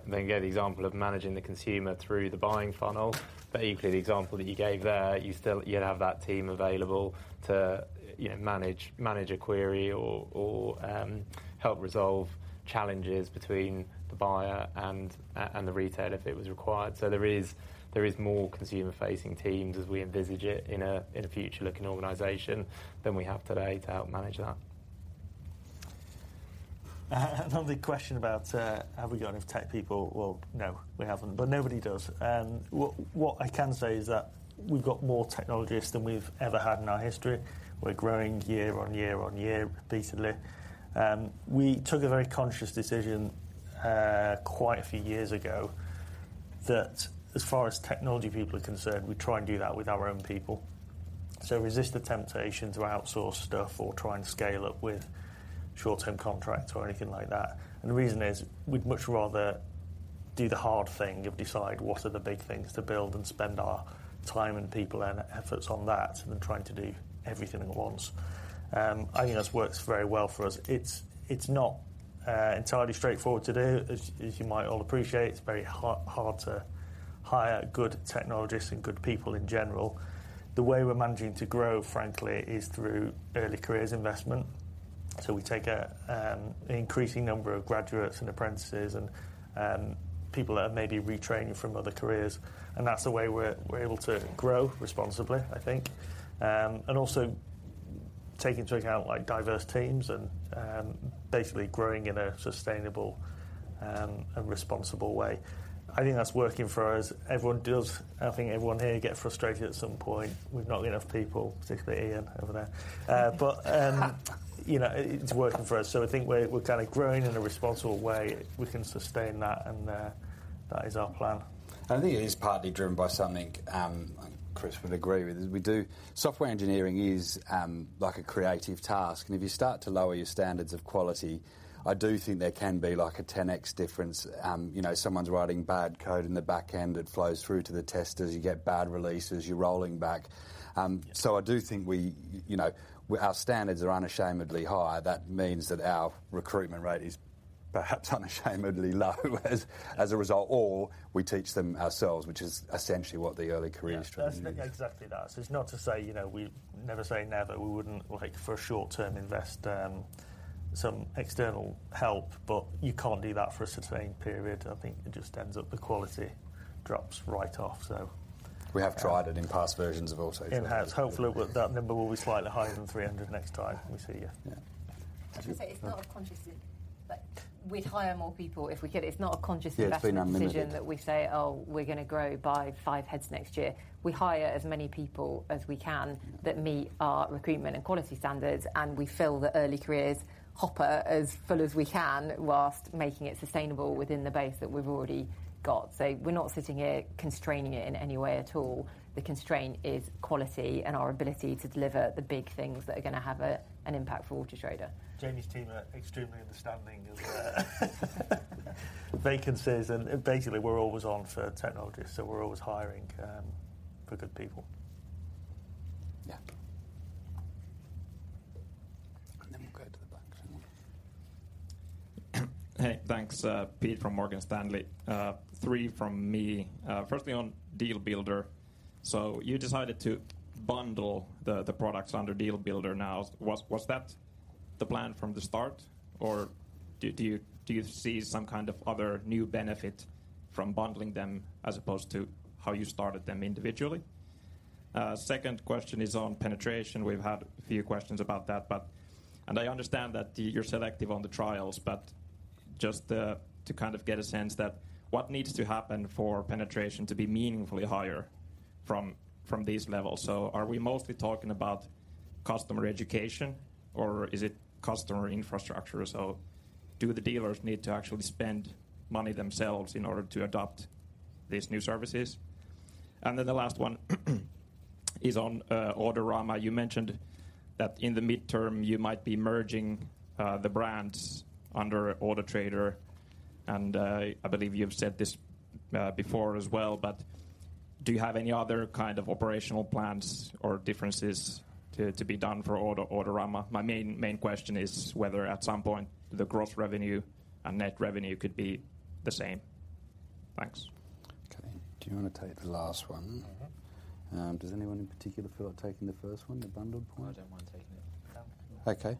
They gave the example of managing the consumer through the buying funnel. Equally, the example that you gave there, you'd have that team available to, you know, manage a query or help resolve challenges between the buyer and the retailer if it was required. There is more consumer-facing teams as we envisage it in a future-looking organization than we have today to help manage that. Lovely question about have we got enough tech people? Well, no, we haven't. But nobody does. What I can say is that we've got more technologists than we've ever had in our history. We're growing year on year on year decently. We took a very conscious decision quite a few years ago that as far as technology people are concerned, we try and do that with our own people. Resist the temptation to outsource stuff or try and scale up with short-term contracts or anything like that. The reason is, we'd much rather do the hard thing of decide what are the big things to build and spend our time and people and efforts on that than trying to do everything at once. I think that's worked very well for us. It's not entirely straightforward to do, as you might all appreciate. It's very hard to hire good technologists and good people in general. The way we're managing to grow, frankly, is through early careers investment. We take an increasing number of graduates and apprentices and people that are maybe retraining from other careers, and that's the way we're able to grow responsibly, I think. And also taking into account like diverse teams and basically growing in a sustainable and responsible way. I think that's working for us. I think everyone here will get frustrated at some point with not enough people, particularly Ian over there. You know, it's working for us, so I think we're kinda growing in a responsible way. We can sustain that, and that is our plan. I think it is partly driven by something Chris would agree with, is Software engineering is like a creative task, and if you start to lower your standards of quality, I do think there can be like a 10x difference. You know, someone's writing bad code in the back end, it flows through to the testers. You get bad releases, you're rolling back. I do think we, you know, our standards are unashamedly high. That means that our recruitment rate is low. Perhaps unashamedly low as a result, or we teach them ourselves, which is essentially what the early careers program is. Yeah, I think exactly that. It's not to say, you know, we never say never. We wouldn't like, for short term, invest some external help, but you can't do that for a sustained period. I think it just ends up the quality drops right off so. We have tried it in past versions of Auto Trader. It has. Hopefully with that number will be slightly higher than 300 next time we see you. Yeah. I'd just say it's not a conscious, like we'd hire more people if we could. Yeah, it's been unlimited. Deliberate decision that we say, "Oh, we're gonna grow by five heads next year." We hire as many people as we can that meet our recruitment and quality standards, and we fill the early careers hopper as full as we can, while making it sustainable within the base that we've already got. We're not sitting here constraining it in any way at all. The constraint is quality and our ability to deliver the big things that are gonna have an impact for Auto Trader. Jamie's team are extremely understanding of vacancies, and basically we're always on for technologists, so we're always hiring for good people. Yeah. Then we'll go to the back. Hey, thanks. Pete from Morgan Stanley. Three from me. Firstly on Deal Builder. You decided to bundle the products under Deal Builder now. Was that the plan from the start, or do you see some kind of other new benefit from bundling them as opposed to how you started them individually? Second question is on penetration. We've had a few questions about that, but I understand that you're selective on the trials, but just to kind of get a sense of what needs to happen for penetration to be meaningfully higher from these levels. Are we mostly talking about customer education or is it customer infrastructure? Do the dealers need to actually spend money themselves in order to adopt these new services? Then the last one is on Autorama. You mentioned that in the medium term you might be merging the brands under Auto Trader, and I believe you've said this before as well, but do you have any other kind of operational plans or differences to be done for Auto Trader-Autorama? My main question is whether at some point the gross revenue and net revenue could be the same. Thanks. Okay. Do you wanna take the last one? Mm-hmm. Does anyone in particular feel like taking the first one, the bundled point? I don't mind taking it. No. Okay.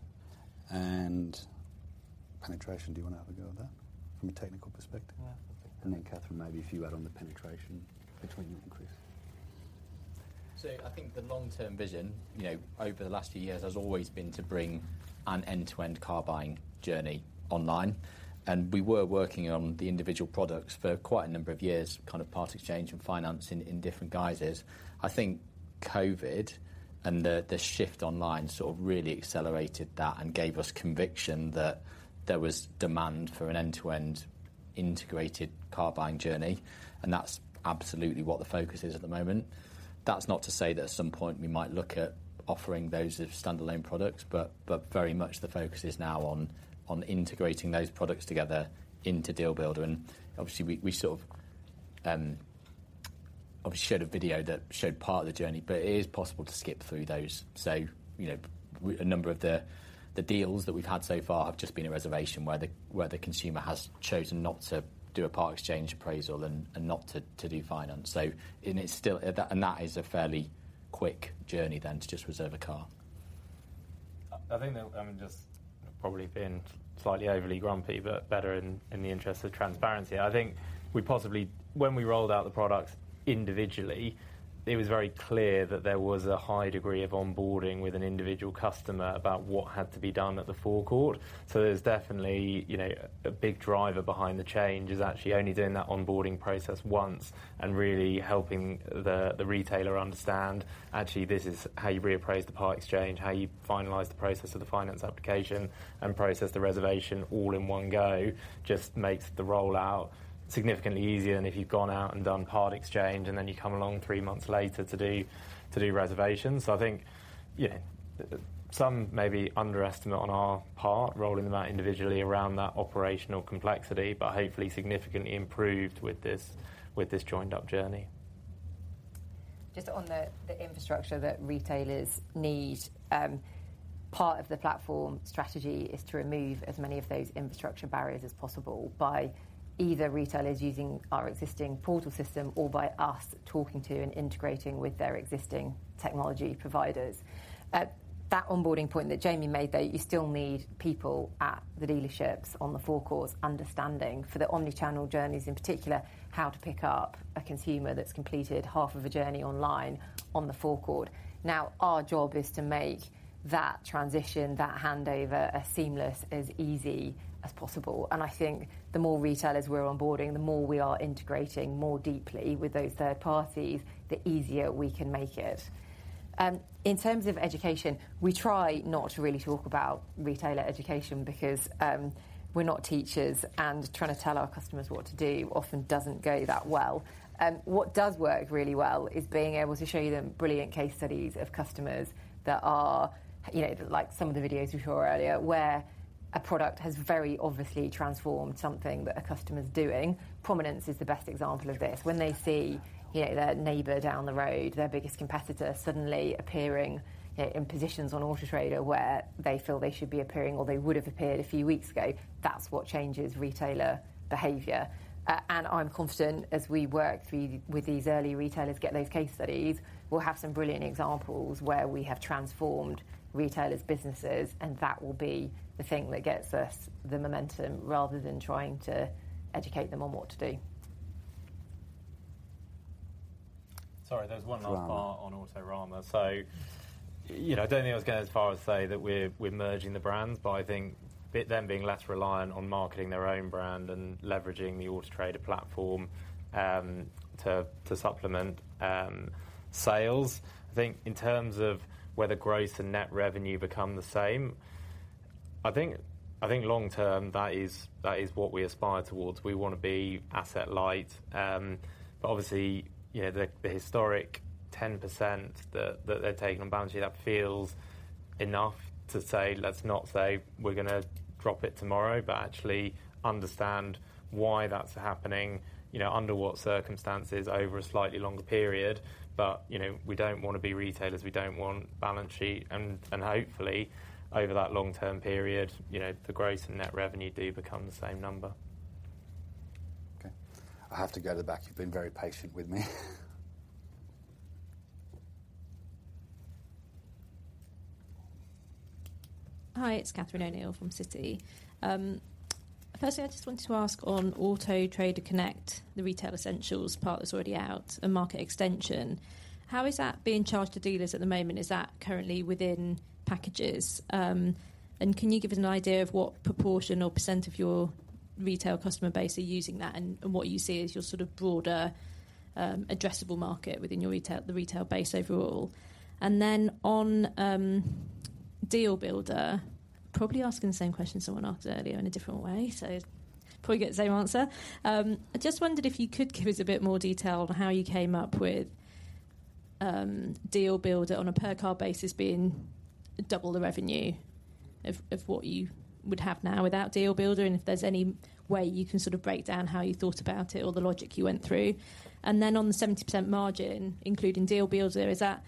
Penetration, do you wanna have a go at that from a technical perspective. Catherine, maybe if you add on the penetration between you and Chris. I think the long-term vision, you know, over the last few years has always been to bring an end-to-end car buying journey online, and we were working on the individual products for quite a number of years, kind of Part Exchange and finance in different guises. I think COVID and the shift online sort of really accelerated that and gave us conviction that there was demand for an end-to-end integrated car buying journey, and that's absolutely what the focus is at the moment. That's not to say that at some point we might look at offering those as standalone products, but very much the focus is now on integrating those products together into Deal Builder. Obviously we sort of obviously showed a video that showed part of the journey, but it is possible to skip through those. You know, a number of the deals that we've had so far have just been a reservation where the consumer has chosen not to do a part exchange appraisal and not to do finance. That is a fairly quick journey then to just reserve a car. I think that, I mean, just probably been slightly overly grumpy, but better in the interest of transparency. When we rolled out the products individually, it was very clear that there was a high degree of onboarding with an individual customer about what had to be done at the forecourt. So there's definitely, you know, a big driver behind the change is actually only doing that onboarding process once and really helping the retailer understand actually this is how you reappraise the Part Exchange, how you finalize the process of the finance application and process the reservation all in one go just makes the rollout significantly easier than if you've gone out and done Part Exchange, and then you come along three months later to do reservations. I think, you know, some maybe underestimate on our part rolling them out individually around that operational complexity, but hopefully significantly improved with this joined up journey. Just on the infrastructure that retailers need. Part of the platform strategy is to remove as many of those infrastructure barriers as possible by either retailers using our existing portal system or by us talking to and integrating with their existing technology providers. That onboarding point that Jamie made, that you still need people at the dealerships on the forecourts understanding for the omni-channel journeys, in particular, how to pick up a consumer that's completed half of a journey online on the forecourt. Now, our job is to make that transition, that handover as seamless, as easy as possible. I think the more retailers we're onboarding, the more we are integrating more deeply with those third parties, the easier we can make it. In terms of education, we try not to really talk about retailer education because we're not teachers, and trying to tell our customers what to do often doesn't go that well. What does work really well is being able to show them brilliant case studies of customers that are, you know, like some of the videos we saw earlier, where a product has very obviously transformed something that a customer's doing. Prominence is the best example of this. When they see, you know, their neighbor down the road, their biggest competitor, suddenly appearing, you know, in positions on Auto Trader where they feel they should be appearing or they would have appeared a few weeks ago, that's what changes retailer behavior. I'm confident as we work through with these early retailers to get those case studies, we'll have some brilliant examples where we have transformed retailers' businesses, and that will be the thing that gets us the momentum, rather than trying to educate them on what to do. Sorry, there's one last part on Autorama. You know, I don't think I was going as far as to say that we're merging the brands, but I think by them being less reliant on marketing their own brand and leveraging the Auto Trader platform to supplement sales. I think in terms of whether gross and net revenue become the same, I think long term that is what we aspire towards. We wanna be asset light. Obviously, you know, the historic 10% that they're taking on balance sheet, that feels enough to say, let's not say we're gonna drop it tomorrow, but actually understand why that's happening, you know, under what circumstances over a slightly longer period. You know, we don't wanna be retailers, we don't want balance sheet, and hopefully over that long term period, you know, the gross and net revenue do become the same number. Okay. I have to go to the back. You've been very patient with me. Hi, it's Catherine O'Neill from Citi. Firstly, I just wanted to ask on Auto Trader Connect, the Retail Essentials part that's already out and Market Extension, how is that being charged to dealers at the moment? Is that currently within packages? And can you give us an idea of what proportion or percent of your retail customer base are using that and what you see as your sort of broader addressable market within your retail base overall? Then on Deal Builder, probably asking the same question someone asked earlier in a different way, so probably get the same answer. I just wondered if you could give us a bit more detail on how you came up with Deal Builder on a per car basis being double the revenue of what you would have now without Deal Builder, and if there's any way you can sort of break down how you thought about it or the logic you went through. On the 70% margin, including Deal Builder, is that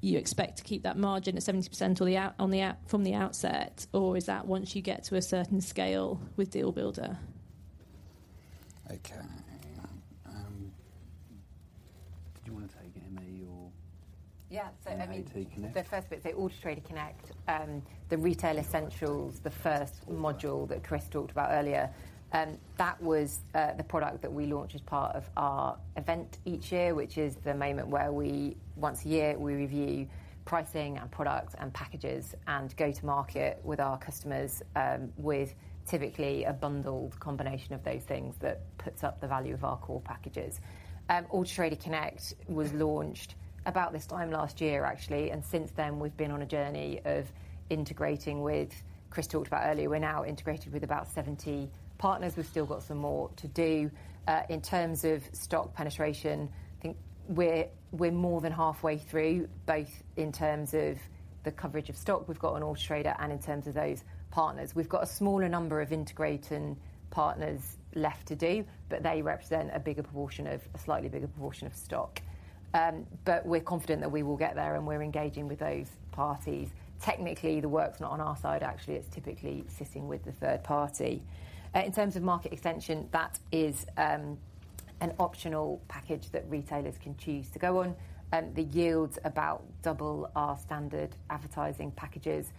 you expect to keep that margin at 70% from the outset, or is that once you get to a certain scale with Deal Builder? Okay. Do you wanna take it, Jamie, or? Yeah. At Connect? The first bit, the Auto Trader Connect, the Retail Essentials, the first module that Chris talked about earlier, that was the product that we launch as part of our event each year, which is the moment where we, once a year, we review pricing and products and packages and go to market with our customers, with typically a bundled combination of those things that puts up the value of our core packages. Auto Trader Connect was launched about this time last year actually, and since then we've been on a journey of integrating with, Chris talked about earlier, we're now integrated with about 70 partners. We've still got some more to do. In terms of stock penetration, I think we're more than halfway through, both in terms of the coverage of stock we've got on Auto Trader and in terms of those partners. We've got a smaller number of integrating partners left to do, but they represent a slightly bigger proportion of stock. We're confident that we will get there and we're engaging with those parties. Technically, the work's not on our side actually. It's typically sitting with the third party. In terms of Market Extension, that is, an optional package that retailers can choose to go on. The yields about double our standard advertising packages.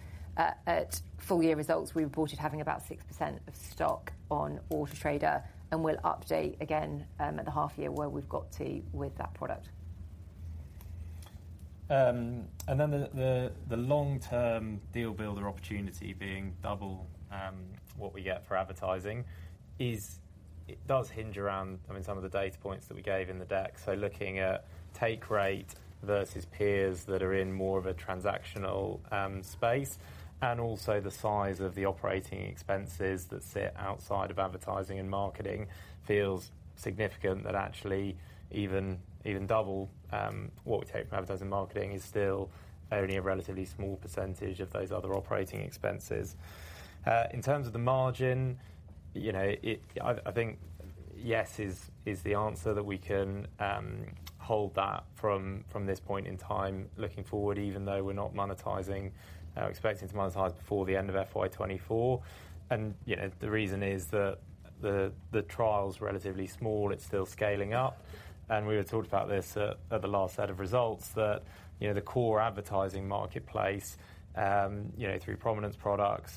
At full year results, we reported having about 6% of stock on Auto Trader, and we'll update again at the half year where we've got to with that product. The long term Deal Builder opportunity being double what we get for advertising is. It does hinge around, I mean, some of the data points that we gave in the deck. Looking at take rate versus peers that are in more of a transactional space, and also the size of the operating expenses that sit outside of advertising and marketing feels significant. That actually even double what we take for advertising marketing is still only a relatively small percentage of those other operating expenses. In terms of the margin, you know, it. I think yes is the answer. That we can hold that from this point in time looking forward, even though we're not monetizing, expecting to monetize before the end of FY 2024. You know, the reason is the trial's relatively small, it's still scaling up. We had talked about this at the last set of results that, you know, the core advertising marketplace, you know, through prominence products,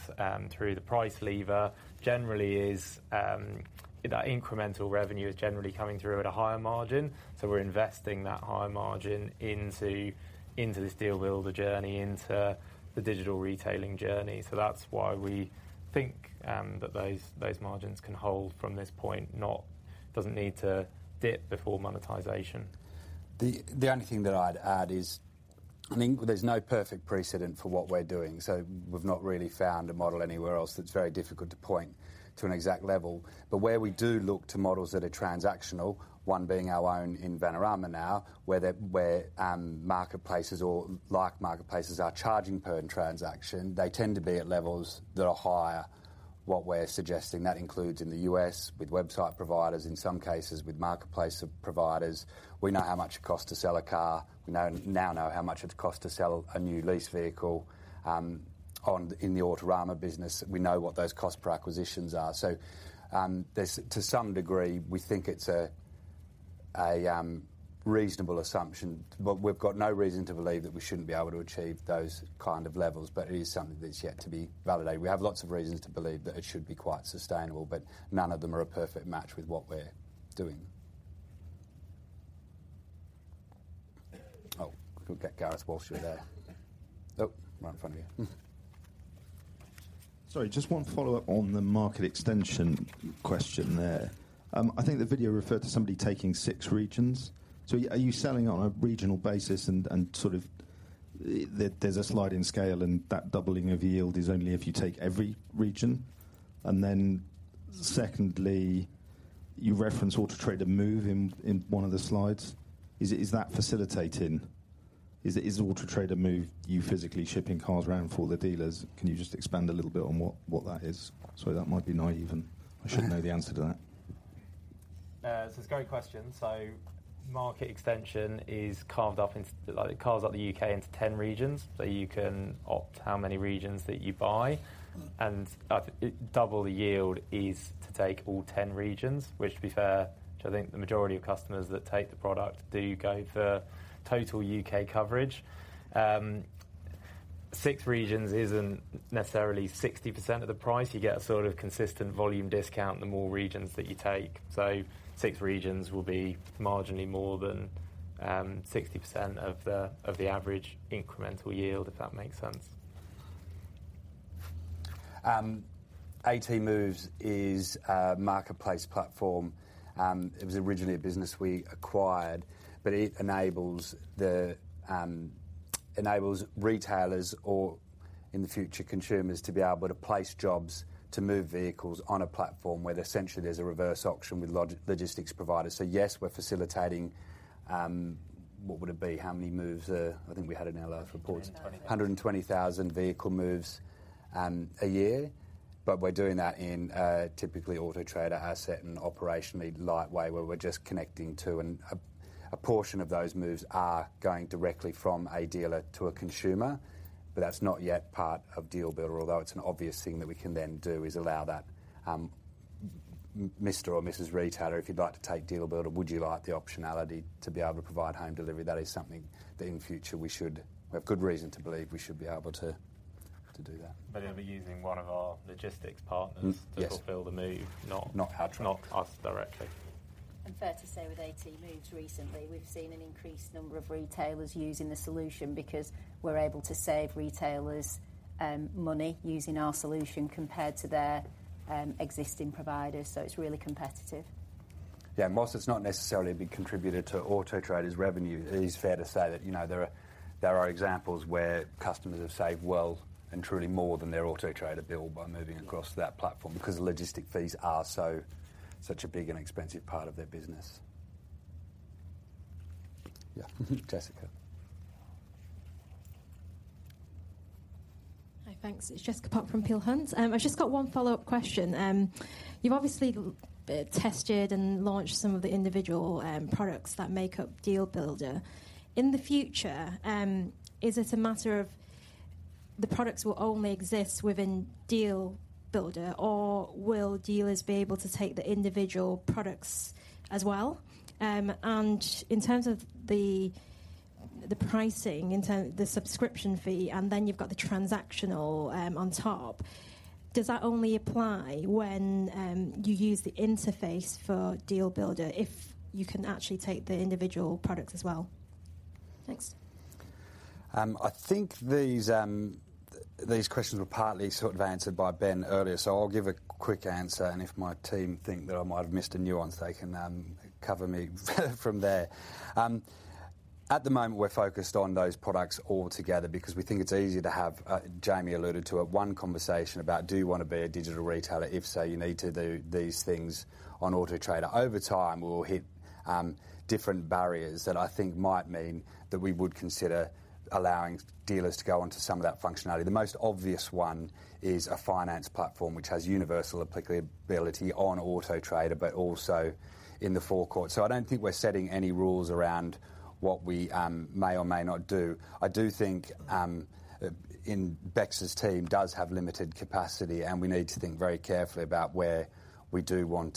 through the price lever, generally is that incremental revenue is generally coming through at a higher margin. We're investing that higher margin into this Deal Builder journey, into the digital retailing journey. That's why we think that those margins can hold from this point, doesn't need to dip before monetization. The only thing that I'd add is, I think there's no perfect precedent for what we're doing, so we've not really found a model anywhere else that's very difficult to point to an exact level. Where we do look to models that are transactional, one being our own in Vanarama now, where marketplaces or like marketplaces are charging per transaction, they tend to be at levels that are higher, what we're suggesting. That includes in the U.S. with website providers, in some cases with marketplace providers. We know how much it costs to sell a car. We now know how much it costs to sell a new lease vehicle in the Autorama business. We know what those cost per acquisitions are. There's to some degree, we think it's a reasonable assumption, but we've got no reason to believe that we shouldn't be able to achieve those kind of levels. It is something that's yet to be validated. We have lots of reasons to believe that it should be quite sustainable, but none of them are a perfect match with what we're doing. Oh, we could get Gareth whilst you're there. Oh, right in front of you. Sorry, just one follow-up on the Market Extension question there. I think the video referred to somebody taking six regions. Are you selling on a regional basis and sort of there's a sliding scale, and that doubling of yield is only if you take every region? Secondly, you reference AT Moves in one of the slides. Is AT Moves you physically shipping cars around for the dealers? Can you just expand a little bit on what that is? Sorry, that might be naive, and I should know the answer to that. It's a great question. Market Extension is carved up into 10 regions. Like, it carves up the U.K. into 10 regions, so you can opt how many regions that you buy. Double the yield is to take all 10 regions, which, to be fair, I think the majority of customers that take the product do go for total U.K. coverage. 6 regions isn't necessarily 60% of the price. You get a sort of consistent volume discount the more regions that you take. 6 regions will be marginally more than 60% of the average incremental yield, if that makes sense. AT Moves is a marketplace platform. It was originally a business we acquired, but it enables retailers or in the future consumers to be able to place jobs to move vehicles on a platform where essentially there's a reverse auction with logistics providers. Yes, we're facilitating what would it be? How many moves? I think we had in our last report. 120. 120,000 vehicle moves a year. We're doing that in a typically Auto Trader asset and operationally light way, where we're just connecting to a portion of those moves are going directly from a dealer to a consumer. That's not yet part of Deal Builder, although it's an obvious thing that we can then do, is allow that, Mr. or Mrs. Retailer, if you'd like to take Deal Builder, would you like the optionality to be able to provide home delivery? That is something that in future we should have good reason to believe we should be able to do that. They'll be using one of our logistics partners. Yes to fulfill the move. Not Patrion. Not us directly. Fair to say with AT Moves recently, we've seen an increased number of retailers using the solution because we're able to save retailers money using our solution compared to their existing providers, so it's really competitive. Yeah, whilst it's not necessarily a big contributor to Auto Trader's revenue, it is fair to say that, you know, there are examples where customers have saved well and truly more than their Auto Trader bill by moving across to that platform, because logistics fees are so, such a big and expensive part of their business. Yeah. Jessica. Hi, thanks. It's Jessica Pok from Peel Hunt. I've just got one follow-up question. You've obviously tested and launched some of the individual products that make up Deal Builder. In the future, is it a matter of the products will only exist within Deal Builder, or will dealers be able to take the individual products as well? And in terms of the pricing, the subscription fee, and then you've got the transactional on top. Does that only apply when you use the interface for Deal Builder if you can actually take the individual products as well? Thanks. I think these questions were partly sort of answered by Ben earlier. I'll give a quick answer, and if my team think that I might have missed a nuance, they can cover me from there. At the moment, we're focused on those products all together because we think it's easier to have, Jamie alluded to it, one conversation about, "Do you wanna be a digital retailer? If so, you need to do these things on Auto Trader." Over time, we'll hit different barriers that I think might mean that we would consider allowing dealers to go onto some of that functionality. The most obvious one is a finance platform which has universal applicability on Auto Trader, but also in the forecourt. I don't think we're setting any rules around what we may or may not do. I do think that Bex's team does have limited capacity, and we need to think very carefully about where we wanna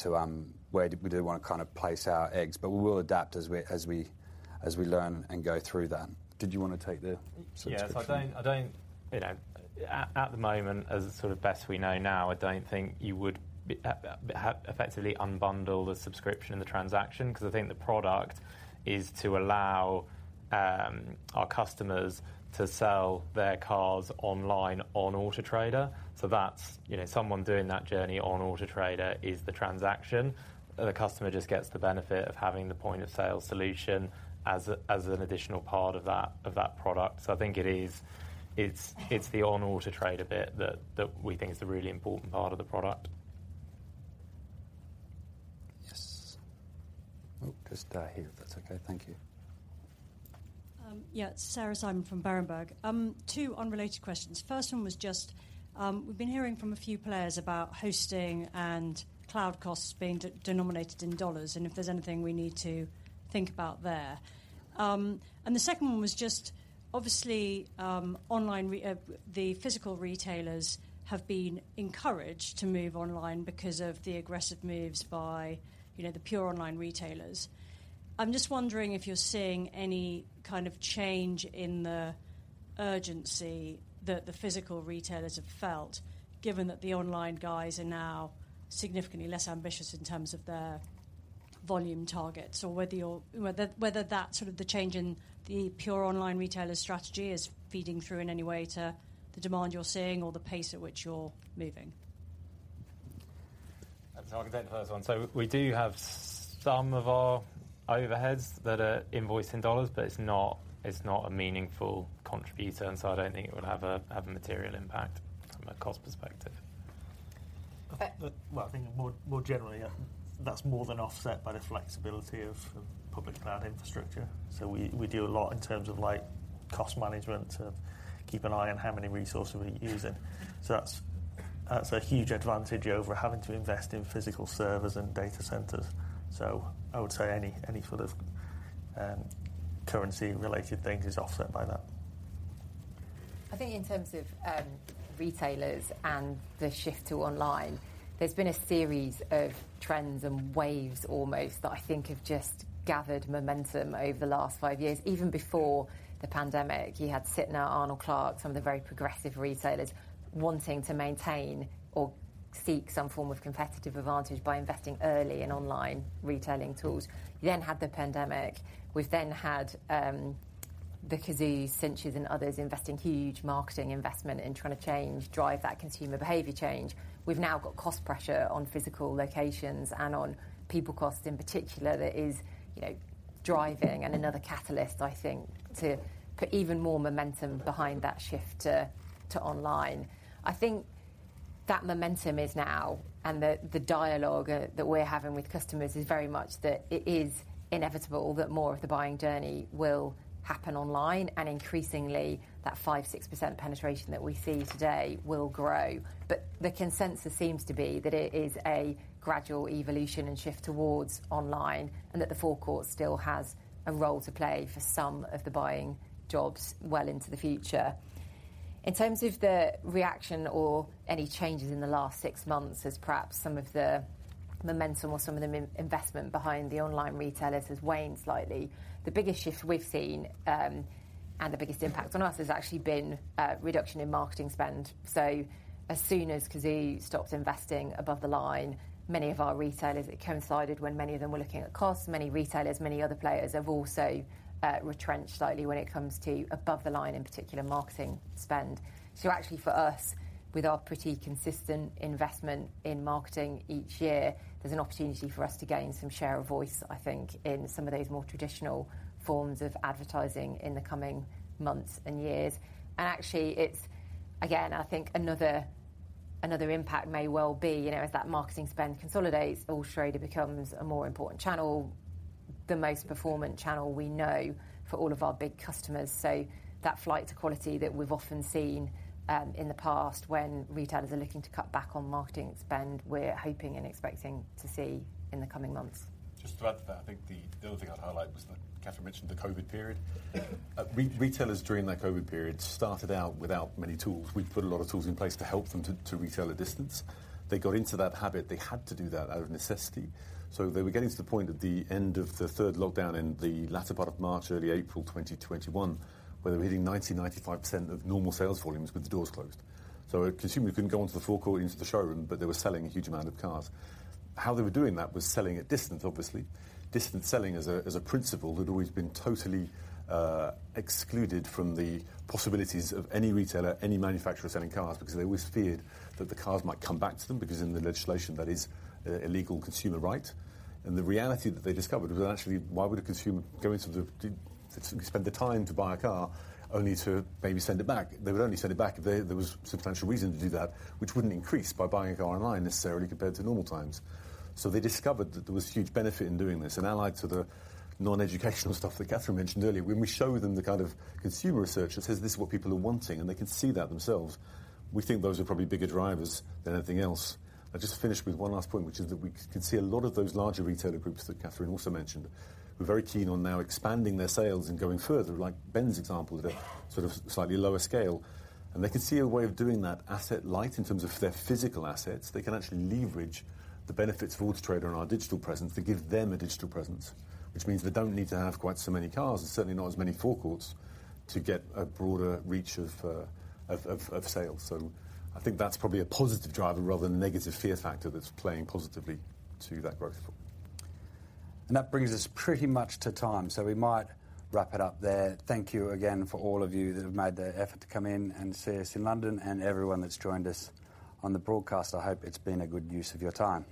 kind of place our eggs. We will adapt as we learn and go through that. Did you wanna take the subscription? Yes. I don't, you know, at the moment, as sort of best we know now, I don't think you would effectively unbundle the subscription and the transaction, 'cause I think the product is to allow our customers to sell their cars online on Auto Trader. That's, you know, someone doing that journey on Auto Trader is the transaction. The customer just gets the benefit of having the point-of-sale solution as an additional part of that product. I think it is the on Auto Trader bit that we think is the really important part of the product. Yes. Oh, just here, if that's okay. Thank you. Yeah, Sarah Simon from Berenberg. Two unrelated questions. First one was just, we've been hearing from a few players about hosting and cloud costs being denominated in dollars, and if there's anything we need to think about there. The second one was just obviously, the physical retailers have been encouraged to move online because of the aggressive moves by, you know, the pure online retailers. I'm just wondering if you're seeing any kind of change in the urgency that the physical retailers have felt, given that the online guys are now significantly less ambitious in terms of their volume targets, or whether that's sort of the change in the pure online retailer strategy is feeding through in any way to the demand you're seeing or the pace at which you're moving. I can take the first one. We do have some of our overheads that are invoiced in dollars, but it's not a meaningful contributor, and I don't think it would have a material impact from a cost perspective. Okay. Well, I think more generally, that's more than offset by the flexibility of public cloud infrastructure. So we do a lot in terms of, like, cost management to keep an eye on how many resources we're using. So that's a huge advantage over having to invest in physical servers and data centers. So I would say any sort of currency related things is offset by that. I think in terms of, retailers and the shift to online, there's been a series of trends and waves almost that I think have just gathered momentum over the last five years. Even before the pandemic, you had Sytner, Arnold Clark, some of the very progressive retailers wanting to maintain or seek some form of competitive advantage by investing early in online retailing tools. You then had the pandemic. We've then had, the Cazoo, cinch, and others investing huge marketing investment in trying to change, drive that consumer behavior change. We've now got cost pressure on physical locations and on people costs in particular that is, you know, driving and another catalyst I think to put even more momentum behind that shift to online. I think that momentum is now, and the dialogue that we're having with customers is very much that it is inevitable that more of the buying journey will happen online, and increasingly that 5%-6% penetration that we see today will grow. The consensus seems to be that it is a gradual evolution and shift towards online, and that the forecourt still has a role to play for some of the buying jobs well into the future. In terms of the reaction or any changes in the last six months as perhaps some of the momentum or some of the investment behind the online retailers has waned slightly, the biggest shift we've seen, and the biggest impact on us has actually been reduction in marketing spend. As soon as Cazoo stopped investing above the line, many of our retailers, it coincided when many of them were looking at costs. Many retailers, many other players have also retrenched slightly when it comes to above the line, in particular, marketing spend. Actually for us, with our pretty consistent investment in marketing each year, there's an opportunity for us to gain some share of voice, I think, in some of those more traditional forms of advertising in the coming months and years. Actually it's, again, I think another impact may well be, you know, as that marketing spend consolidates, Auto Trader becomes a more important channel, the most performant channel we know for all of our big customers. That flight to quality that we've often seen, in the past when retailers are looking to cut back on marketing spend, we're hoping and expecting to see in the coming months. Just to add to that, I think the other thing I'd highlight was that Catherine mentioned the COVID period. Yeah. Retailers during that COVID period started out without many tools. We'd put a lot of tools in place to help them to retail at distance. They got into that habit. They had to do that out of necessity. They were getting to the point at the end of the third lockdown in the latter part of March, early April 2021, where they're hitting 90%-95% of normal sales volumes with the doors closed. A consumer couldn't go onto the forecourt into the showroom, but they were selling a huge amount of cars. How they were doing that was selling at distance, obviously. Distant selling as a principle had always been totally excluded from the possibilities of any retailer, any manufacturer selling cars, because they always feared that the cars might come back to them, because in the legislation that is a legal consumer right. The reality that they discovered was actually why would a consumer spend the time to buy a car only to maybe send it back. They would only send it back if there was substantial reason to do that, which wouldn't increase by buying a car online necessarily compared to normal times. They discovered that there was huge benefit in doing this. Allied to the non-educational stuff that Catherine mentioned earlier, when we show them the kind of consumer research that says this is what people are wanting and they can see that themselves, we think those are probably bigger drivers than anything else. I'll just finish with one last point, which is that we can see a lot of those larger retailer groups that Catherine also mentioned, were very keen on now expanding their sales and going further, like Ben's example at a sort of slightly lower scale. They can see a way of doing that asset light in terms of their physical assets. They can actually leverage the benefits of Auto Trader and our digital presence to give them a digital presence, which means they don't need to have quite so many cars and certainly not as many forecourts to get a broader reach of sales. I think that's probably a positive driver rather than a negative fear factor that's playing positively to that growth. That brings us pretty much to time, so we might wrap it up there. Thank you again for all of you that have made the effort to come in and see us in London and everyone that's joined us on the broadcast. I hope it's been a good use of your time.